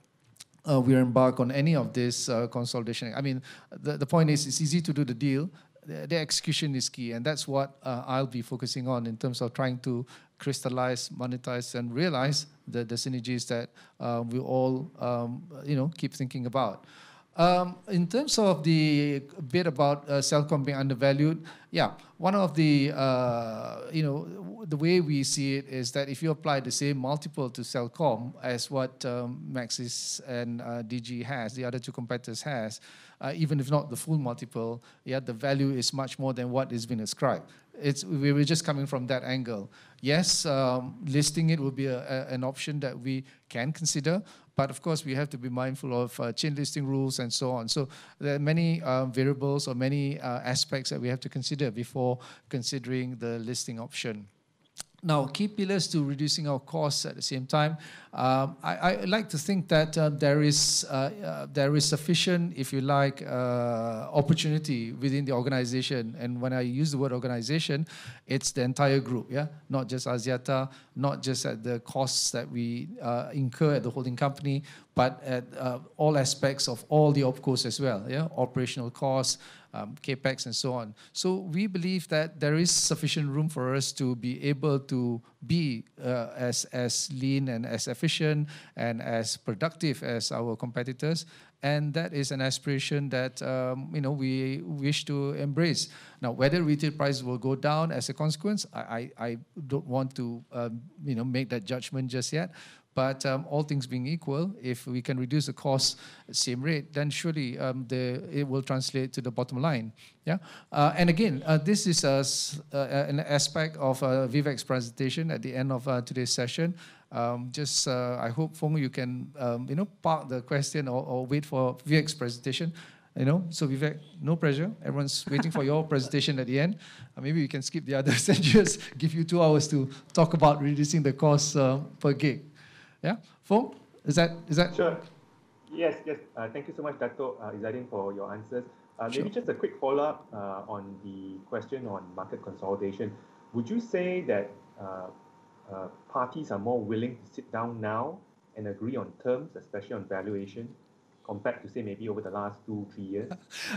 we embark on any of this consolidation. I mean, the point is it's easy to do the deal. The execution is key. And that's what I'll be focusing on in terms of trying to crystallize, monetize, and realize the synergies that we all keep thinking about. In terms of the bit about Celcom being undervalued, yeah, one of the ways we see it is that if you apply the same multiple to Celcom as what Maxis and Digi has, the other two competitors has, even if not the full multiple, yeah, the value is much more than what is being ascribed. We were just coming from that angle. Yes, listing it will be an option that we can consider, but of course, we have to be mindful of main listing rules and so on. So there are many variables or many aspects that we have to consider before considering the listing option. Now, key pillars to reducing our costs at the same time. I like to think that there is sufficient, if you like, opportunity within the organization, and when I use the word organization, it's the entire group, yeah? Not just Axiata, not just at the costs that we incur at the holding company, but at all aspects, of course, as well, yeah. Operational costs, CapEx, and so on. So we believe that there is sufficient room for us to be able to be as lean and as efficient and as productive as our competitors. And that is an aspiration that we wish to embrace. Now, whether retail prices will go down as a consequence, I don't want to make that judgment just yet. But all things being equal, if we can reduce the cost at the same rate, then surely it will translate to the bottom line, yeah. And again, this is an aspect of Vivek's presentation at the end of today's session. Just I hope Foong, you can park the question or wait for Vivek's presentation. So Vivek, no pressure. Everyone's waiting for your presentation at the end. Maybe we can skip the other sessions, give you two hours to talk about reducing the cost per gig. Yeah? Foong, is that? Sure. Yes, yes. Thank you so much, Datuk Izzaddin, for your answers. Maybe just a quick follow-up on the question on market consolidation. Would you say that parties are more willing to sit down now and agree on terms, especially on valuation, compared to, say, maybe over the last two, three years?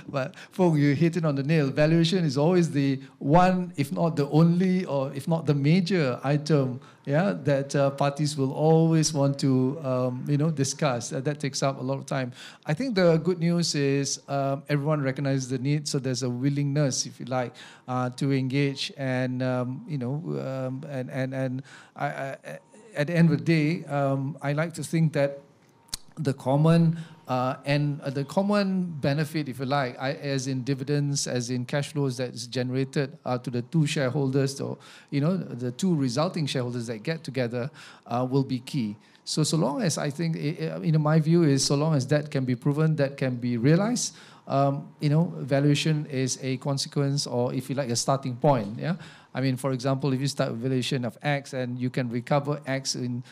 But Foong, you hit it on the nail. Valuation is always the one, if not the only, or if not the major item, yeah, that parties will always want to discuss. That takes up a lot of time. I think the good news is everyone recognizes the need, so there's a willingness, if you like, to engage. And at the end of the day, I like to think that the common benefit, if you like, as in dividends, as in cash flows that are generated to the two shareholders, or the two resulting shareholders that get together, will be key. So long as I think, my view is so long as that can be proven, that can be realized, valuation is a consequence or, if you like, a starting point, yeah? I mean, for example, if you start with valuation of X and you can recover X in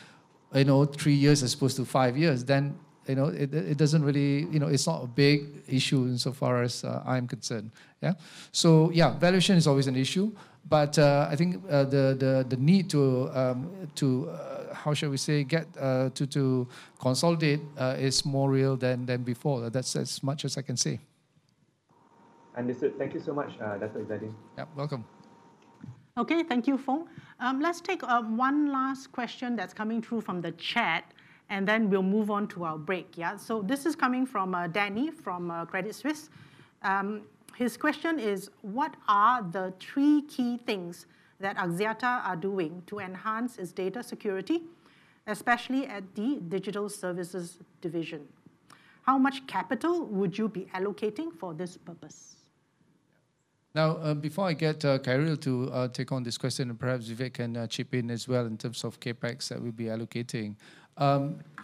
three years as opposed to five years, then it doesn't really. It's not a big issue insofar as I'm concerned, yeah? So yeah, valuation is always an issue. But I think the need to, how shall we say, get to consolidate is more real than before. That's as much as I can say. Understood. Thank you so much, Datuk Izzaddin. Yep, welcome. Okay, thank you, Foong. Let's take one last question that's coming through from the chat, and then we'll move on to our break, yeah? So this is coming from Danny from Credit Suisse. His question is, what are the three key things that Axiata are doing to enhance its data security, especially at the Digital Services Division? How much capital would you be allocating for this purpose? Now, before I get Khairil to take on this question, and perhaps Vivek can chip in as well in terms of CapEx that we'll be allocating.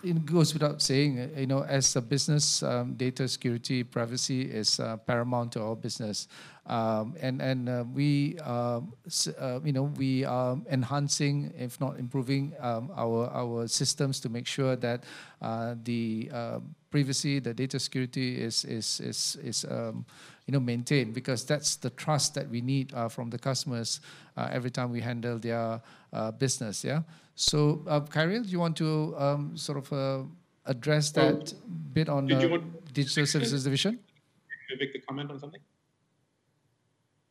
It goes without saying, as a business, data security, privacy is paramount to our business. And we are enhancing, if not improving, our systems to make sure that the privacy, the data security is maintained because that's the trust that we need from the customers every time we handle their business, yeah? So Khairil, do you want to sort of address that bit on the Digital Services Division? Vivek, a comment on something?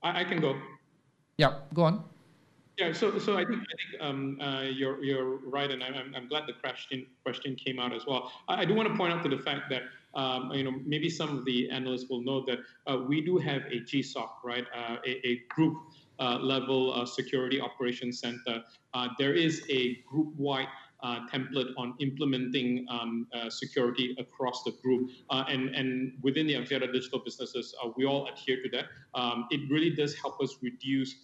I can go. Yeah, go on. Yeah, so I think you're right, and I'm glad the question came out as well. I do want to point out to the fact that maybe some of the analysts will know that we do have a GSOC, right? A group-level security operations center. There is a group-wide template on implementing security across the group. And within the Axiata Digital Businesses, we all adhere to that. It really does help us reduce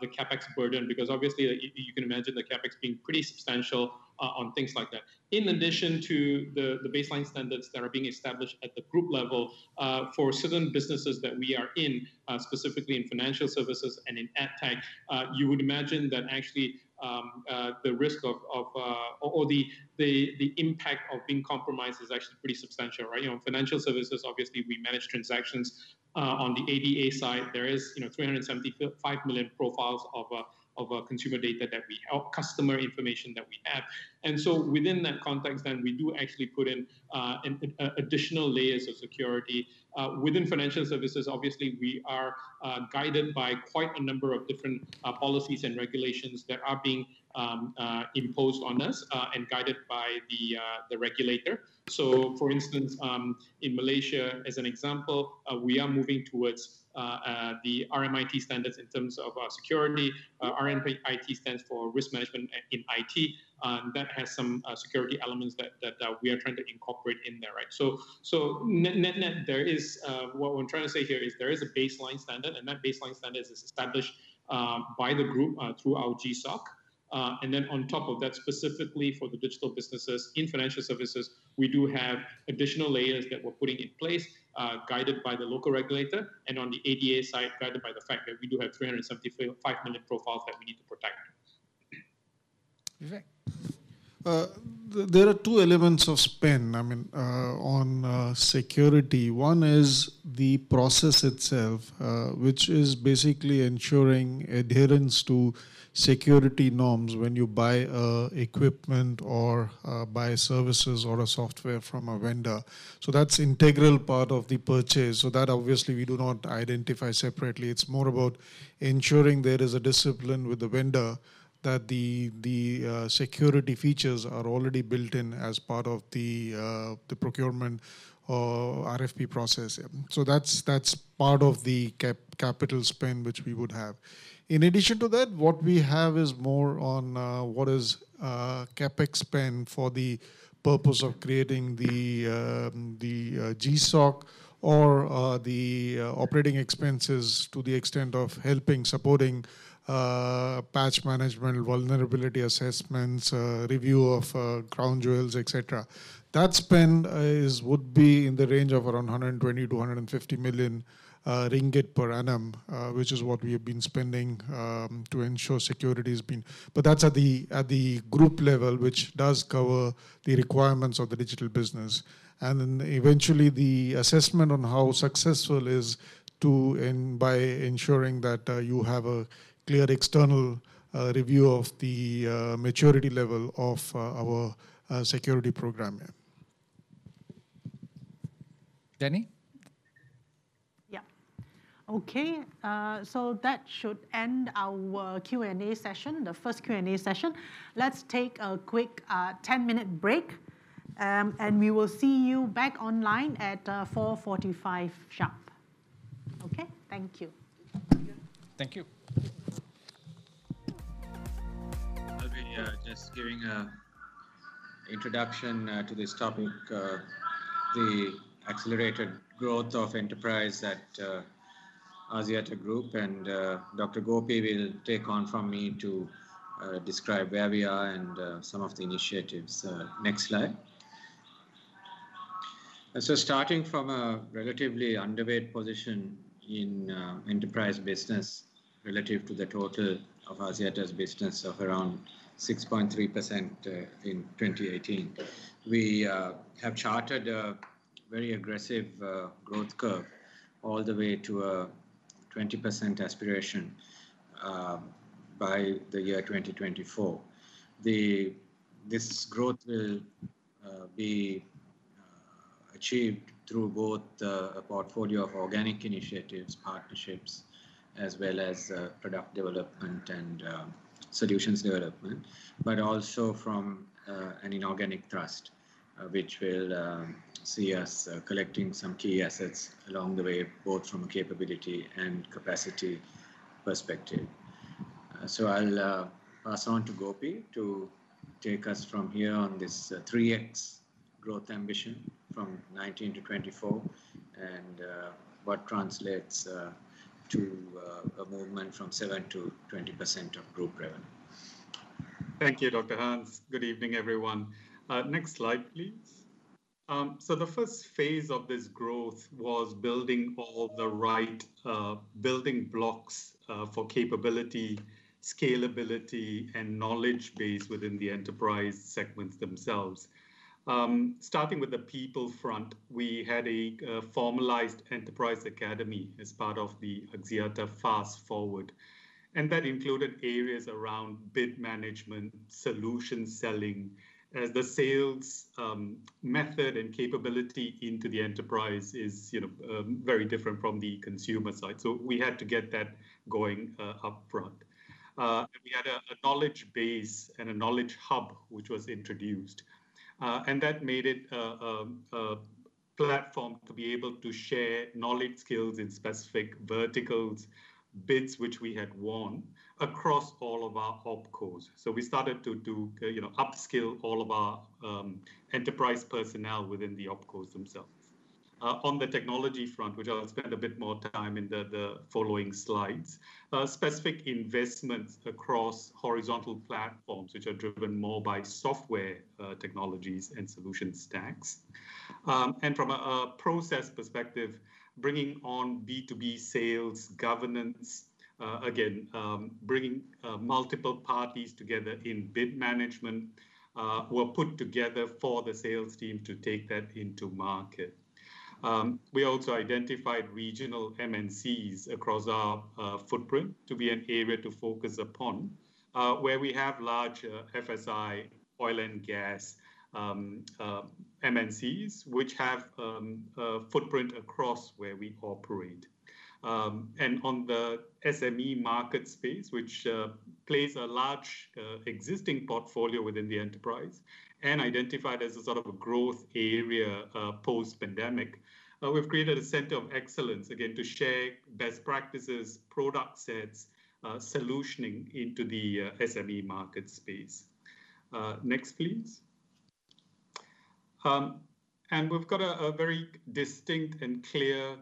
the CapEx burden because obviously, you can imagine the CapEx being pretty substantial on things like that. In addition to the baseline standards that are being established at the group level for certain businesses that we are in, specifically in financial services and in ad tech, you would imagine that actually the risk of, or the impact of being compromised is actually pretty substantial, right? In financial services, obviously, we manage transactions. On the ADA side, there are 375 million profiles of consumer data that we hold customer information that we have. And so within that context, then we do actually put in additional layers of security. Within financial services, obviously, we are guided by quite a number of different policies and regulations that are being imposed on us and guided by the regulator. So for instance, in Malaysia, as an example, we are moving towards the RMiT standards in terms of security. RMiT stands for Risk Management in IT. That has some security elements that we are trying to incorporate in there, right, so net-net, what we're trying to say here is there is a baseline standard, and that baseline standard is established by the group through our GSOC, and then on top of that, specifically for the digital businesses in financial services, we do have additional layers that we're putting in place, guided by the local regulator, and on the ADA side, guided by the fact that we do have 375 million profiles that we need to protect. Vivek? There are two elements of spend, I mean, on security. One is the process itself, which is basically ensuring adherence to security norms when you buy equipment or buy services or software from a vendor, so that's an integral part of the purchase, so that, obviously, we do not identify separately. It's more about ensuring there is a discipline with the vendor that the security features are already built in as part of the procurement or RFP process. So that's part of the capital spend which we would have. In addition to that, what we have is more on what is CapEx spend for the purpose of creating the GSOC or the operating expenses to the extent of helping, supporting patch management, vulnerability assessments, review of crown jewels, etc. That spend would be in the range of around 120 million-150 million ringgit per annum, which is what we have been spending to ensure security has been. But that's at the group level, which does cover the requirements of the digital business. And then eventually, the assessment on how successful is to end by ensuring that you have a clear external review of the maturity level of our security program. Danny? Yeah. Okay. So that should end our Q&A session, the first Q&A session. Let's take a quick 10-minute break, and we will see you back online at 4:45 P.M. sharp. Okay? Thank you. Thank you. I'll be just giving an introduction to this topic, the accelerated growth of enterprise at Axiata Group, and Dr. Gopi will take on from me to describe where we are and some of the initiatives. Next slide. So starting from a relatively underweight position in enterprise business relative to the total of Axiata's business of around 6.3% in 2018, we have chartered a very aggressive growth curve all the way to a 20% aspiration by the year 2024. This growth will be achieved through both a portfolio of organic initiatives, partnerships, as well as product development and solutions development, but also from an inorganic thrust, which will see us collecting some key assets along the way, both from a capability and capacity perspective. I'll pass on to Gopi to take us from here on this 3x growth ambition from 2019 to 2024 and what translates to a movement from 7% to 20% of group revenue. Thank you, Dr. Hans. Good evening, everyone. Next slide, please. The first phase of this growth was building all the right building blocks for capability, scalability, and knowledge base within the enterprise segments themselves. Starting with the people front, we had a formalized enterprise academy as part of the Axiata Fast Forward. And that included areas around bid management, solution selling, as the sales method and capability into the enterprise is very different from the consumer side. So we had to get that going upfront. We had a knowledge base and a knowledge hub, which was introduced. And that made it a platform to be able to share knowledge skills in specific verticals, bids which we had won across all of our OpCos. So we started to upskill all of our enterprise personnel within the OpCos themselves. On the technology front, which I'll spend a bit more time in the following slides, specific investments across horizontal platforms, which are driven more by software technologies and solution stacks. And from a process perspective, bringing on B2B sales, governance, again, bringing multiple parties together in bid management were put together for the sales team to take that into market. We also identified regional MNCs across our footprint to be an area to focus upon, where we have large FSI, oil and gas MNCs, which have a footprint across where we operate. And on the SME market space, which plays a large existing portfolio within the enterprise and identified as a sort of a growth area post-pandemic, we've created a center of excellence, again, to share best practices, product sets, solutioning into the SME market space. Next, please. And we've got a very distinct and clear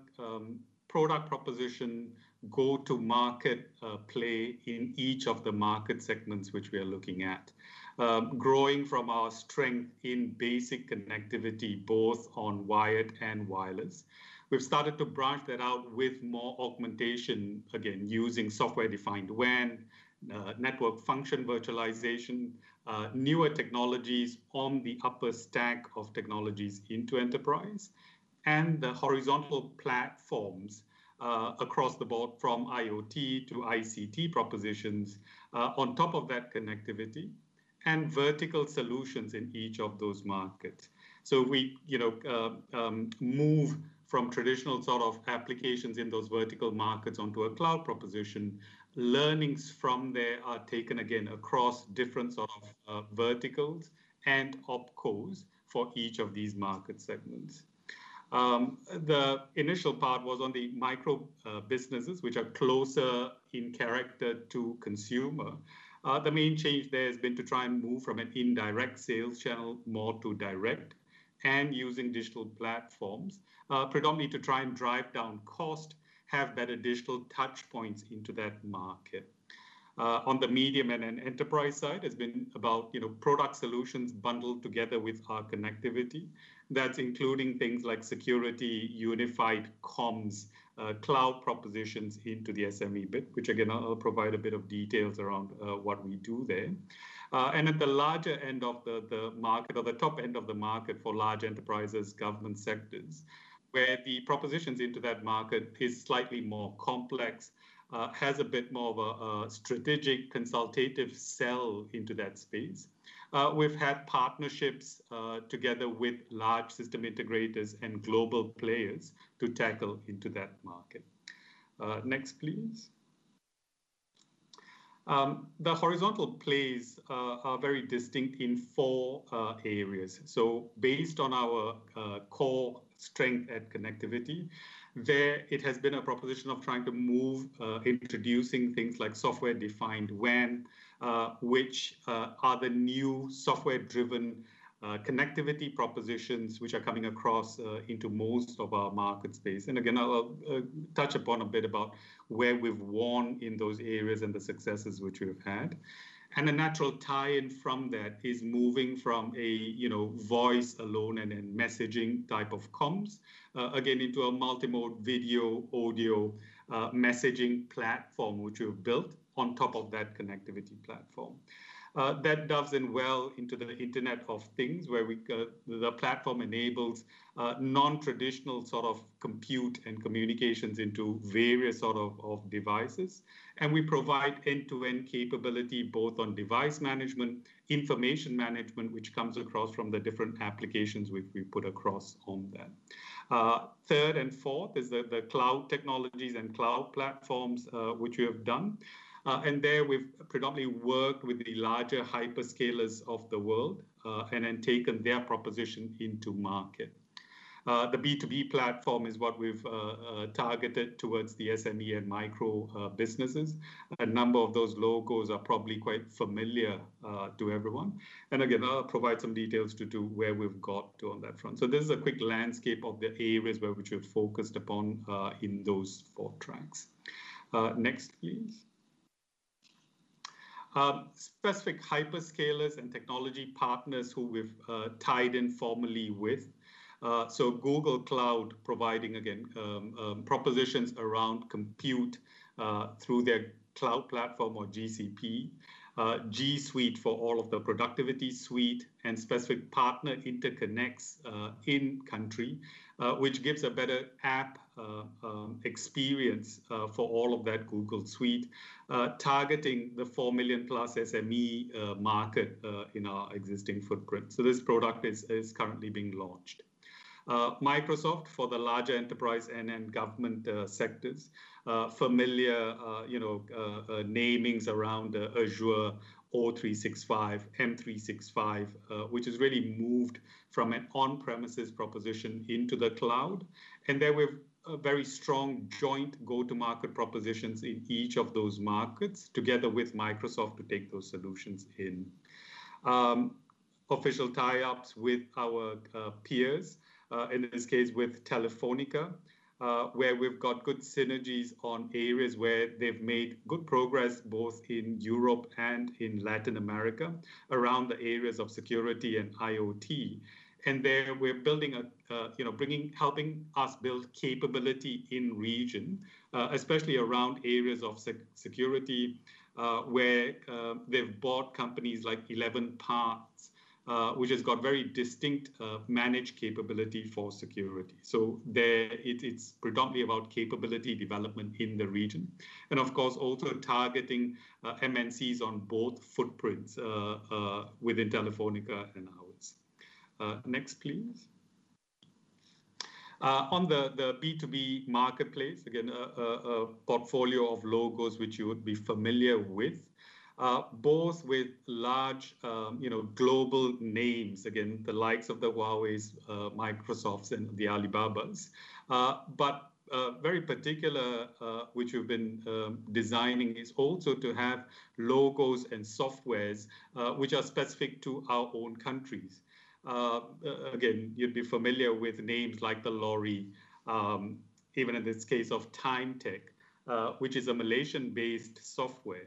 product proposition, go-to-market play in each of the market segments which we are looking at, growing from our strength in basic connectivity, both on wired and wireless. We've started to branch that out with more augmentation, again, using software-defined WAN, network function virtualization, newer technologies on the upper stack of technologies into enterprise, and the horizontal platforms across the board from IoT to ICT propositions on top of that connectivity and vertical solutions in each of those markets. So we move from traditional sort of applications in those vertical markets onto a cloud proposition. Learnings from there are taken, again, across different sort of verticals and OpCos for each of these market segments. The initial part was on the micro businesses, which are closer in character to consumer. The main change there has been to try and move from an indirect sales channel more to direct and using digital platforms, predominantly to try and drive down cost, have better digital touchpoints into that market. On the medium and enterprise side, it's been about product solutions bundled together with our connectivity. That's including things like security, unified comms, cloud propositions into the SME bit, which, again, I'll provide a bit of details around what we do there. And at the larger end of the market, or the top end of the market for large enterprises, government sectors, where the propositions into that market are slightly more complex, have a bit more of a strategic consultative sell into that space. We've had partnerships together with large system integrators and global players to tackle into that market. Next, please. The horizontal plays are very distinct in four areas. So based on our core strength at connectivity, there it has been a proposition of trying to move, introducing things like software-defined WAN, which are the new software-driven connectivity propositions which are coming across into most of our market space. And again, I'll touch upon a bit about where we've won in those areas and the successes which we've had. And a natural tie-in from that is moving from a voice alone and then messaging type of comms, again, into a multimode, video, audio messaging platform, which we've built on top of that connectivity platform. That dovetails in well into the Internet of Things, where the platform enables non-traditional sort of compute and communications into various sort of devices. And we provide end-to-end capability, both on device management, information management, which comes across from the different applications which we put across on them. Third and fourth is the cloud technologies and cloud platforms, which we have done, and there we've predominantly worked with the larger hyperscalers of the world and then taken their proposition into market. The B2B platform is what we've targeted towards the SME and micro businesses. A number of those logos are probably quite familiar to everyone, and again, I'll provide some details to where we've got to on that front. This is a quick landscape of the areas which we've focused upon in those four tracks. Next, please. Specific hyperscalers and technology partners who we've tied in formally with: Google Cloud, providing, again, propositions around compute through their cloud platform or GCP, G Suite for all of the productivity suite, and specific partner interconnects in-country, which gives a better app experience for all of that G Suite, targeting the four million-plus SME market in our existing footprint. So this product is currently being launched. Microsoft for the larger enterprise and government sectors, familiar namings around Azure, O365, M365, which has really moved from an on-premises proposition into the cloud. And there we have very strong joint go-to-market propositions in each of those markets together with Microsoft to take those solutions in. Official tie-ups with our peers, in this case with Telefónica, where we've got good synergies on areas where they've made good progress, both in Europe and in Latin America, around the areas of security and IoT. And there we're helping us build capability in region, especially around areas of security where they've bought companies like ElevenPaths, which has got very distinct managed capability for security. So it's predominantly about capability development in the region. And of course, also targeting MNCs on both footprints within Telefónica and ours. Next, please. On the B2B marketplace, again, a portfolio of logos which you would be familiar with, both with large global names, again, the likes of the Huaweis, Microsofts, and the Alibabas. But very particular, which we've been designing, is also to have logos and softwares which are specific to our own countries. Again, you'd be familiar with names like TheLorry, even in this case of TimeTec, which is a Malaysian-based software.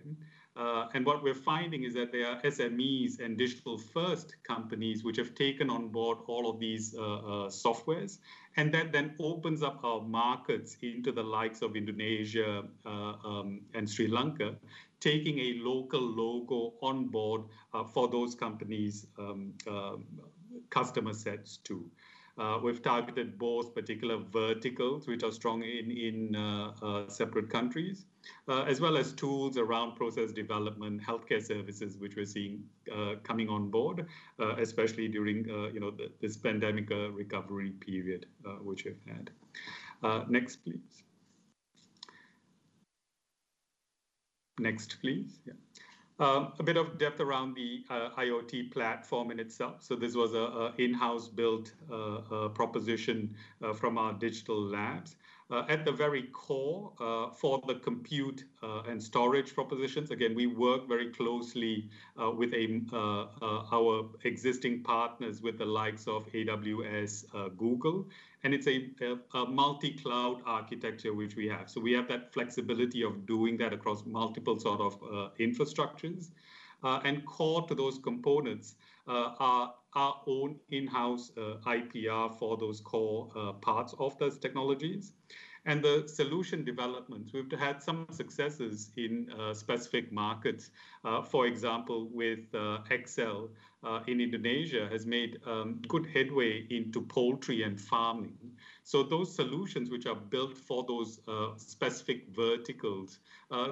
And what we're finding is that there are SMEs and digital-first companies which have taken on board all of these softwares. And that then opens up our markets into the likes of Indonesia and Sri Lanka, taking a local logo on board for those companies' customer sets too. We've targeted both particular verticals, which are strong in separate countries, as well as tools around process development, healthcare services, which we're seeing coming on board, especially during this pandemic recovery period which we've had. Next, please. Next, please. Yeah. A bit of depth around the IoT platform in itself. So this was an in-house-built proposition from our digital labs. At the very core for the compute and storage propositions, again, we work very closely with our existing partners with the likes of AWS, Google. And it's a multi-cloud architecture which we have. So we have that flexibility of doing that across multiple sort of infrastructures. And core to those components are our own in-house IPR for those core parts of those technologies. And the solution development, we've had some successes in specific markets. For example, with XL in Indonesia has made good headway into poultry and farming. Those solutions which are built for those specific verticals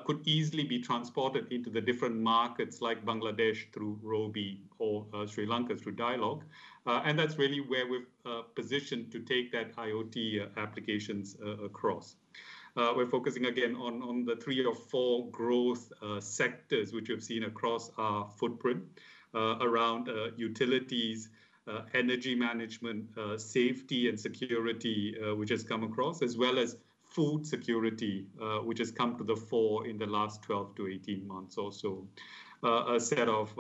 could easily be transported into the different markets like Bangladesh through Robi or Sri Lanka through Dialog. That's really where we're positioned to take that IoT applications across. We're focusing, again, on the three or four growth sectors which we've seen across our footprint around utilities, energy management, safety and security, which has come across, as well as food security, which has come to the fore in the last 12 to 18 months or so. A set of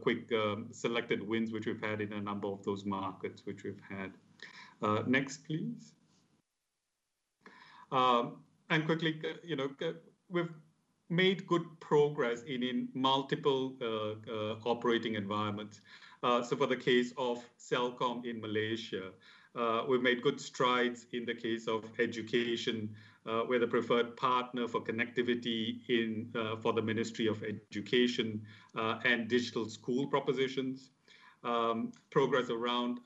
quick selected wins which we've had in a number of those markets which we've had. Next, please. Quickly, we've made good progress in multiple operating environments. For the case of Celcom in Malaysia, we've made good strides in the case of education, where the preferred partner for connectivity for the Ministry of Education and digital school propositions. Progress around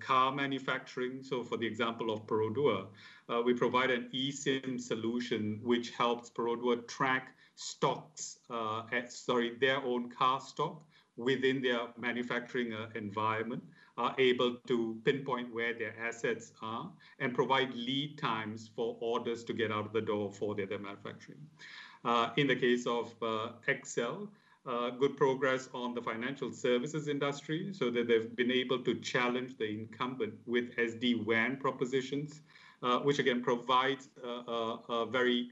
car manufacturing. So for the example of Perodua, we provide an eSIM solution which helps Perodua track stocks, sorry, their own car stock within their manufacturing environment, are able to pinpoint where their assets are and provide lead times for orders to get out of the door for their manufacturing. In the case of XL, good progress on the financial services industry. So they've been able to challenge the incumbent with SD-WAN propositions, which again provides a very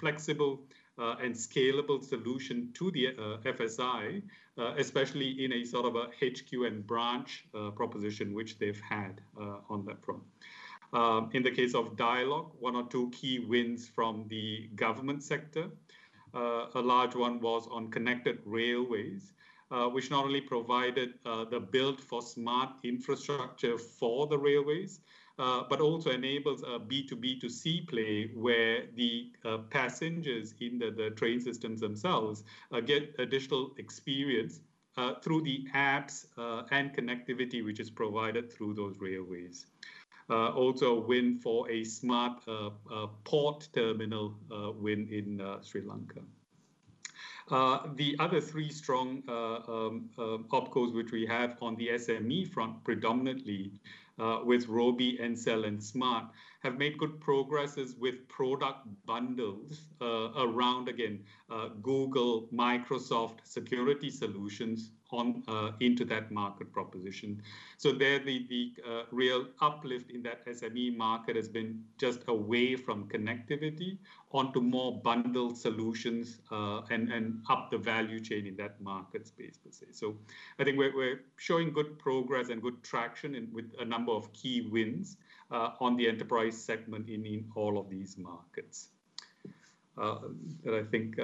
flexible and scalable solution to the FSI, especially in a sort of a HQ and branch proposition which they've had on that front. In the case of Dialog, one or two key wins from the government sector. A large one was on connected railways, which not only provided the build for smart infrastructure for the railways, but also enables a B2B2C play where the passengers in the train systems themselves get additional experience through the apps and connectivity which is provided through those railways. Also a win for a smart port terminal win in Sri Lanka. The other three strong OpCos which we have on the SME front, predominantly with Robi, Ncell, and Smart, have made good progresses with product bundles around, again, Google, Microsoft security solutions into that market proposition. So there, the real uplift in that SME market has been just away from connectivity onto more bundled solutions and up the value chain in that market space, per se. So I think we're showing good progress and good traction with a number of key wins on the enterprise segment in all of these markets. I think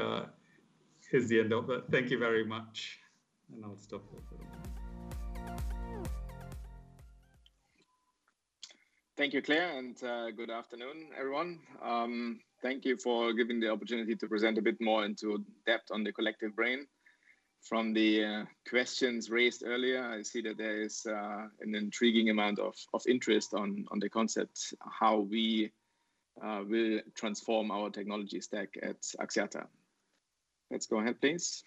it's the end of that. Thank you very much. And I'll stop there for the moment. Thank you, Clare, and good afternoon, everyone. Thank you for giving the opportunity to present a bit more in depth on the collective brain. From the questions raised earlier, I see that there is an intriguing amount of interest on the concept how we will transform our technology stack at Axiata. Let's go ahead, please.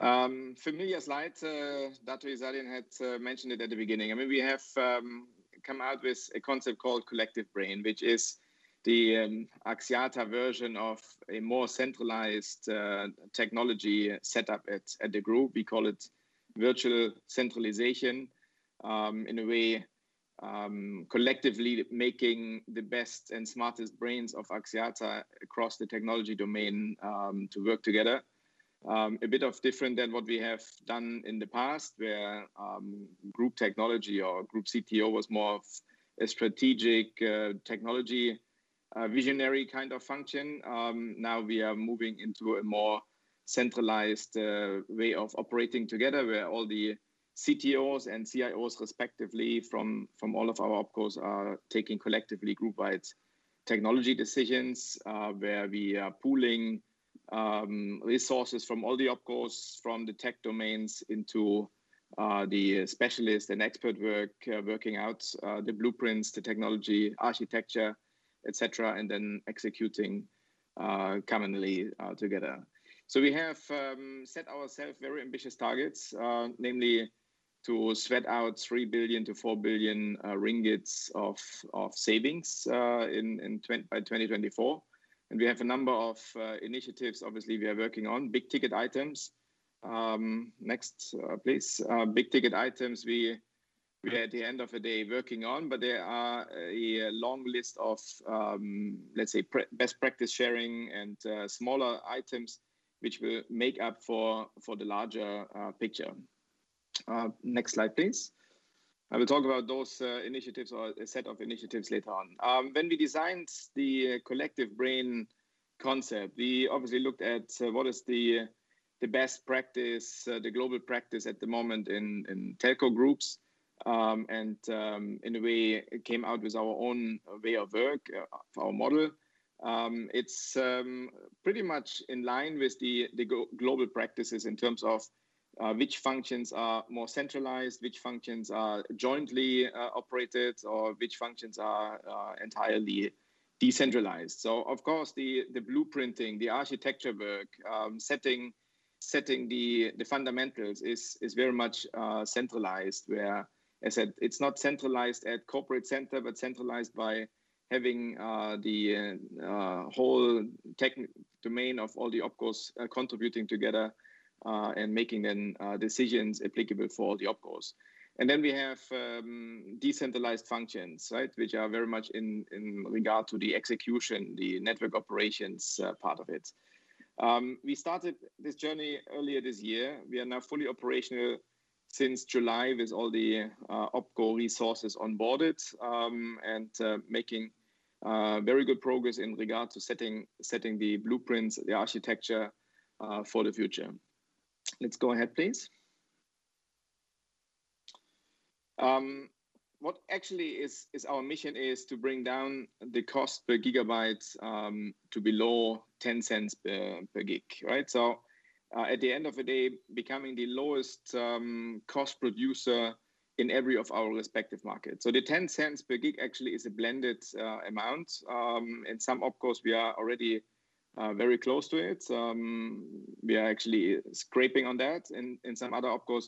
Familiar slides. Dr. Izadin had mentioned it at the beginning. I mean, we have come out with a concept called collective brain, which is the Axiata version of a more centralized technology setup at the group. We call it virtual centralization in a way, collectively making the best and smartest brains of Axiata across the technology domain to work together. A bit different than what we have done in the past, where group technology or group CTO was more of a strategic technology visionary kind of function. Now we are moving into a more centralized way of operating together where all the CTOs and CIOs, respectively, from all of our OpCos are taking collectively group-wide technology decisions, where we are pooling resources from all the OpCos, from the tech domains into the specialist and expert work, working out the blueprints, the technology architecture, etc., and then executing commonly together. So we have set ourselves very ambitious targets, namely to sweat out 3 billion-4 billion ringgit of savings by 2024. And we have a number of initiatives, obviously, we are working on, big ticket items. Next, please. Big ticket items we are at the end of the day working on, but there are a long list of, let's say, best practice sharing and smaller items which will make up for the larger picture. Next slide, please. I will talk about those initiatives or a set of initiatives later on. When we designed the Collective Brain concept, we obviously looked at what is the best practice, the global practice at the moment in telco groups. And in a way, it came out with our own way of work, our model. It's pretty much in line with the global practices in terms of which functions are more centralized, which functions are jointly operated, or which functions are entirely decentralized. So, of course, the blueprinting, the architecture work, setting the fundamentals is very much centralized, where I said it's not centralized at corporate center, but centralized by having the whole tech domain of all the OpCos contributing together and making the decisions applicable for all the OpCos. And then we have decentralized functions, right, which are very much in regard to the execution, the network operations part of it. We started this journey earlier this year. We are now fully operational since July with all the opco resources onboarded and making very good progress in regard to setting the blueprints, the architecture for the future. Let's go ahead, please. What actually is our mission is to bring down the cost per gigabyte to below 10 cents per gig, right? So at the end of the day, becoming the lowest cost producer in every of our respective markets. The 0.10 per gig actually is a blended amount. In some OpCos, we are already very close to it. We are actually scraping on that. In some other OpCos,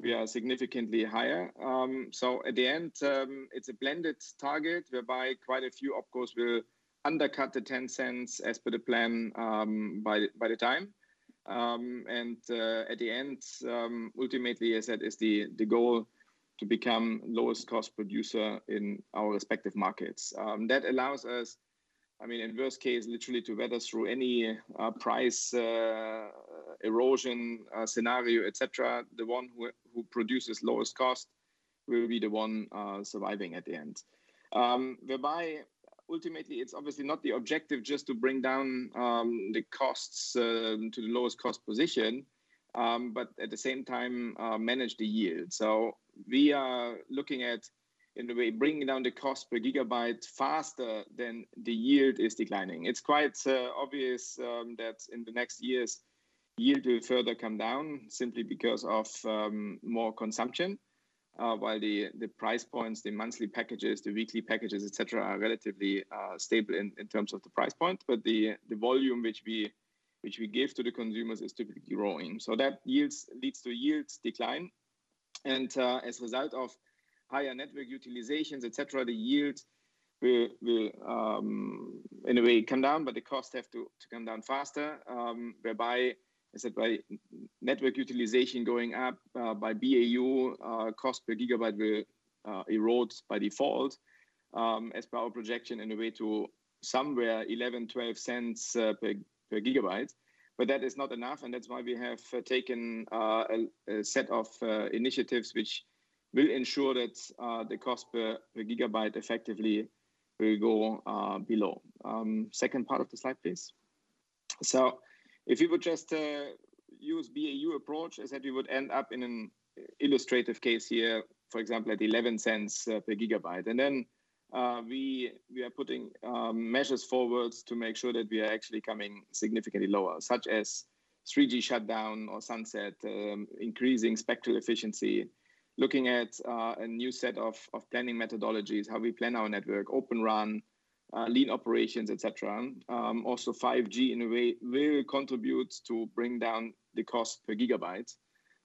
we are significantly higher. At the end, it's a blended target whereby quite a few OpCos will undercut the 0.10 as per the plan by the time. Ultimately, as I said, the goal is to become the lowest cost producer in our respective markets. That allows us, I mean, in worst case, literally to weather through any price erosion scenario, etc. The one who produces lowest cost will be the one surviving at the end. Ultimately, it's obviously not the objective just to bring down the costs to the lowest cost position, but at the same time, manage the yield. We are looking at, in a way, bringing down the cost per gigabyte faster than the yield is declining. It's quite obvious that in the next years, yield will further come down simply because of more consumption, while the price points, the monthly packages, the weekly packages, etc., are relatively stable in terms of the price point. But the volume which we give to the consumers is typically growing. So that leads to yield decline. And as a result of higher network utilizations, etc., the yield will, in a way, come down, but the costs have to come down faster, whereby network utilization going up by BAU cost per gigabyte will erode by default as per our projection in a way to somewhere 0.11-0.12 per gigabyte. But that is not enough, and that's why we have taken a set of initiatives which will ensure that the cost per gigabyte effectively will go below. Second part of the slide, please. So if you would just use BAU approach, I said we would end up in an illustrative case here, for example, at 0.11 per gigabyte. And then we are putting measures forward to make sure that we are actually coming significantly lower, such as 3G shutdown or sunset, increasing spectral efficiency, looking at a new set of planning methodologies, how we plan our network, Open RAN, lean operations, etc. Also, 5G in a way will contribute to bring down the cost per gigabyte.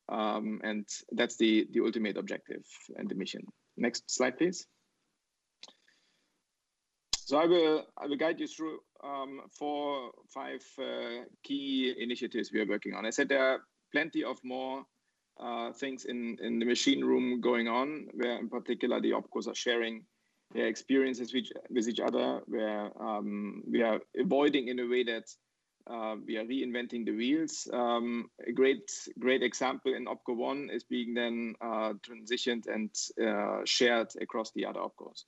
And that's the ultimate objective and the mission. Next slide, please. So I will guide you through four, five key initiatives we are working on. I said there are plenty of more things in the machine room going on, where in particular the OpCos are sharing their experiences with each other, where we are avoiding in a way that we are reinventing the wheels. A great example in opco one is being then transitioned and shared across the other OpCos.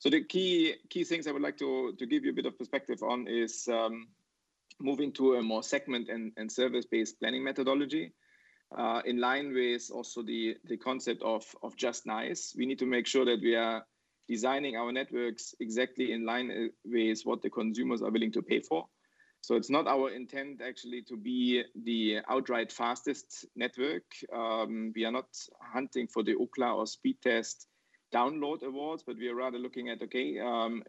So the key things I would like to give you a bit of perspective on is moving to a more segment and service-based planning methodology in line with also the concept of just nice. We need to make sure that we are designing our networks exactly in line with what the consumers are willing to pay for. So it's not our intent actually to be the outright fastest network. We are not hunting for the Ookla or speed test download awards, but we are rather looking at, okay,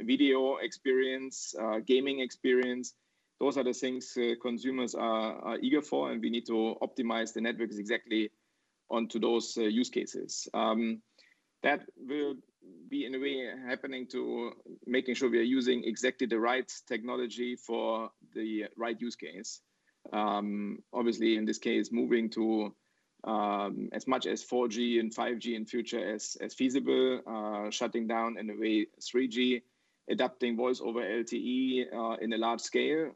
video experience, gaming experience. Those are the things consumers are eager for, and we need to optimize the networks exactly onto those use cases. That will be in a way happening to making sure we are using exactly the right technology for the right use case. Obviously, in this case, moving to as much as 4G and 5G in future as feasible, shutting down in a way 3G, adopting voice over LTE in a large scale.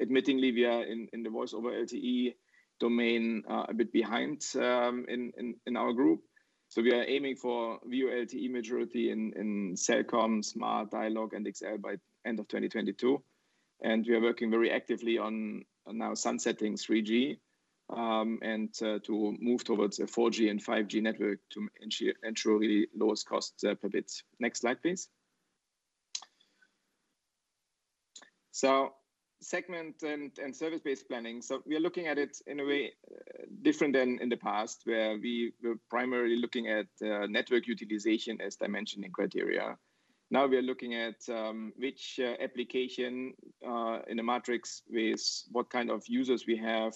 Admittedly, we are in the voice over LTE domain a bit behind in our group. We are aiming for VoLTE majority in Celcom, Smart, Dialog, and XL by the end of 2022. We are working very actively on now sunsetting 3G and to move towards a 4G and 5G network to ensure really lowest cost per bit. Next slide, please. Segment and service-based planning. So we are looking at it in a way different than in the past, where we were primarily looking at network utilization as dimensioning criteria. Now we are looking at which application in a matrix with what kind of users we have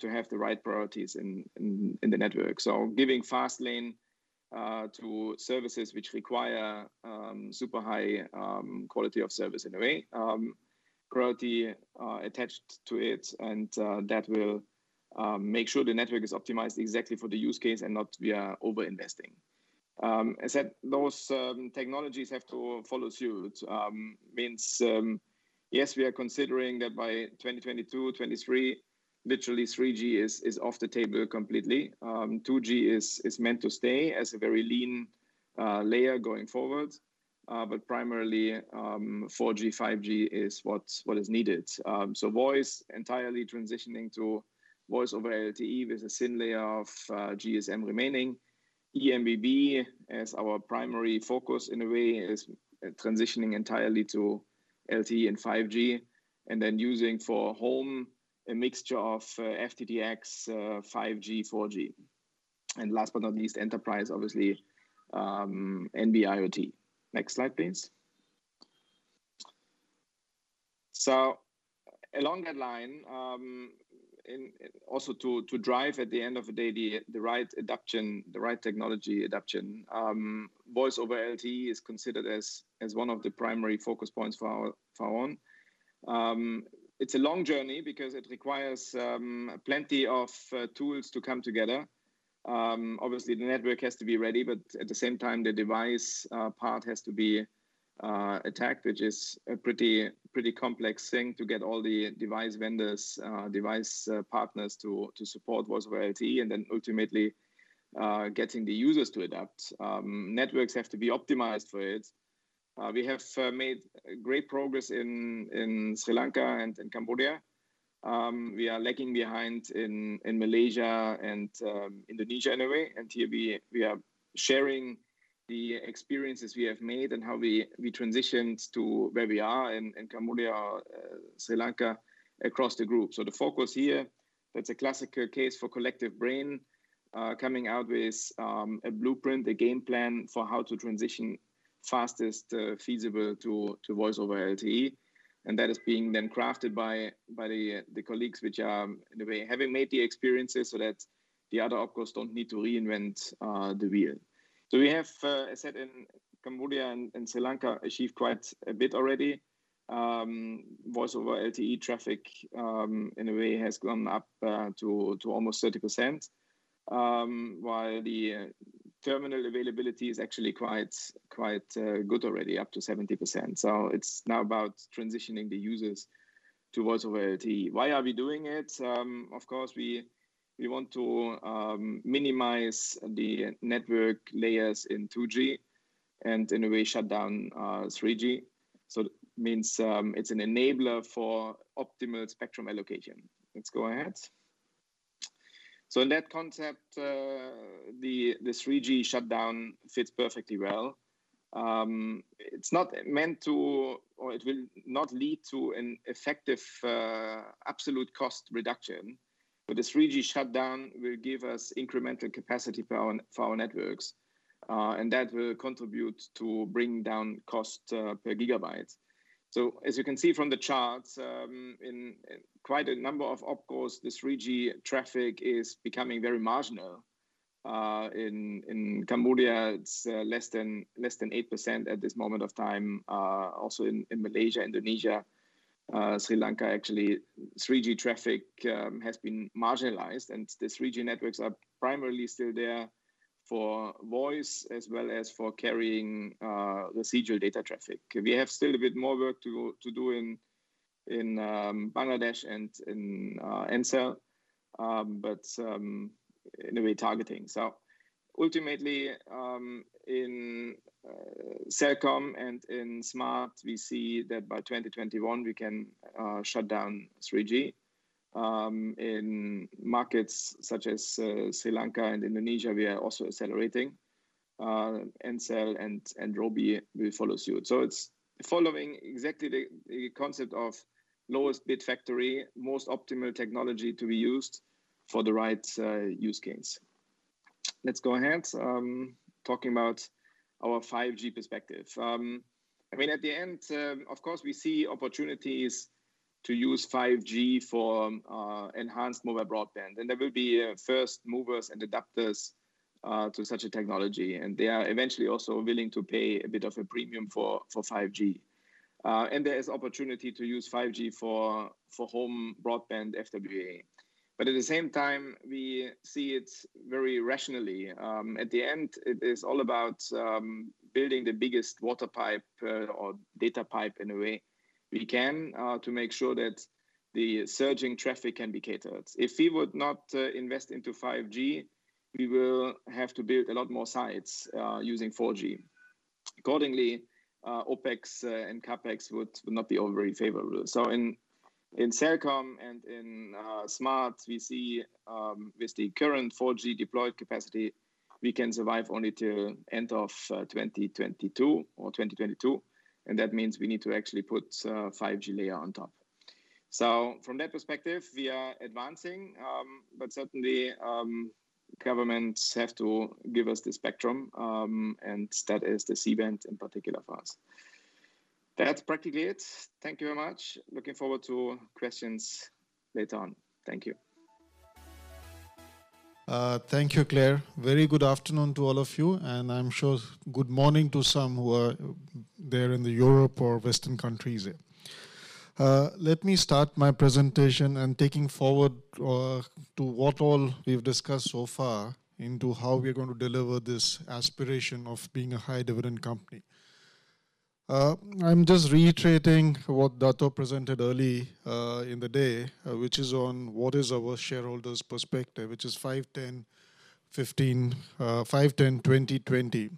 to have the right priorities in the network. So giving fast lane to services which require super high quality of service in a way, priority attached to it, and that will make sure the network is optimized exactly for the use case and not we are overinvesting. As I said, those technologies have to follow suit. Means yes, we are considering that by 2022, 2023, literally 3G is off the table completely. 2G is meant to stay as a very lean layer going forward, but primarily 4G, 5G is what is needed. So voice entirely transitioning to voice over LTE with a thin layer of GSM remaining. MBB as our primary focus in a way is transitioning entirely to LTE and 5G, and then using for home a mixture of FTTX, 5G, 4G. And last but not least, enterprise, obviously, NB-IoT. Next slide, please. So along that line, also to drive at the end of the day the right adoption, the right technology adoption, voice over LTE is considered as one of the primary focus points for our own. It's a long journey because it requires plenty of tools to come together. Obviously, the network has to be ready, but at the same time, the device part has to be tackled, which is a pretty complex thing to get all the device vendors, device partners to support voice over LTE, and then ultimately getting the users to adopt. Networks have to be optimized for it. We have made great progress in Sri Lanka and Cambodia. We are lagging behind in Malaysia and Indonesia in a way, and here we are sharing the experiences we have made and how we transitioned to where we are in Cambodia, Sri Lanka across the group, so the focus here, that's a classical case for Collective Brain coming out with a blueprint, a game plan for how to transition fastest feasible to voice over LTE, and that is being then crafted by the colleagues which are in a way having made the experiences so that the other OpCos don't need to reinvent the wheel, so we have, as I said, in Cambodia and Sri Lanka achieved quite a bit already. Voice over LTE traffic in a way has gone up to almost 30%, while the terminal availability is actually quite good already, up to 70%, so it's now about transitioning the users to voice over LTE. Why are we doing it? Of course, we want to minimize the network layers in 2G and in a way shut down 3G. So it means it's an enabler for optimal spectrum allocation. Let's go ahead. So in that concept, the 3G shutdown fits perfectly well. It's not meant to, or it will not lead to an effective absolute cost reduction, but the 3G shutdown will give us incremental capacity for our networks, and that will contribute to bringing down cost per gigabyte. So as you can see from the charts, in quite a number of OpCos, the 3G traffic is becoming very marginal. In Cambodia, it's less than 8% at this moment of time. Also in Malaysia, Indonesia, Sri Lanka, actually, 3G traffic has been marginalized, and the 3G networks are primarily still there for voice as well as for carrying residual data traffic. We have still a bit more work to do in Bangladesh and in Ncell, but in a way targeting. Ultimately, in Celcom and in Smart, we see that by 2021, we can shut down 3G. In markets such as Sri Lanka and Indonesia, we are also accelerating. Ncell and Robi will follow suit. It's following exactly the concept of lowest cost factory, most optimal technology to be used for the right use case. Let's go ahead talking about our 5G perspective. I mean, at the end, of course, we see opportunities to use 5G for enhanced mobile broadband, and there will be first movers and adopters to such a technology, and they are eventually also willing to pay a bit of a premium for 5G. There is opportunity to use 5G for home broadband FWA. At the same time, we see it very rationally. At the end, it is all about building the biggest water pipe or data pipe in a way we can to make sure that the surging traffic can be catered. If we would not invest into 5G, we will have to build a lot more sites using 4G. Accordingly, OpEx and CapEx would not be overly favorable. In Celcom and in Smart, we see with the current 4G deployed capacity, we can survive only till end of 2022 or 2022, and that means we need to actually put a 5G layer on top. From that perspective, we are advancing, but certainly governments have to give us the spectrum, and that is the C-band in particular for us. That's practically it. Thank you very much. Looking forward to questions later on. Thank you. Thank you, Clare. Very good afternoon to all of you, and I'm sure good morning to some who are there in Europe or Western countries here. Let me start my presentation and take you forward to what all we've discussed so far into how we are going to deliver this aspiration of being a high dividend company. I'm just reiterating what Dato' presented early in the day, which is on what is our shareholders' perspective, which is 5/10/2020.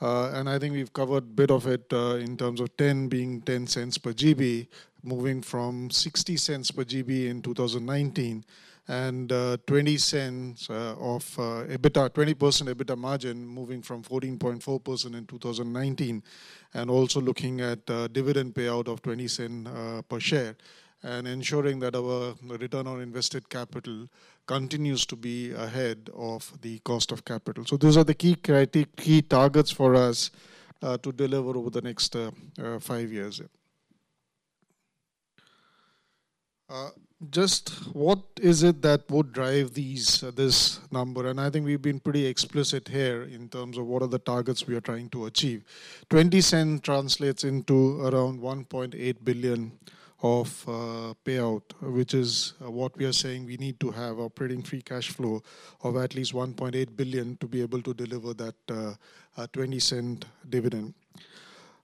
I think we've covered a bit of it in terms of 10 being 0.10 per GB, moving from 0.60 per GB in 2019, and 20% EBITDA margin moving from 14.4% in 2019, and also looking at dividend payout of 0.20 per share and ensuring that our return on invested capital continues to be ahead of the cost of capital. So those are the key targets for us to deliver over the next five years. Just what is it that would drive this number? And I think we've been pretty explicit here in terms of what are the targets we are trying to achieve. 0.20 translates into around 1.8 billion of payout, which is what we are saying we need to have operating free cash flow of at least 1.8 billion to be able to deliver that 0.20 dividend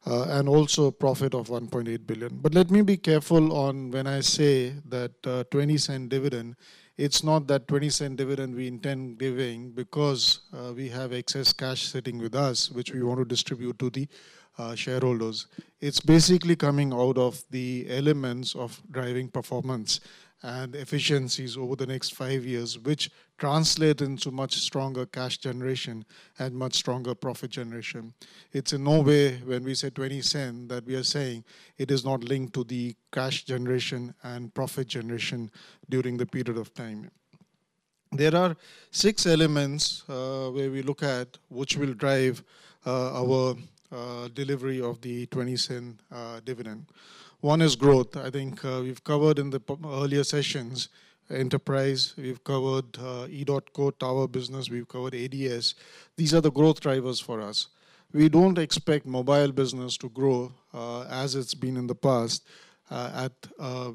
and also profit of 1.8 billion. But let me be careful when I say that 0.20 dividend, it's not that 0.20 dividend we intend giving because we have excess cash sitting with us, which we want to distribute to the shareholders. It's basically coming out of the elements of driving performance and efficiencies over the next five years, which translate into much stronger cash generation and much stronger profit generation. It's in no way when we say 0.20 that we are saying it is not linked to the cash generation and profit generation during the period of time. There are six elements where we look at which will drive our delivery of the 0.20 dividend. One is growth. I think we've covered in the earlier sessions enterprise, we've covered EDOTCO Tower business, we've covered ADS. These are the growth drivers for us. We don't expect mobile business to grow as it's been in the past at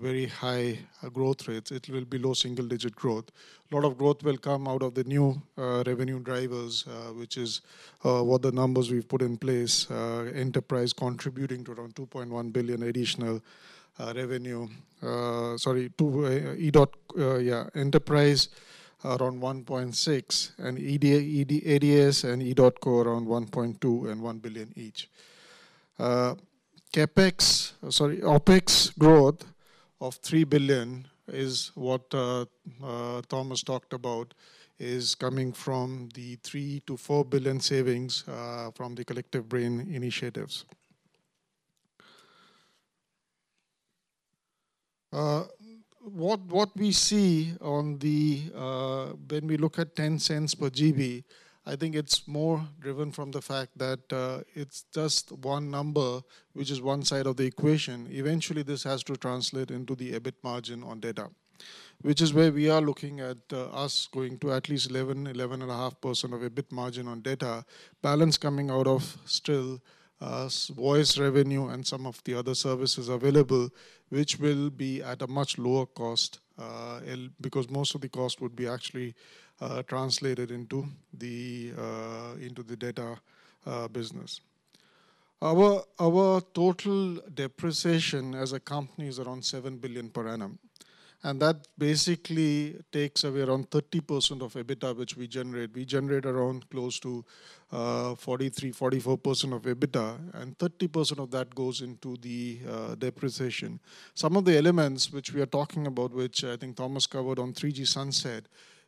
very high growth rates. It will be low single-digit growth. A lot of growth will come out of the new revenue drivers, which is what the numbers we've put in place. Enterprise contributing to around 2.1 billion additional revenue. Sorry, Yeah, enterprise around 1.6 billion and ADS and EDOTCO around 1.2 billion and 1 billion each. CapEx, sorry, OpEx growth of 3 billion is what Thomas talked about is coming from the 3 billion- 4 billion savings from the Collective Brain initiatives. What we see when we look at 0.10 per GB, I think it's more driven from the fact that it's just one number, which is one side of the equation. Eventually, this has to translate into the EBIT margin on data, which is where we are looking at us going to at least 11%-11.5% of EBIT margin on data balance coming out of still voice revenue and some of the other services available, which will be at a much lower cost because most of the cost would be actually translated into the data business. Our total depreciation as a company is around 7 billion per annum, and that basically takes away around 30% of EBITDA which we generate. We generate around close to 43%-44% of EBITDA, and 30% of that goes into the depreciation. Some of the elements which we are talking about, which I think Thomas covered on 3G Sunset,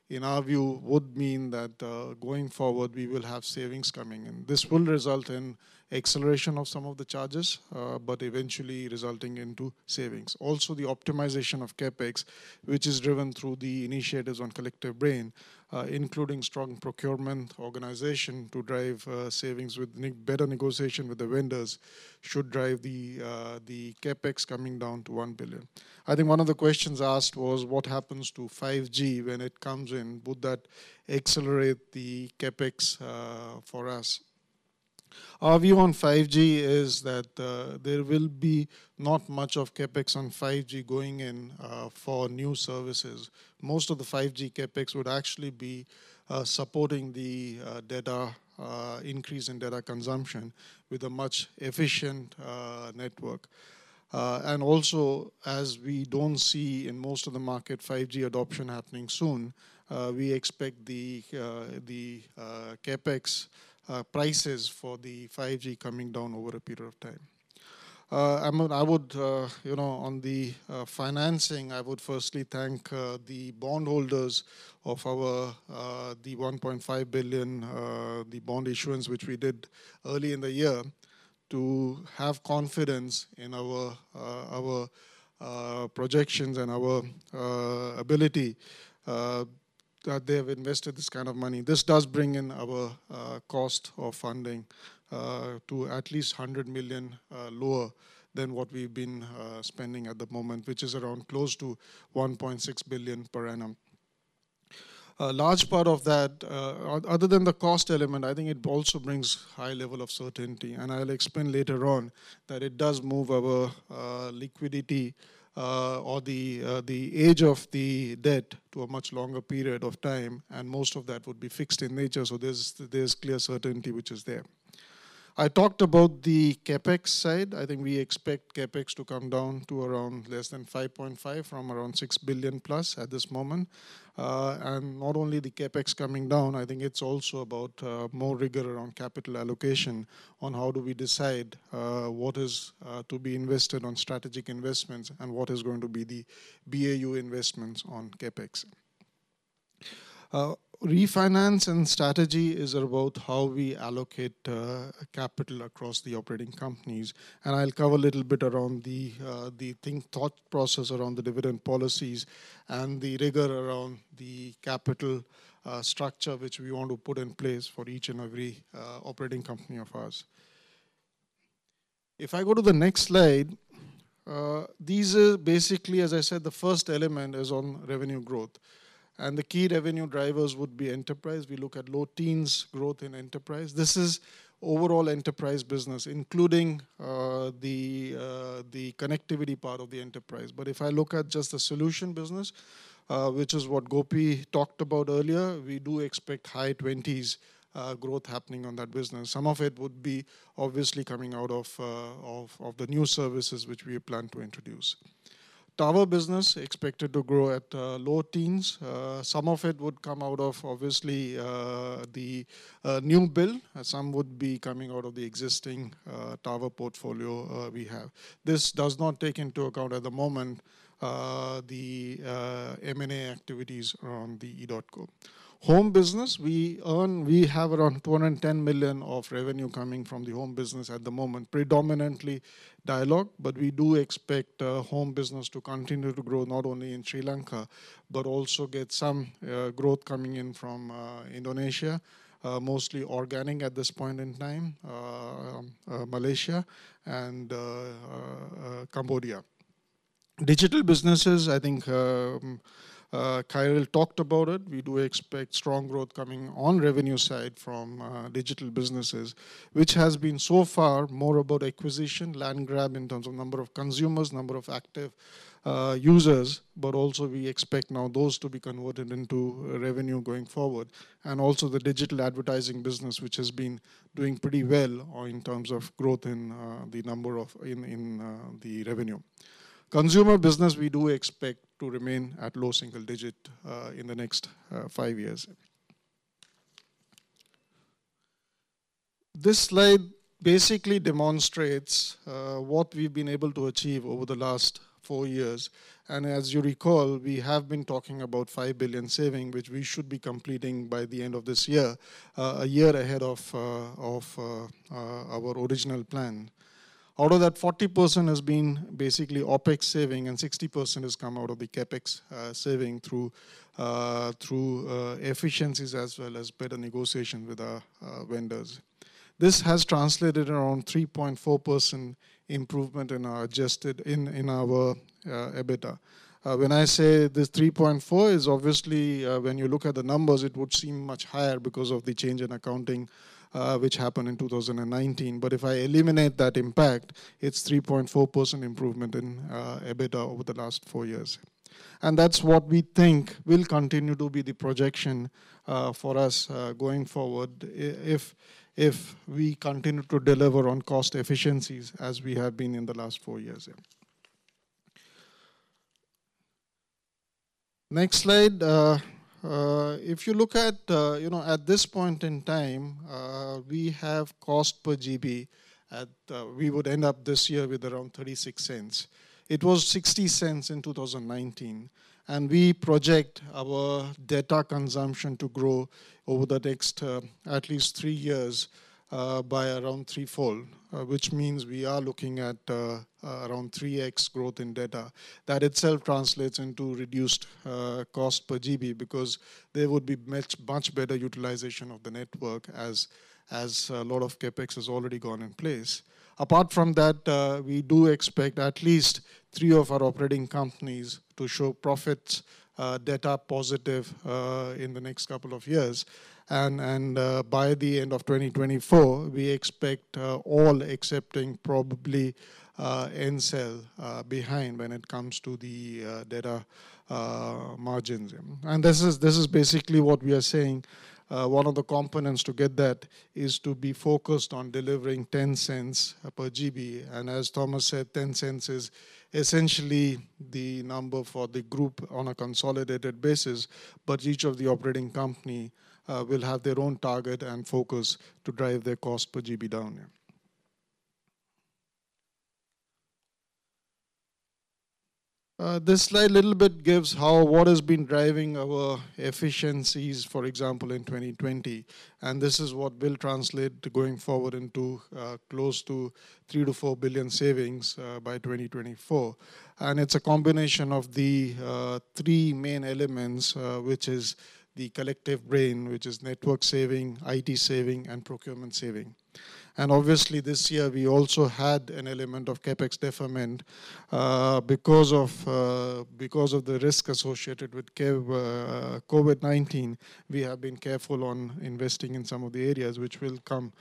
in our view would mean that going forward we will have savings coming, and this will result in acceleration of some of the charges, but eventually resulting into savings. Also, the optimization of CapEx, which is driven through the initiatives on Collective Brain, including strong procurement organization to drive savings with better negotiation with the vendors, should drive the CapEx coming down to 1 billion. I think one of the questions asked was what happens to 5G when it comes in? Would that accelerate the CapEx for us? Our view on 5G is that there will be not much of CapEx on 5G going in for new services. Most of the 5G CapEx would actually be supporting the data increase in data consumption with a much efficient network. And also, as we don't see in most of the market 5G adoption happening soon, we expect the CapEx prices for the 5G coming down over a period of time. I would, on the financing, I would firstly thank the bondholders of our 1.5 billion, the bond issuance, which we did early in the year to have confidence in our projections and our ability that they have invested this kind of money. This does bring in our cost of funding to at least 100 million lower than what we've been spending at the moment, which is around close to 1.6 billion per annum. A large part of that, other than the cost element, I think it also brings high level of certainty, and I'll explain later on that it does move our liquidity or the maturity of the debt to a much longer period of time, and most of that would be fixed in nature. So there's clear certainty which is there. I talked about the CapEx side. I think we expect CapEx to come down to around less than 5.5 billion from around 6 billion plus at this moment. And not only the CapEx coming down, I think it's also about more rigor around capital allocation on how do we decide what is to be invested on strategic investments and what is going to be the BAU investments on CapEx. Refinance and strategy is about how we allocate capital across the operating companies, and I'll cover a little bit around the thought process around the dividend policies and the rigor around the capital structure which we want to put in place for each and every operating company of ours. If I go to the next slide, these are basically, as I said, the first element is on revenue growth, and the key revenue drivers would be enterprise. We look at low teens growth in enterprise. This is overall enterprise business, including the connectivity part of the enterprise. But if I look at just the solution business, which is what Gopi talked about earlier, we do expect high 20s growth happening on that business. Some of it would be obviously coming out of the new services which we plan to introduce. Tower business expected to grow at low teens. Some of it would come out of obviously the new build. Some would be coming out of the existing tower portfolio we have. This does not take into account at the moment the M&A activities around the EDOTCO home business. We have around 210 million of revenue coming from the home business at the moment, predominantly Dialog, but we do expect home business to continue to grow not only in Sri Lanka, but also get some growth coming in from Indonesia, mostly organic at this point in time, Malaysia, and Cambodia. Digital businesses, I think Khairil talked about it. We do expect strong growth coming on revenue side from digital businesses, which has been so far more about acquisition, land grab in terms of number of consumers, number of active users, but also we expect now those to be converted into revenue going forward, and also the digital advertising business, which has been doing pretty well in terms of growth in the number of the revenue. Consumer business, we do expect to remain at low single digit in the next five years. This slide basically demonstrates what we've been able to achieve over the last four years, and as you recall, we have been talking about 5 billion savings, which we should be completing by the end of this year, a year ahead of our original plan. Out of that, 40% has been basically OpEx saving and 60% has come out of the CapEx saving through efficiencies as well as better negotiation with our vendors. This has translated around 3.4% improvement in our adjusted in our EBITDA. When I say this 3.4% is obviously when you look at the numbers, it would seem much higher because of the change in accounting which happened in 2019, but if I eliminate that impact, it's 3.4% improvement in EBITDA over the last four years. That's what we think will continue to be the projection for us going forward if we continue to deliver on cost efficiencies as we have been in the last four years. Next slide. If you look at this point in time, we have cost per GB, we would end up this year with around 0.36. It was 0.60 in 2019, and we project our data consumption to grow over the next at least three years by around threefold, which means we are looking at around 3x growth in data. That itself translates into reduced cost per GB because there would be much better utilization of the network as a lot of CapEx has already gone in place. Apart from that, we do expect at least three of our operating companies to show profits data positive in the next couple of years, and by the end of 2024, we expect all excepting probably Ncell behind when it comes to the data margins, and this is basically what we are saying. One of the components to get that is to be focused on delivering 0.10 per GB, and as Thomas said, 0.10 is essentially the number for the group on a consolidated basis, but each of the operating company will have their own target and focus to drive their cost per GB down. This slide a little bit gives how what has been driving our efficiencies, for example, in 2020, and this is what will translate going forward into close to 3 billion-4 billion savings by 2024, and it's a combination of the three main elements, which is the Collective Brain, which is network saving, IT saving, and procurement saving, and obviously, this year we also had an element of CapEx deferment because of the risk associated with COVID-19. We have been careful on investing in some of the areas which will come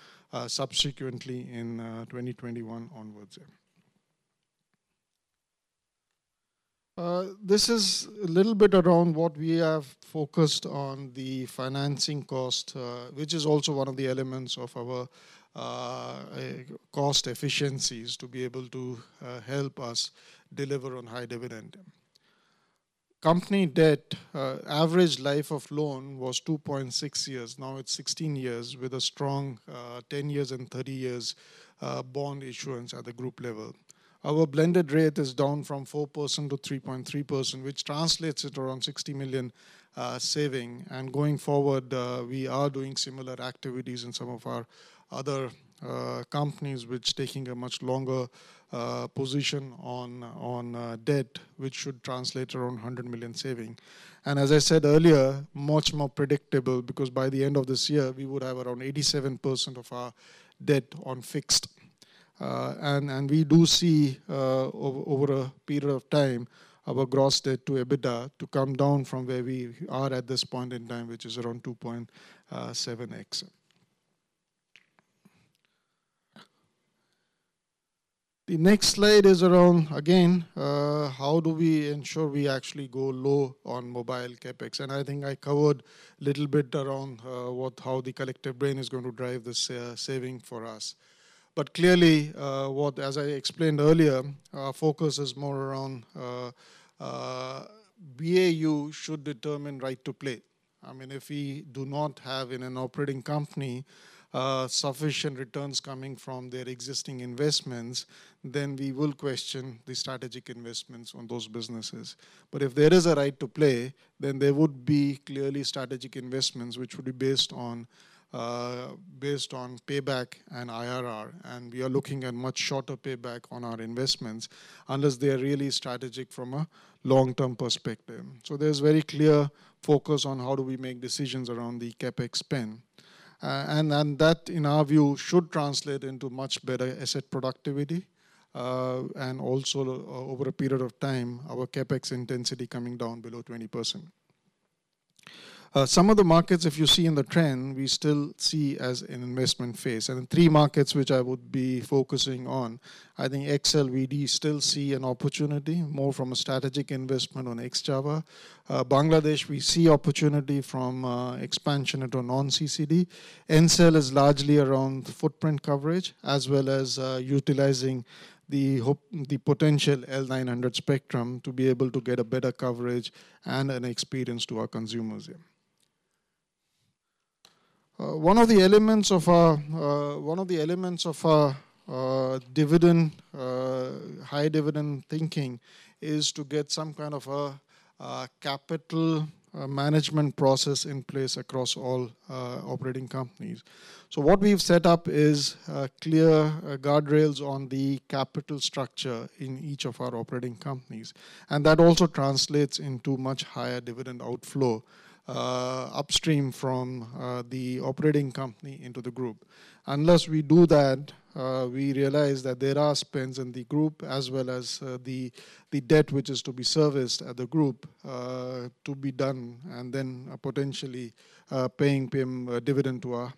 subsequently in 2021 onwards. This is a little bit around what we have focused on the financing cost, which is also one of the elements of our cost efficiencies to be able to help us deliver on high dividend. Company debt average life of loan was 2.6 years. Now it's 16 years with a strong 10 years and 30 years bond issuance at the group level. Our blended rate is down from 4% to 3.3%, which translates to around 60 million saving. And going forward, we are doing similar activities in some of our other companies, which are taking a much longer position on debt, which should translate to around 100 million saving. And as I said earlier, much more predictable because by the end of this year, we would have around 87% of our debt on fixed. And we do see over a period of time our gross debt to EBITDA to come down from where we are at this point in time, which is around 2.7x. The next slide is around, again, how do we ensure we actually go low on mobile CapEx? And I think I covered a little bit around how the Collective Brain is going to drive this saving for us. But clearly, as I explained earlier, our focus is more around BAU should determine right to play. I mean, if we do not have in an operating company sufficient returns coming from their existing investments, then we will question the strategic investments on those businesses. But if there is a right to play, then there would be clearly strategic investments which would be based on payback and IRR, and we are looking at much shorter payback on our investments unless they are really strategic from a long-term perspective. So there's very clear focus on how do we make decisions around the CapEx spend. And that, in our view, should translate into much better asset productivity and also over a period of time, our CapEx intensity coming down below 20%. Some of the markets, if you see in the trend, we still see as an investment phase. And the three markets which I would be focusing on, I think XL we still see an opportunity more from a strategic investment on Ex-Java. Bangladesh, we see opportunity from expansion into non-CCD. Ncell is largely around footprint coverage as well as utilizing the potential L900 spectrum to be able to get a better coverage and an experience to our consumers. One of the elements of our dividend, high dividend thinking is to get some kind of a capital management process in place across all operating companies. So what we've set up is clear guardrails on the capital structure in each of our operating companies, and that also translates into much higher dividend outflow upstream from the operating company into the group. Unless we do that, we realize that there are spends in the group as well as the debt which is to be serviced at the group to be done and then potentially paying dividend to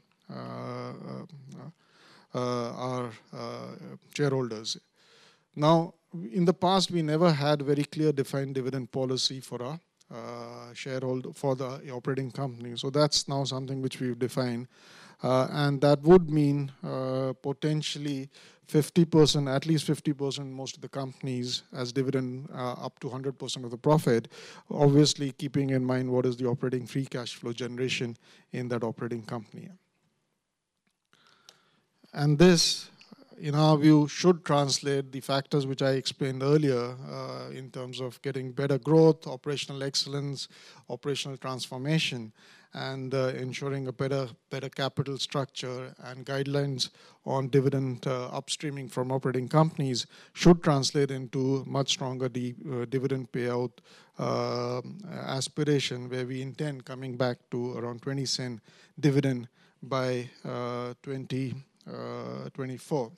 our shareholders. Now, in the past, we never had very clear defined dividend policy for the operating company. So that's now something which we've defined, and that would mean potentially 50%, at least 50%. Most of the companies as dividend up to 100% of the profit, obviously keeping in mind what is the operating free cash flow generation in that operating company. And this, in our view, should translate the factors which I explained earlier in terms of getting better growth, operational excellence, operational transformation, and ensuring a better capital structure. And guidelines on dividend upstreaming from operating companies should translate into much stronger dividend payout aspiration where we intend coming back to around 0.20 dividend by 2024.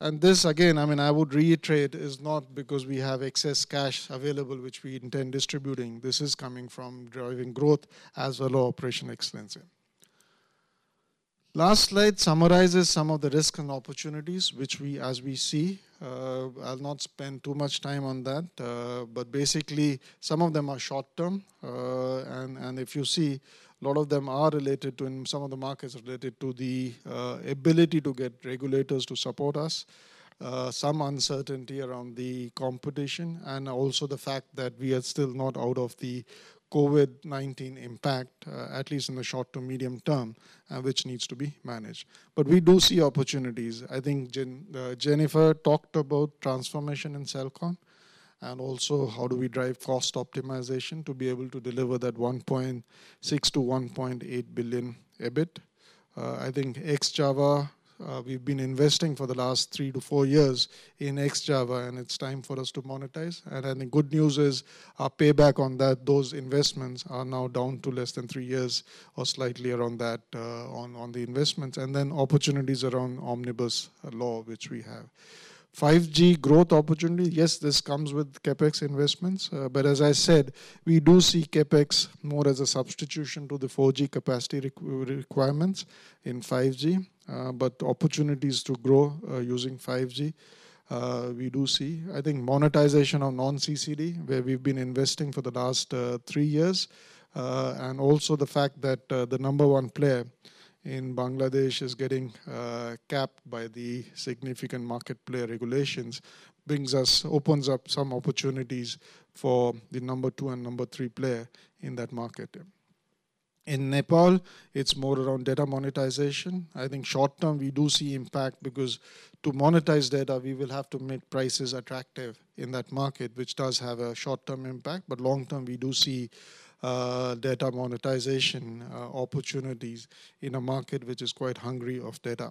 And this, again, I mean, I would reiterate is not because we have excess cash available which we intend distributing. This is coming from driving growth as well as operational excellence. Last slide summarizes some of the risks and opportunities which we, as we see. I'll not spend too much time on that, but basically some of them are short-term, and if you see, a lot of them are related to some of the markets related to the ability to get regulators to support us, some uncertainty around the competition, and also the fact that we are still not out of the COVID-19 impact, at least in the short to medium term, which needs to be managed. But we do see opportunities. I think Jennifer talked about transformation in Celcom and also how do we drive cost optimization to be able to deliver that 1.6 billion-1.8 billion EBIT. I think Ex-Java, we've been investing for the last three to four years in Ex-Java, and it's time for us to monetize. And I think good news is our payback on those investments are now down to less than three years or slightly around that on the investments, and then opportunities around Omnibus Law which we have. 5G growth opportunity. Yes, this comes with CapEx investments, but as I said, we do see CapEx more as a substitution to the 4G capacity requirements in 5G, but opportunities to grow using 5G we do see. I think monetization of non-CCD where we've been investing for the last three years, and also the fact that the number one player in Bangladesh is getting capped by the significant market player regulations opens up some opportunities for the number two and number three player in that market. In Nepal, it's more around data monetization. I think short-term we do see impact because to monetize data, we will have to make prices attractive in that market, which does have a short-term impact, but long-term we do see data monetization opportunities in a market which is quite hungry of data.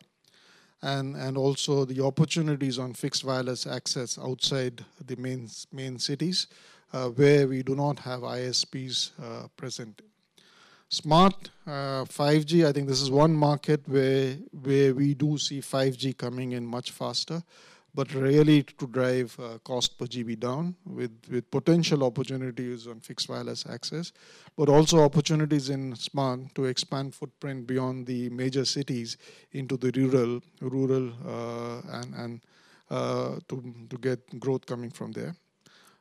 Also the opportunities on fixed wireless access outside the main cities where we do not have ISPs present. Smart 5G, I think this is one market where we do see 5G coming in much faster, but really to drive cost per GB down with potential opportunities on fixed wireless access, but also opportunities in Smart to expand footprint beyond the major cities into the rural and to get growth coming from there.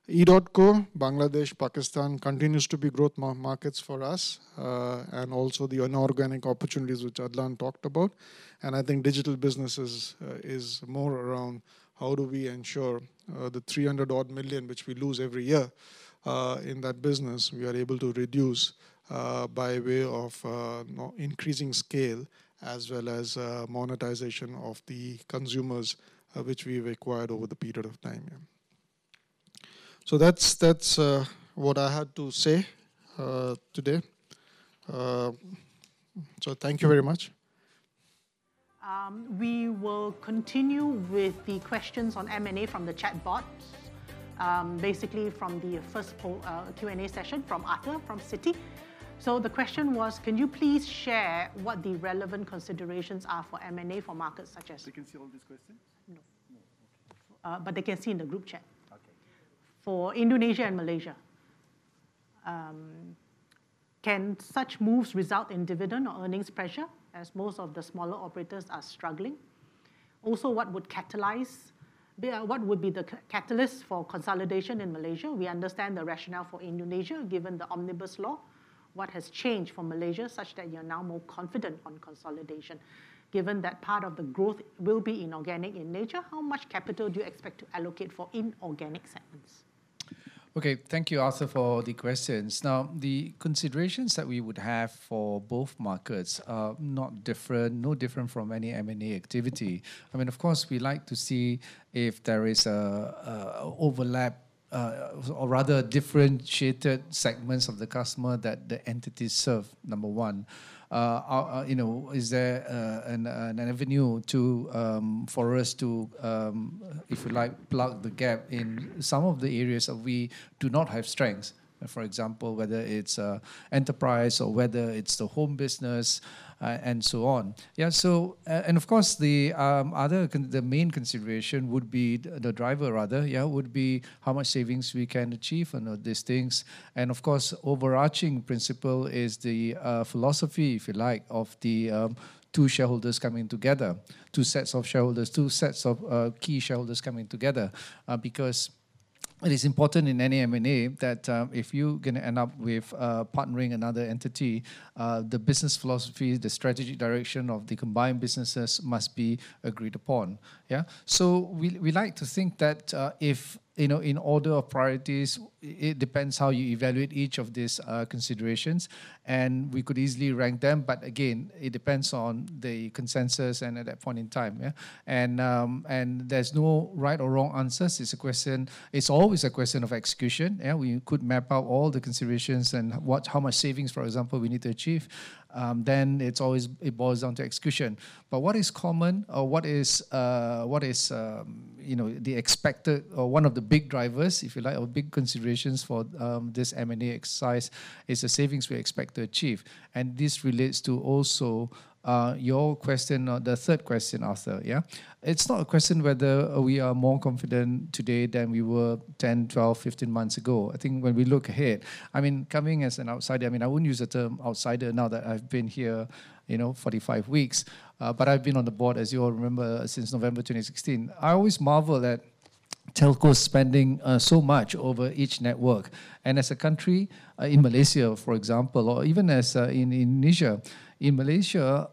EDOTCO, Bangladesh, Pakistan continues to be growth markets for us, and also the inorganic opportunities which Adlan talked about. I think digital businesses is more around how do we ensure the 300-odd million which we lose every year in that business we are able to reduce by way of increasing scale as well as monetization of the consumers which we've acquired over the period of time. That's what I had to say today. Thank you very much. We will continue with the questions on M&A from the chatbot, basically from the first Q&A session from Arthur from City. The question was, can you please share what the relevant considerations are for M&A for markets such as. They can see all these questions? No. But they can see in the group chat. For Indonesia and Malaysia, can such moves result in dividend or earnings pressure as most of the smaller operators are struggling? Also, what would be the catalyst for consolidation in Malaysia? We understand the rationale for Indonesia given the omnibus law. What has changed for Malaysia such that you're now more confident on consolidation given that part of the growth will be inorganic in nature? How much capital do you expect to allocate for inorganic segments? Okay, thank you, Arthur, for the questions. Now, the considerations that we would have for both markets are no different from any M&A activity. I mean, of course, we like to see if there is an overlap or rather differentiated segments of the customer that the entities serve, number one. Is there an avenue for us to, if you like, plug the gap in some of the areas that we do not have strengths, for example, whether it's enterprise or whether it's the home business and so on? Yeah, and of course, the main consideration would be the driver, rather, would be how much savings we can achieve on these things. And of course, overarching principle is the philosophy, if you like, of the two shareholders coming together, two sets of shareholders, two sets of key shareholders coming together, because it is important in any M&A that if you're going to end up with partnering another entity, the business philosophy, the strategic direction of the combined businesses must be agreed upon. So we like to think that if in order of priorities, it depends how you evaluate each of these considerations, and we could easily rank them, but again, it depends on the consensus and at that point in time. And there's no right or wrong answers. It's always a question of execution. We could map out all the considerations and how much savings, for example, we need to achieve, then it always boils down to execution, but what is common or what is the expected or one of the big drivers, if you like, or big considerations for this M&A exercise is the savings we expect to achieve, and this relates to also your question, the third question, Arthur. It's not a question whether we are more confident today than we were 10, 12, 15 months ago. I think when we look ahead, I mean, coming as an outsider, I mean, I wouldn't use the term outsider now that I've been here 45 weeks, but I've been on the board, as you all remember, since November 2016. I always marvel at telco spending so much over each network. As a country, in Malaysia, for example, or even as in Indonesia, in Malaysia,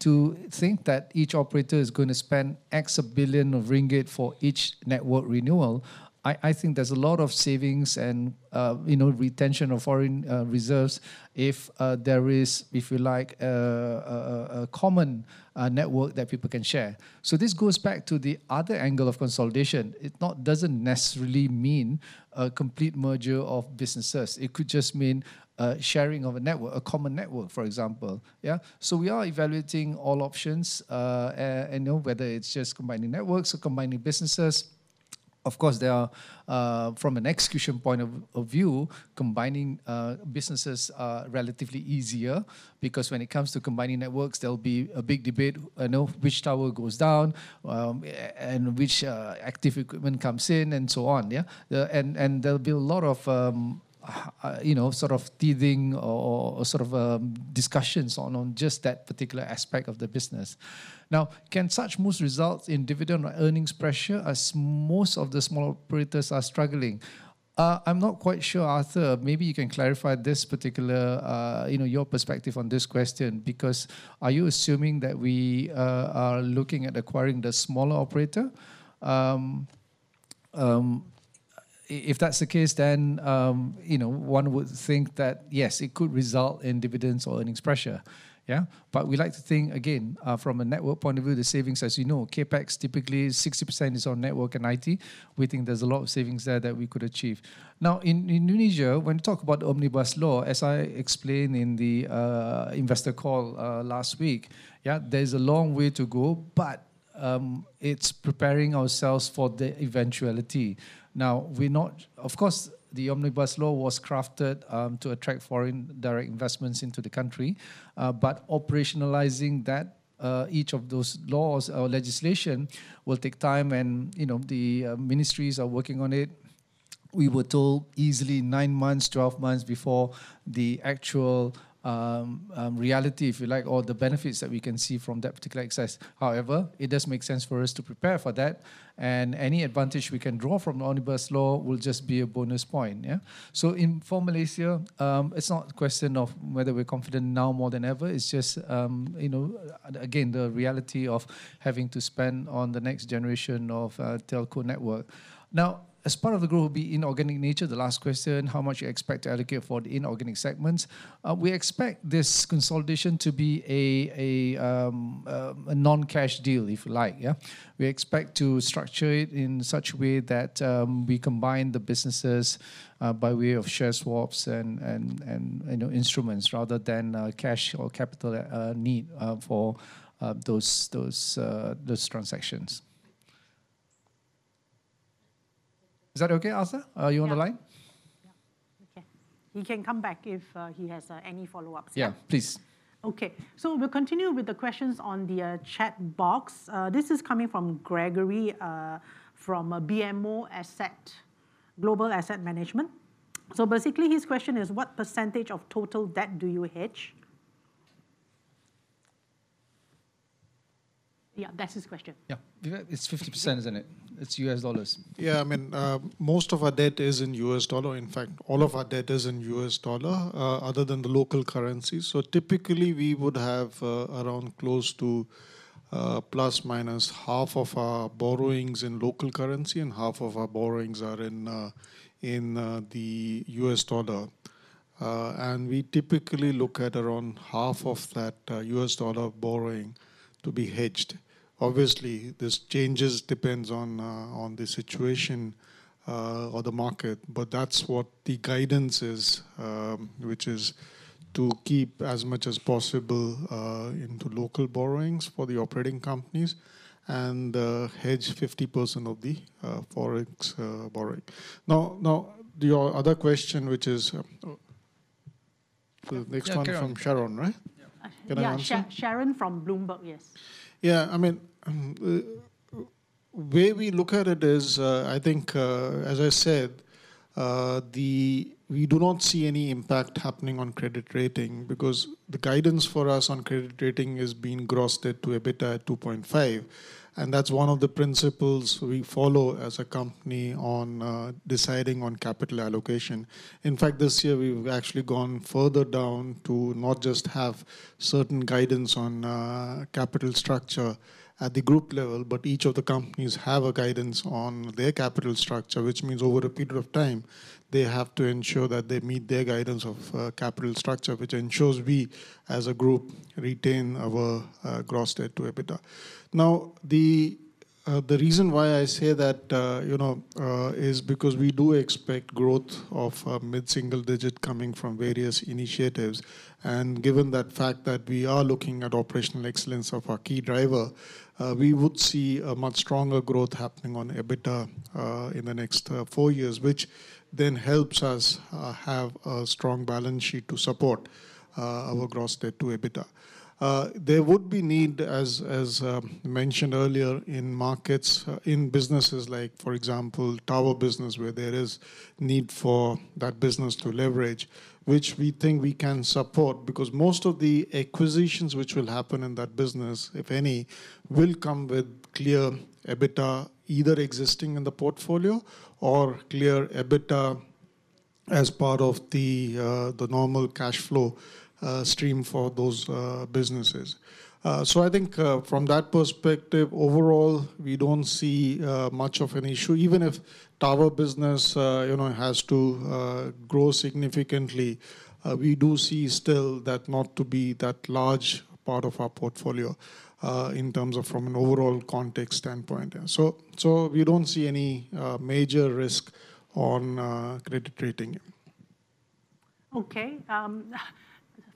to think that each operator is going to spend say 1 billion ringgit for each network renewal, I think there's a lot of savings and retention of foreign reserves if there is, if you like, a common network that people can share. This goes back to the other angle of consolidation. It doesn't necessarily mean a complete merger of businesses. It could just mean sharing of a network, a common network, for example. We are evaluating all options and whether it's just combining networks or combining businesses. Of course, from an execution point of view, combining businesses is relatively easier because when it comes to combining networks, there'll be a big debate which tower goes down and which active equipment comes in and so on. There'll be a lot of sort of teething or sort of discussions on just that particular aspect of the business. Now, can such moves result in dividend or earnings pressure as most of the smaller operators are struggling? I'm not quite sure, Arthur. Maybe you can clarify this particular, your perspective on this question because are you assuming that we are looking at acquiring the smaller operator? If that's the case, then one would think that yes, it could result in dividends or earnings pressure. But we like to think, again, from a network point of view, the savings, as you know, CapEx typically 60% is on network and IT. We think there's a lot of savings there that we could achieve. Now, in Indonesia, when we talk about Omnibus Law, as I explained in the investor call last week, there's a long way to go, but it's preparing ourselves for the eventuality. Now, of course, the Omnibus Law was crafted to attract foreign direct investments into the country, but operationalizing each of those laws or legislation will take time, and the ministries are working on it. We were told easily nine months, 12 months before the actual reality, if you like, or the benefits that we can see from that particular exercise. However, it does make sense for us to prepare for that, and any advantage we can draw from the Omnibus Law will just be a bonus point. So for Malaysia, it's not a question of whether we're confident now more than ever. It's just, again, the reality of having to spend on the next generation of Telco network. Now, as part of the group will be inorganic nature, the last question, how much you expect to allocate for the inorganic segments? We expect this consolidation to be a non-cash deal, if you like. We expect to structure it in such a way that we combine the businesses by way of share swaps and instruments rather than cash or capital need for those transactions. Is that okay, Arthur? Are you on the line? Yeah. Okay. He can come back if he has any follow-ups. Yeah, please. Okay. So we'll continue with the questions on the chat box. This is coming from Gregory from BMO Global Asset Management. So basically, his question is, what percentage of total debt do you hedge? Yeah, that's his question. Yeah. It's 50%, isn't it? It's U.S. dollars. Yeah. I mean, most of our debt is in U.S. dollar. In fact, all of our debt is in U.S. dollar other than the local currency. So typically, we would have around close to plus minus half of our borrowings in local currency and half of our borrowings are in the U.S. dollar. And we typically look at around half of that U.S. dollar borrowing to be hedged. Obviously, this changes depends on the situation or the market, but that's what the guidance is, which is to keep as much as possible into local borrowings for the operating companies and hedge 50% of the forex borrowing. Now, your other question, which is the next one from Sharon, right? Can I answer? Yeah, Sharon from Bloomberg, yes. Yeah. I mean, the way we look at it is, I think, as I said, we do not see any impact happening on credit rating because the guidance for us on credit rating is being grossed to EBITDA at 2.5, and that's one of the principles we follow as a company on deciding on capital allocation. In fact, this year, we've actually gone further down to not just have certain guidance on capital structure at the group level, but each of the companies have a guidance on their capital structure, which means over a period of time, they have to ensure that they meet their guidance of capital structure, which ensures we as a group retain our gross debt to EBITDA. Now, the reason why I say that is because we do expect growth of mid-single digit coming from various initiatives. Given the fact that we are looking at operational excellence of our key driver, we would see a much stronger growth happening on EBITDA in the next four years, which then helps us have a strong balance sheet to support our gross debt to EBITDA. There would be need, as mentioned earlier, in markets, in businesses like, for example, tower business, where there is need for that business to leverage, which we think we can support because most of the acquisitions which will happen in that business, if any, will come with clear EBITDA either existing in the portfolio or clear EBITDA as part of the normal cash flow stream for those businesses. So I think from that perspective, overall, we don't see much of an issue. Even if tower business has to grow significantly, we do see still that not to be that large part of our portfolio in terms of from an overall context standpoint. So we don't see any major risk on credit rating. Okay.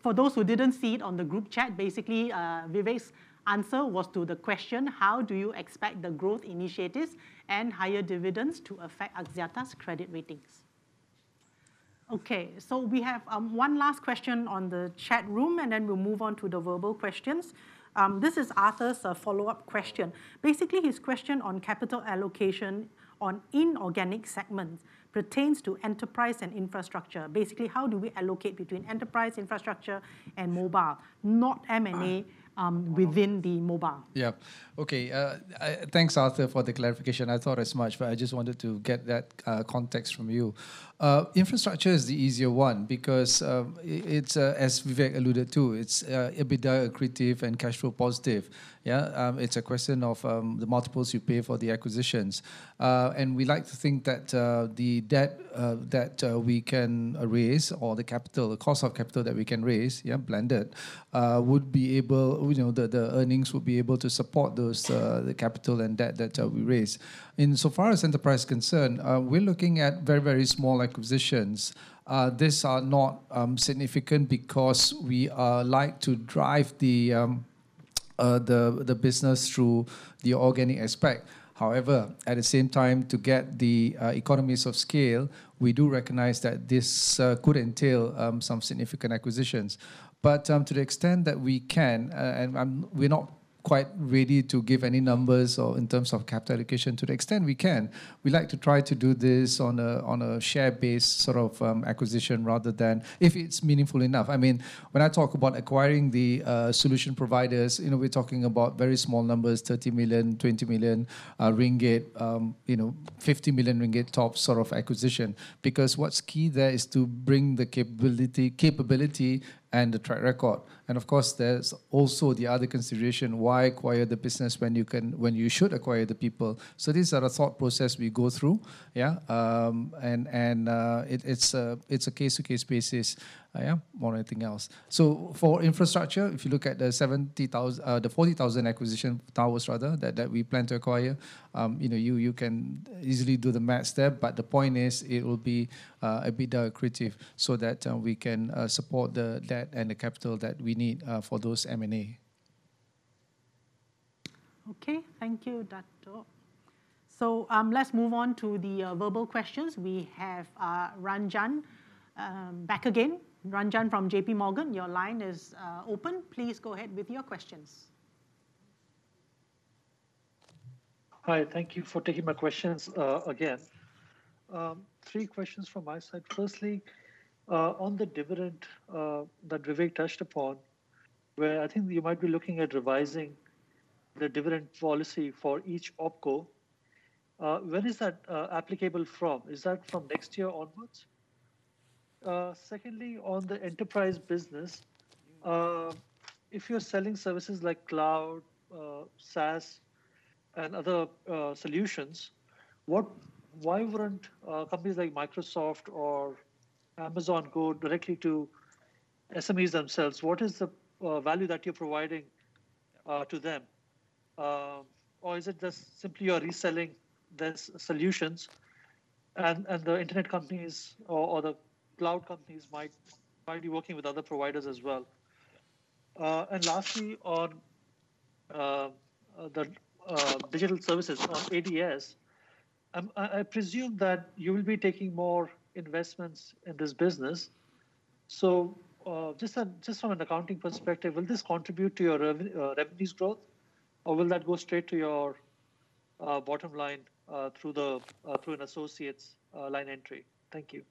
For those who didn't see it on the group chat, basically, Vivek's answer was to the question, how do you expect the growth initiatives and higher dividends to affect Axiata's credit ratings? Okay. So we have one last question on the chat room, and then we'll move on to the verbal questions. This is Arthur's follow-up question. Basically, his question on capital allocation on inorganic segments pertains to enterprise and infrastructure. Basically, how do we allocate between enterprise, infrastructure, and mobile, not M&A within the mobile? Yeah. Okay. Thanks, Arthur, for the clarification. I thought it was M&A, but I just wanted to get that context from you. Infrastructure is the easier one because it's, as Vivek alluded to, it's EBITDA accretive and cash flow positive. It's a question of the multiples you pay for the acquisitions, and we like to think that the debt that we can raise or the cost of capital that we can raise, blended, the earnings would be able to support the capital and debt that we raise. Insofar as enterprise is concerned, we're looking at very, very small acquisitions. These are not significant because we like to drive the business through the organic aspect. However, at the same time, to get the economies of scale, we do recognize that this could entail some significant acquisitions. But to the extent that we can, and we're not quite ready to give any numbers in terms of capital allocation, to the extent we can, we like to try to do this on a share-based sort of acquisition rather than if it's meaningful enough. I mean, when I talk about acquiring the solution providers, we're talking about very small numbers, 30 million, 20 million ringgit, 50 million ringgit top sort of acquisition because what's key there is to bring the capability and the track record. And of course, there's also the other consideration, why acquire the business when you should acquire the people? So these are a thought process we go through. And it's a case-to-case basis, more than anything else. So for infrastructure, if you look at the 40,000 acquisition towers, rather, that we plan to acquire, you can easily do the math there. But the point is, it will be EBITDA accretive so that we can support the debt and the capital that we need for those M&A. Okay. Thank you, Dr. So let's move on to the verbal questions. We have Ranjan back again. Ranjan from JPMorgan, your line is open. Please go ahead with your questions. Hi. Thank you for taking my questions again. Three questions from my side. Firstly, on the dividend that Vivek touched upon, where I think you might be looking at revising the dividend policy for each opco, when is that applicable from? Is that from next year onwards? Secondly, on the enterprise business, if you're selling services like cloud, SaaS, and other solutions, why wouldn't companies like Microsoft or Amazon go directly to SMEs themselves? What is the value that you're providing to them? Or is it just simply you're reselling these solutions? The internet companies or the cloud companies might be working with other providers as well. Lastly, on the digital services, on ADS, I presume that you will be taking more investments in this business. Just from an accounting perspective, will this contribute to your revenues growth, or will that go straight to your bottom line through an associate's line entry? Thank you.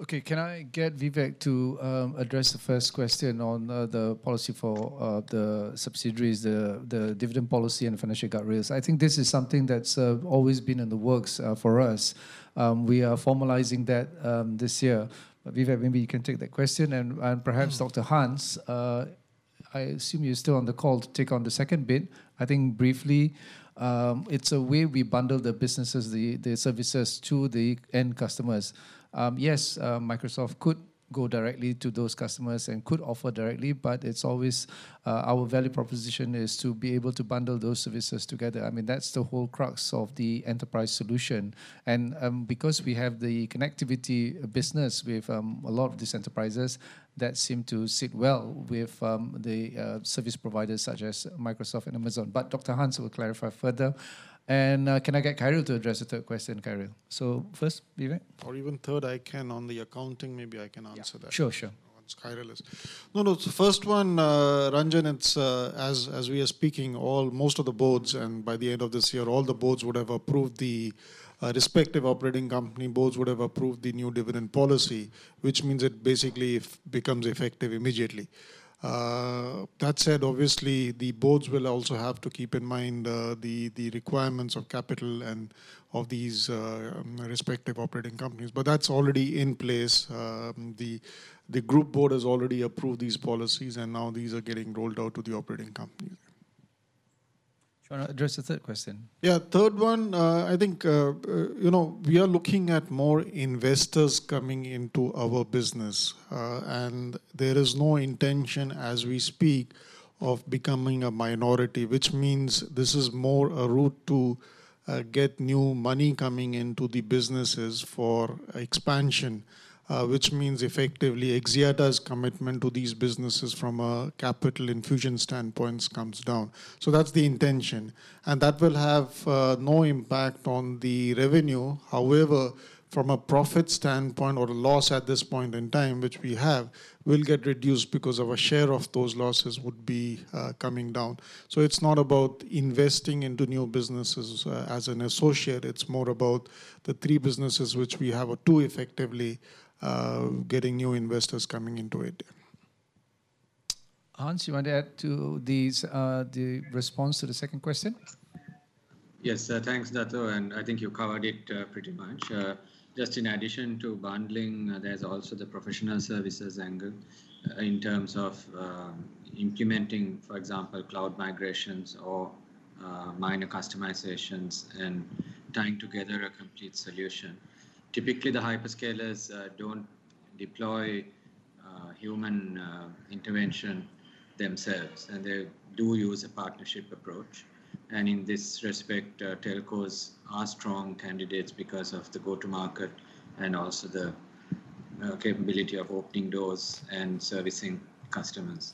Okay. Can I get Vivek to address the first question on the policy for the subsidiaries, the dividend policy and financial guardrails? I think this is something that's always been in the works for us. We are formalizing that this year. Vivek, maybe you can take that question. Perhaps Dr. Hans, I assume you're still on the call to take on the second bit. I think briefly, it's a way we bundle the businesses, the services to the end customers. Yes, Microsoft could go directly to those customers and could offer directly, but it's always our value proposition is to be able to bundle those services together. I mean, that's the whole crux of the enterprise solution. And because we have the connectivity business with a lot of these enterprises, that seemed to sit well with the service providers such as Microsoft and Amazon. But Dr. Hans will clarify further. And can I get Khairil to address the third question, Khairil? So first, Vivek? Or even third, I can on the accounting, maybe I can answer that. Yeah, sure, sure. Once Khairil is. No, no. The first one, Ranjan, as we are speaking, most of the boards, and by the end of this year, all the boards would have approved the respective operating company boards would have approved the new dividend policy, which means it basically becomes effective immediately. That said, obviously, the boards will also have to keep in mind the requirements of capital and of these respective operating companies. But that's already in place. The group board has already approved these policies, and now these are getting rolled out to the operating companies. Trying to address the third question. Yeah. Third one, I think we are looking at more investors coming into our business. And there is no intention as we speak of becoming a minority, which means this is more a route to get new money coming into the businesses for expansion, which means effectively Axiata's commitment to these businesses from a capital infusion standpoint comes down. So that's the intention. And that will have no impact on the revenue. However, from a profit standpoint or a loss at this point in time, which we have, will get reduced because a share of those losses would be coming down. So it's not about investing into new businesses as an associate. It's more about the three businesses which we have, two effectively getting new investors coming into it. Hans, you want to add to the response to the second question? Yes. Thanks, Dato'. And I think you covered it pretty much. Just in addition to bundling, there's also the professional services angle in terms of implementing, for example, cloud migrations or minor customizations and tying together a complete solution. Typically, the hyperscalers don't deploy human intervention themselves, and they do use a partnership approach. And in this respect, telcos are strong candidates because of the go-to-market and also the capability of opening doors and servicing customers.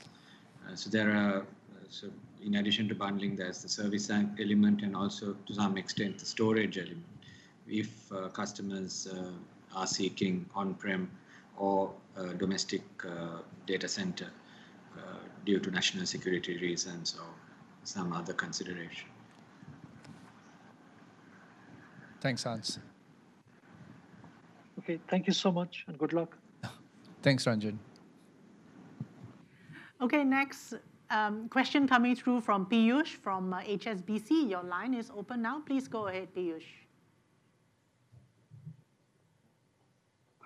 So in addition to bundling, there's the service element and also, to some extent, the storage element if customers are seeking on-prem or domestic data center due to national security reasons or some other consideration. Thanks, Hans. Okay. Thank you so much, and good luck. Thanks, Ranjan. Okay. Next question coming through from Piyush from HSBC. Your line is open now. Please go ahead, Piyush.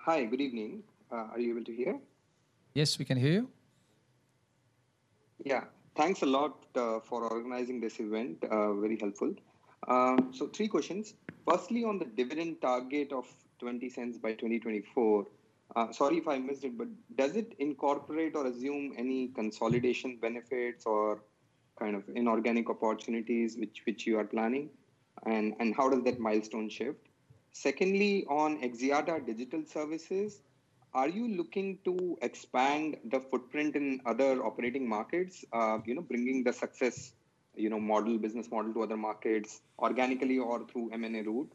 Hi. Good evening. Are you able to hear? Yes, we can hear you. Yeah. Thanks a lot for organizing this event. Very helpful. So three questions. Firstly, on the dividend target of 0.20 by 2024, sorry if I missed it, but does it incorporate or assume any consolidation benefits or kind of inorganic opportunities which you are planning? And how does that milestone shift? Secondly, on Axiata Digital Services, are you looking to expand the footprint in other operating markets, bringing the success business model to other markets organically or through M&A route?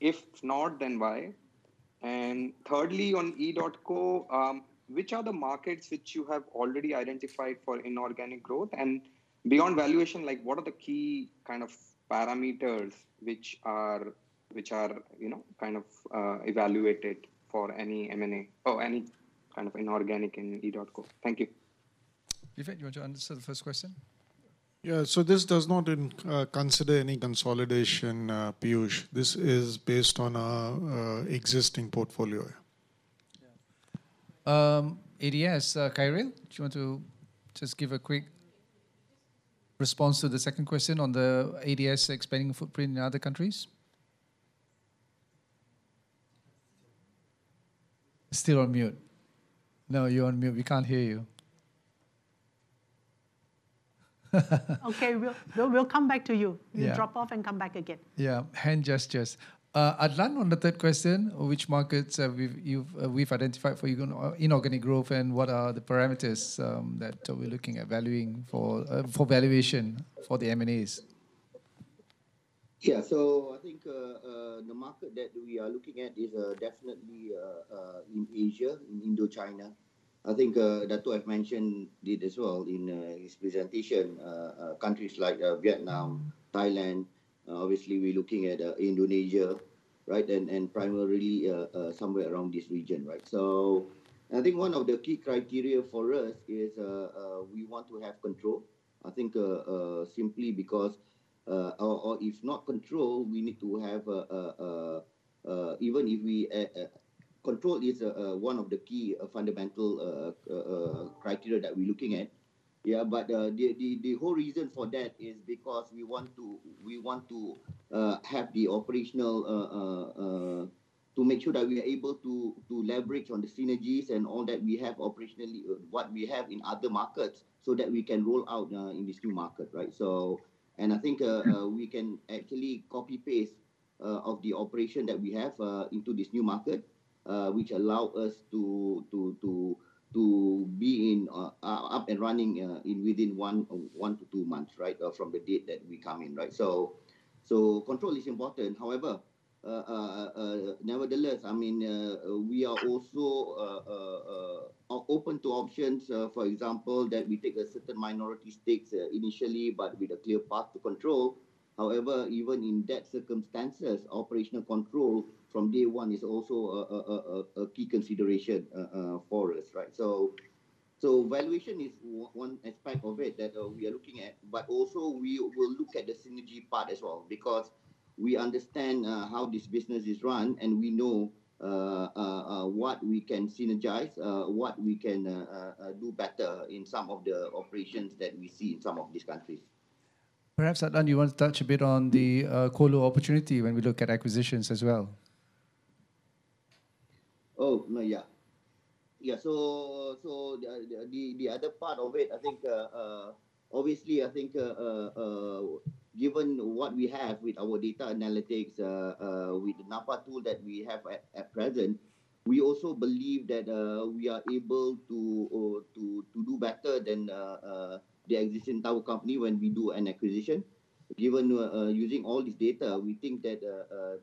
If not, then why? And thirdly, on EDOTCO, which are the markets which you have already identified for inorganic growth? And beyond valuation, what are the key kind of parameters which are kind of evaluated for any M&A or any kind of inorganic in EDOTCO? Thank you. Vivek, do you want to answer the first question? Yeah. So this does not consider any consolidation, Piyush. This is based on our existing portfolio. Yeah. ADS, Khairil, do you want to just give a quick response to the second question on the ADS expanding footprint in other countries? Still on mute. No, you're on mute. We can't hear you. Okay. We'll come back to you. You drop off and come back again. Yeah. Adlan, on the third question, which markets we've identified for inorganic growth and what are the parameters that we're looking at valuing for valuation for the M&As? Yeah. So I think the market that we are looking at is definitely in Asia, in Indochina. I think Dato' have mentioned it as well in his presentation, countries like Vietnam, Thailand. Obviously, we're looking at Indonesia, right, and primarily somewhere around this region, right? So I think one of the key criteria for us is we want to have control. I think simply because if not control, we need to have even if we control is one of the key fundamental criteria that we're looking at. Yeah. But the whole reason for that is because we want to have the operational to make sure that we are able to leverage on the synergies and all that we have operationally, what we have in other markets so that we can roll out in this new market, right? And I think we can actually copy-paste of the operation that we have into this new market, which allows us to be up and running within one to two months, right, from the date that we come in, right? So control is important. However, nevertheless, I mean, we are also open to options, for example, that we take a certain minority stakes initially, but with a clear path to control. However, even in that circumstances, operational control from day one is also a key consideration for us, right? So valuation is one aspect of it that we are looking at. But also, we will look at the synergy part as well because we understand how this business is run and we know what we can synergize, what we can do better in some of the operations that we see in some of these countries. Perhaps, Adlan, you want to touch a bit on the colo opportunity when we look at acquisitions as well? Oh, yeah. Yeah. So the other part of it, I think, obviously, I think given what we have with our data analytics, with the NaPA tool that we have at present, we also believe that we are able to do better than the existing tower company when we do an acquisition. Given using all this data, we think that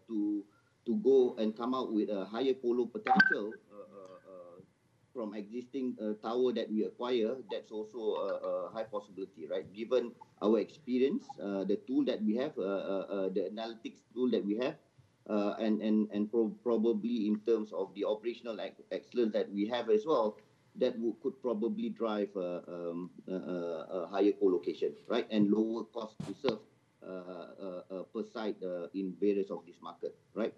to go and come out with a higher colo potential from existing tower that we acquire, that's also a high possibility, right? Given our experience, the tool that we have, the analytics tool that we have, and probably in terms of the operational excellence that we have as well, that could probably drive a higher colocation, right, and lower cost to serve per site in various of these markets, right?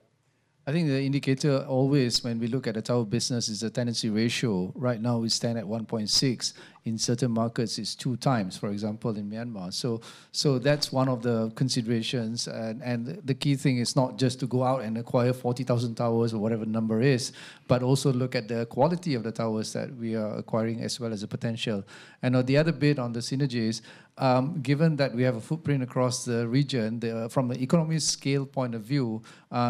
I think the indicator always, when we look at the tower business, is the tenancy ratio. Right now, we stand at 1.6x. In certain markets, it's 2x, for example, in Myanmar. So that's one of the considerations. And the key thing is not just to go out and acquire 40,000 towers or whatever the number is, but also look at the quality of the towers that we are acquiring as well as the potential. And the other bit on the synergies, given that we have a footprint across the region, from an economies of scale point of view,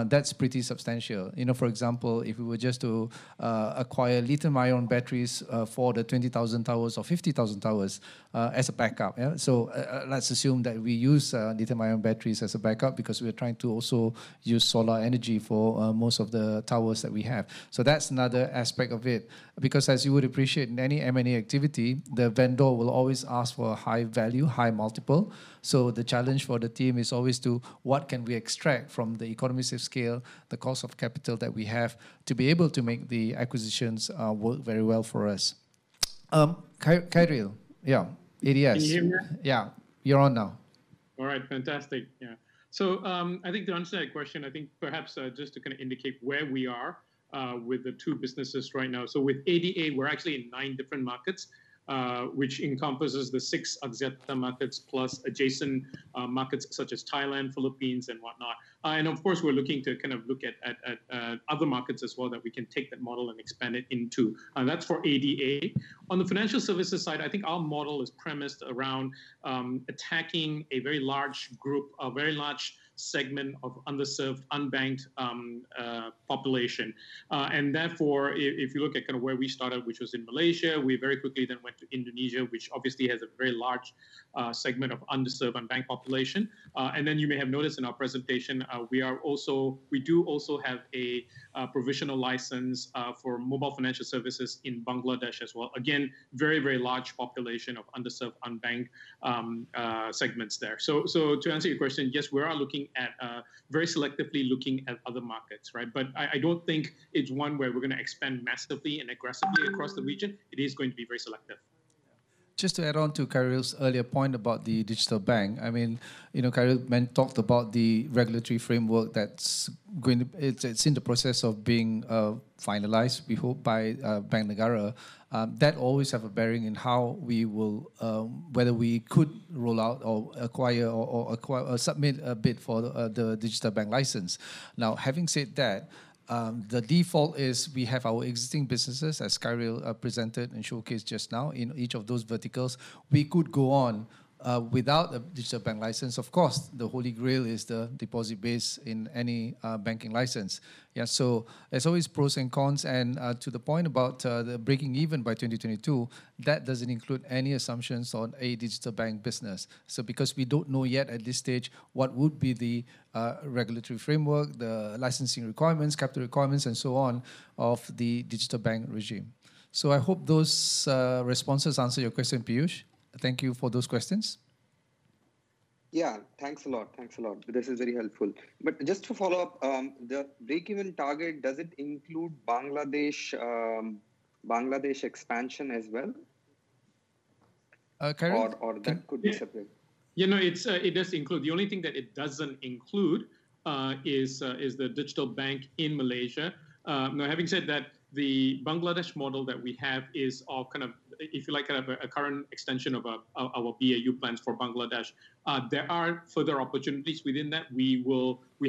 that's pretty substantial. For example, if we were just to acquire lithium-ion batteries for the 20,000 towers or 50,000 towers as a backup, yeah? So let's assume that we use lithium-ion batteries as a backup because we're trying to also use solar energy for most of the towers that we have. So that's another aspect of it. Because as you would appreciate, in any M&A activity, the vendor will always ask for a high value, high multiple. So the challenge for the team is always to, what can we extract from the economies of scale, the cost of capital that we have to be able to make the acquisitions work very well for us? Khairil, yeah, ADS. Can you hear me? Yeah. You're on now. All right. Fantastic. Yeah. So I think to answer that question, I think perhaps just to kind of indicate where we are with the two businesses right now. With ADA, we're actually in nine different markets, which encompasses the six Axiata markets plus adjacent markets such as Thailand, Philippines, and whatnot. Of course, we're looking to kind of look at other markets as well that we can take that model and expand it into. That's for ADA. On the financial services side, I think our model is premised around attacking a very large group, a very large segment of underserved, unbanked population. Therefore, if you look at kind of where we started, which was in Malaysia, we very quickly then went to Indonesia, which obviously has a very large segment of underserved, unbanked population. You may have noticed in our presentation, we do also have a provisional license for mobile financial services in Bangladesh as well. Again, very, very large population of underserved, unbanked segments there. To answer your question, yes, we are looking at very selectively other markets, right? But I don't think it's one where we're going to expand massively and aggressively across the region. It is going to be very selective. Just to add on to Khairil's earlier point about the digital bank, I mean, Khairil talked about the regulatory framework that's going to be in the process of being finalized, we hope, by Bank Negara. That always has a bearing in how we will, whether we could roll out or acquire or submit a bid for the digital bank license. Now, having said that, the default is we have our existing businesses, as Khairil presented and showcased just now, in each of those verticals. We could go on without a digital bank license. Of course, the Holy Grail is the deposit base in any banking license. Yeah. So there's always pros and cons. And to the point about the breaking even by 2022, that doesn't include any assumptions on a digital bank business. So because we don't know yet at this stage what would be the regulatory framework, the licensing requirements, capital requirements, and so on of the digital bank regime. So I hope those responses answer your question, Piyush. Thank you for those questions. Yeah. Thanks a lot. Thanks a lot. This is very helpful. But just to follow up, the break-even target, does it include Bangladesh expansion as well? Or that could be separate? Yeah. No, it does include. The only thing that it doesn't include is the digital bank in Malaysia. Now, having said that, the Bangladesh model that we have is all kind of, if you like, kind of a current extension of our BAU plans for Bangladesh. There are further opportunities within that. We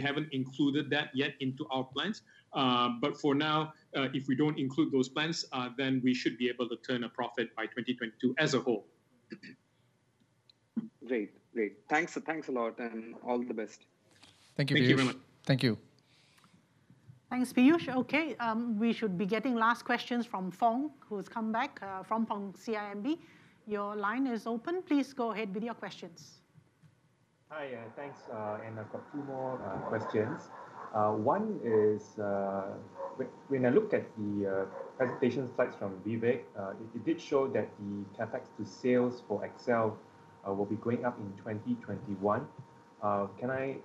haven't included that yet into our plans. But for now, if we don't include those plans, then we should be able to turn a profit by 2022 as a whole. Great. Great. Thanks a lot, and all the best. Thank you. Thank you very much. Thank you. Thanks, Piyush. Okay. We should be getting last questions from Foong, who's come back from Foong CIMB. Your line is open. Please go ahead with your questions. Hi. Thanks. And I've got two more questions. One is, when I looked at the presentation slides from Vivek, it did show that the CapEx to sales for XL will be going up in 2021. Can I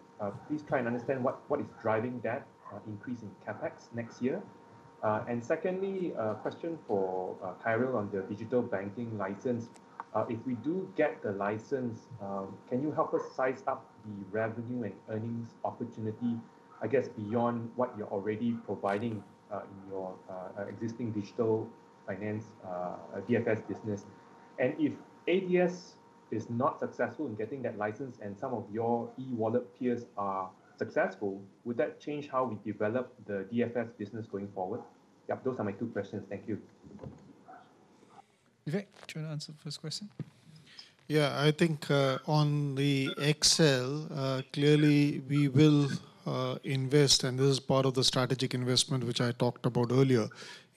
please try and understand what is driving that increase in CapEx next year? And secondly, a question for Khairil on the digital banking license. If we do get the license, can you help us size up the revenue and earnings opportunity, I guess, beyond what you're already providing in your existing digital finance DFS business? And if ADS is not successful in getting that license and some of your e-wallet peers are successful, would that change how we develop the DFS business going forward? Yeah. Those are my two questions. Thank you. Vivek, do you want to answer the first question? Yeah. I think on the XL, clearly, we will invest, and this is part of the strategic investment which I talked about earlier,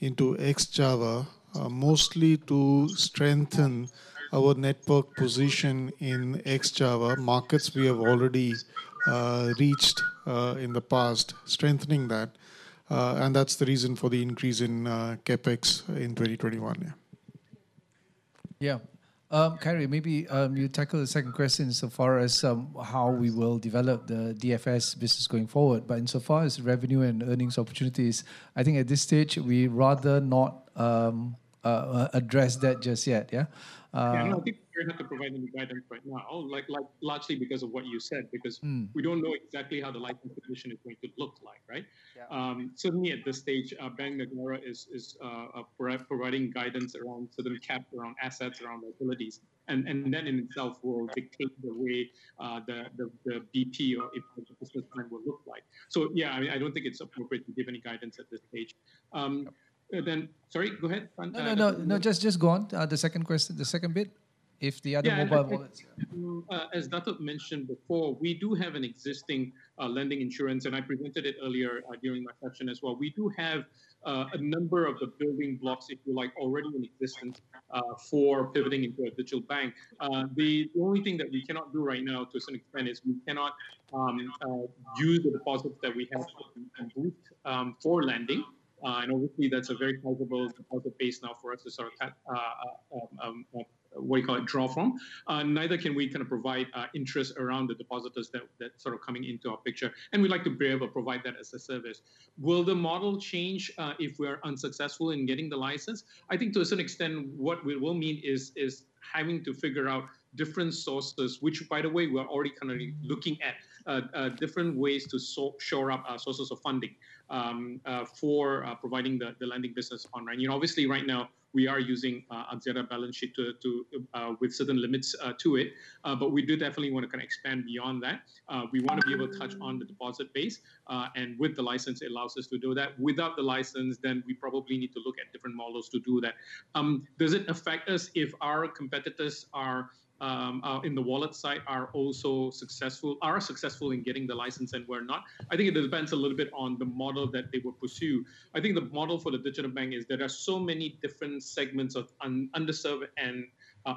into Ex-Java, mostly to strengthen our network position in Ex-Java markets we have already reached in the past, strengthening that. And that's the reason for the increase in CapEx in 2021. Yeah. Yeah. Khairil, maybe you tackle the second question insofar as how we will develop the DFS business going forward. But insofar as revenue and earnings opportunities, I think at this stage, we rather not address that just yet, yeah? Yeah. I think we don't have to provide any guidance right now, largely because of what you said, because we don't know exactly how the license position is going to look like, right? Certainly, at this stage, Bank Negara is providing guidance around certain caps, around assets, around liabilities. And that in itself will dictate the way the BP or a part of the business plan will look like. So yeah, I don't think it's appropriate to give any guidance at this stage. Then sorry, go ahead, Adlan. No, no, no. Just go on. The second question, the second bit. If the other mobile wallets. As Dato' mentioned before, we do have an existing lending insurance, and I presented it earlier during my session as well. We do have a number of the building blocks, if you like, already in existence for pivoting into a digital bank. The only thing that we cannot do right now to a certain extent is we cannot use the deposits that we have booked for lending. And obviously, that's a very favorable deposit base now for us to sort of what we call a draw from. Neither can we kind of provide interest around the depositors that sort of coming into our picture. And we'd like to be able to provide that as a service. Will the model change if we are unsuccessful in getting the license? I think to a certain extent, what we will mean is having to figure out different sources, which, by the way, we're already kind of looking at different ways to shore up our sources of funding for providing the lending business on. Obviously, right now, we are using Axiata balance sheet with certain limits to it. But we do definitely want to kind of expand beyond that. We want to be able to touch on the deposit base. And with the license, it allows us to do that. Without the license, then we probably need to look at different models to do that. Does it affect us if our competitors in the wallet side are also successful, are successful in getting the license and we're not? I think it depends a little bit on the model that they will pursue. I think the model for the digital bank is there are so many different segments of underserved and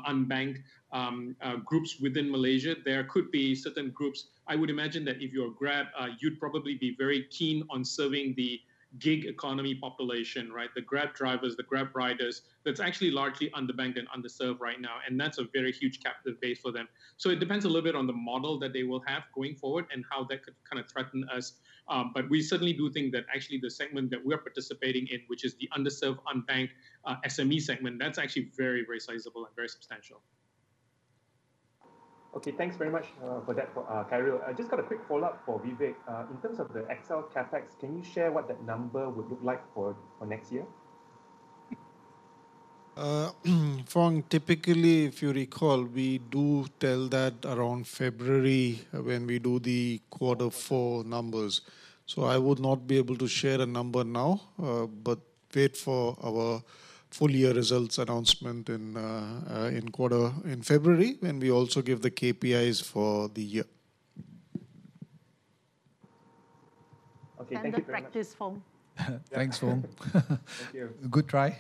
unbanked groups within Malaysia. There could be certain groups. I would imagine that if you're a Grab, you'd probably be very keen on serving the gig economy population, right? The Grab drivers, the Grab riders. That's actually largely underbanked and underserved right now. And that's a very huge captive base for them. So it depends a little bit on the model that they will have going forward and how that could kind of threaten us. But we certainly do think that actually the segment that we are participating in, which is the underserved, unbanked SME segment, that's actually very, very sizable and very substantial. Okay. Thanks very much for that, Khairil. I just got a quick follow-up for Vivek. In terms of the XL Axiata CapEx, can you share what that number would look like for next year? Foong, typically, if you recall, we do tell that around February when we do the quarter four numbers. So I would not be able to share a number now, but wait for our full year results announcement in quarter four in February when we also give the KPIs for the year. Okay. Thank you very much. That's practice, Foong. Thanks, Foong. Thank you. Good try.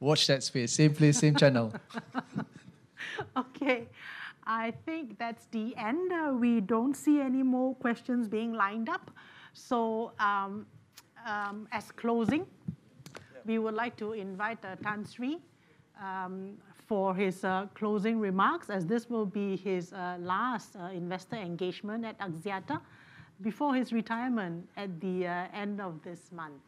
Watch that space. Same place, same channel. Okay. I think that's the end. We don't see any more questions being lined up. So as closing, we would like to invite Tan Sri for his closing remarks, as this will be his last investor engagement at Axiata before his retirement at the end of this month.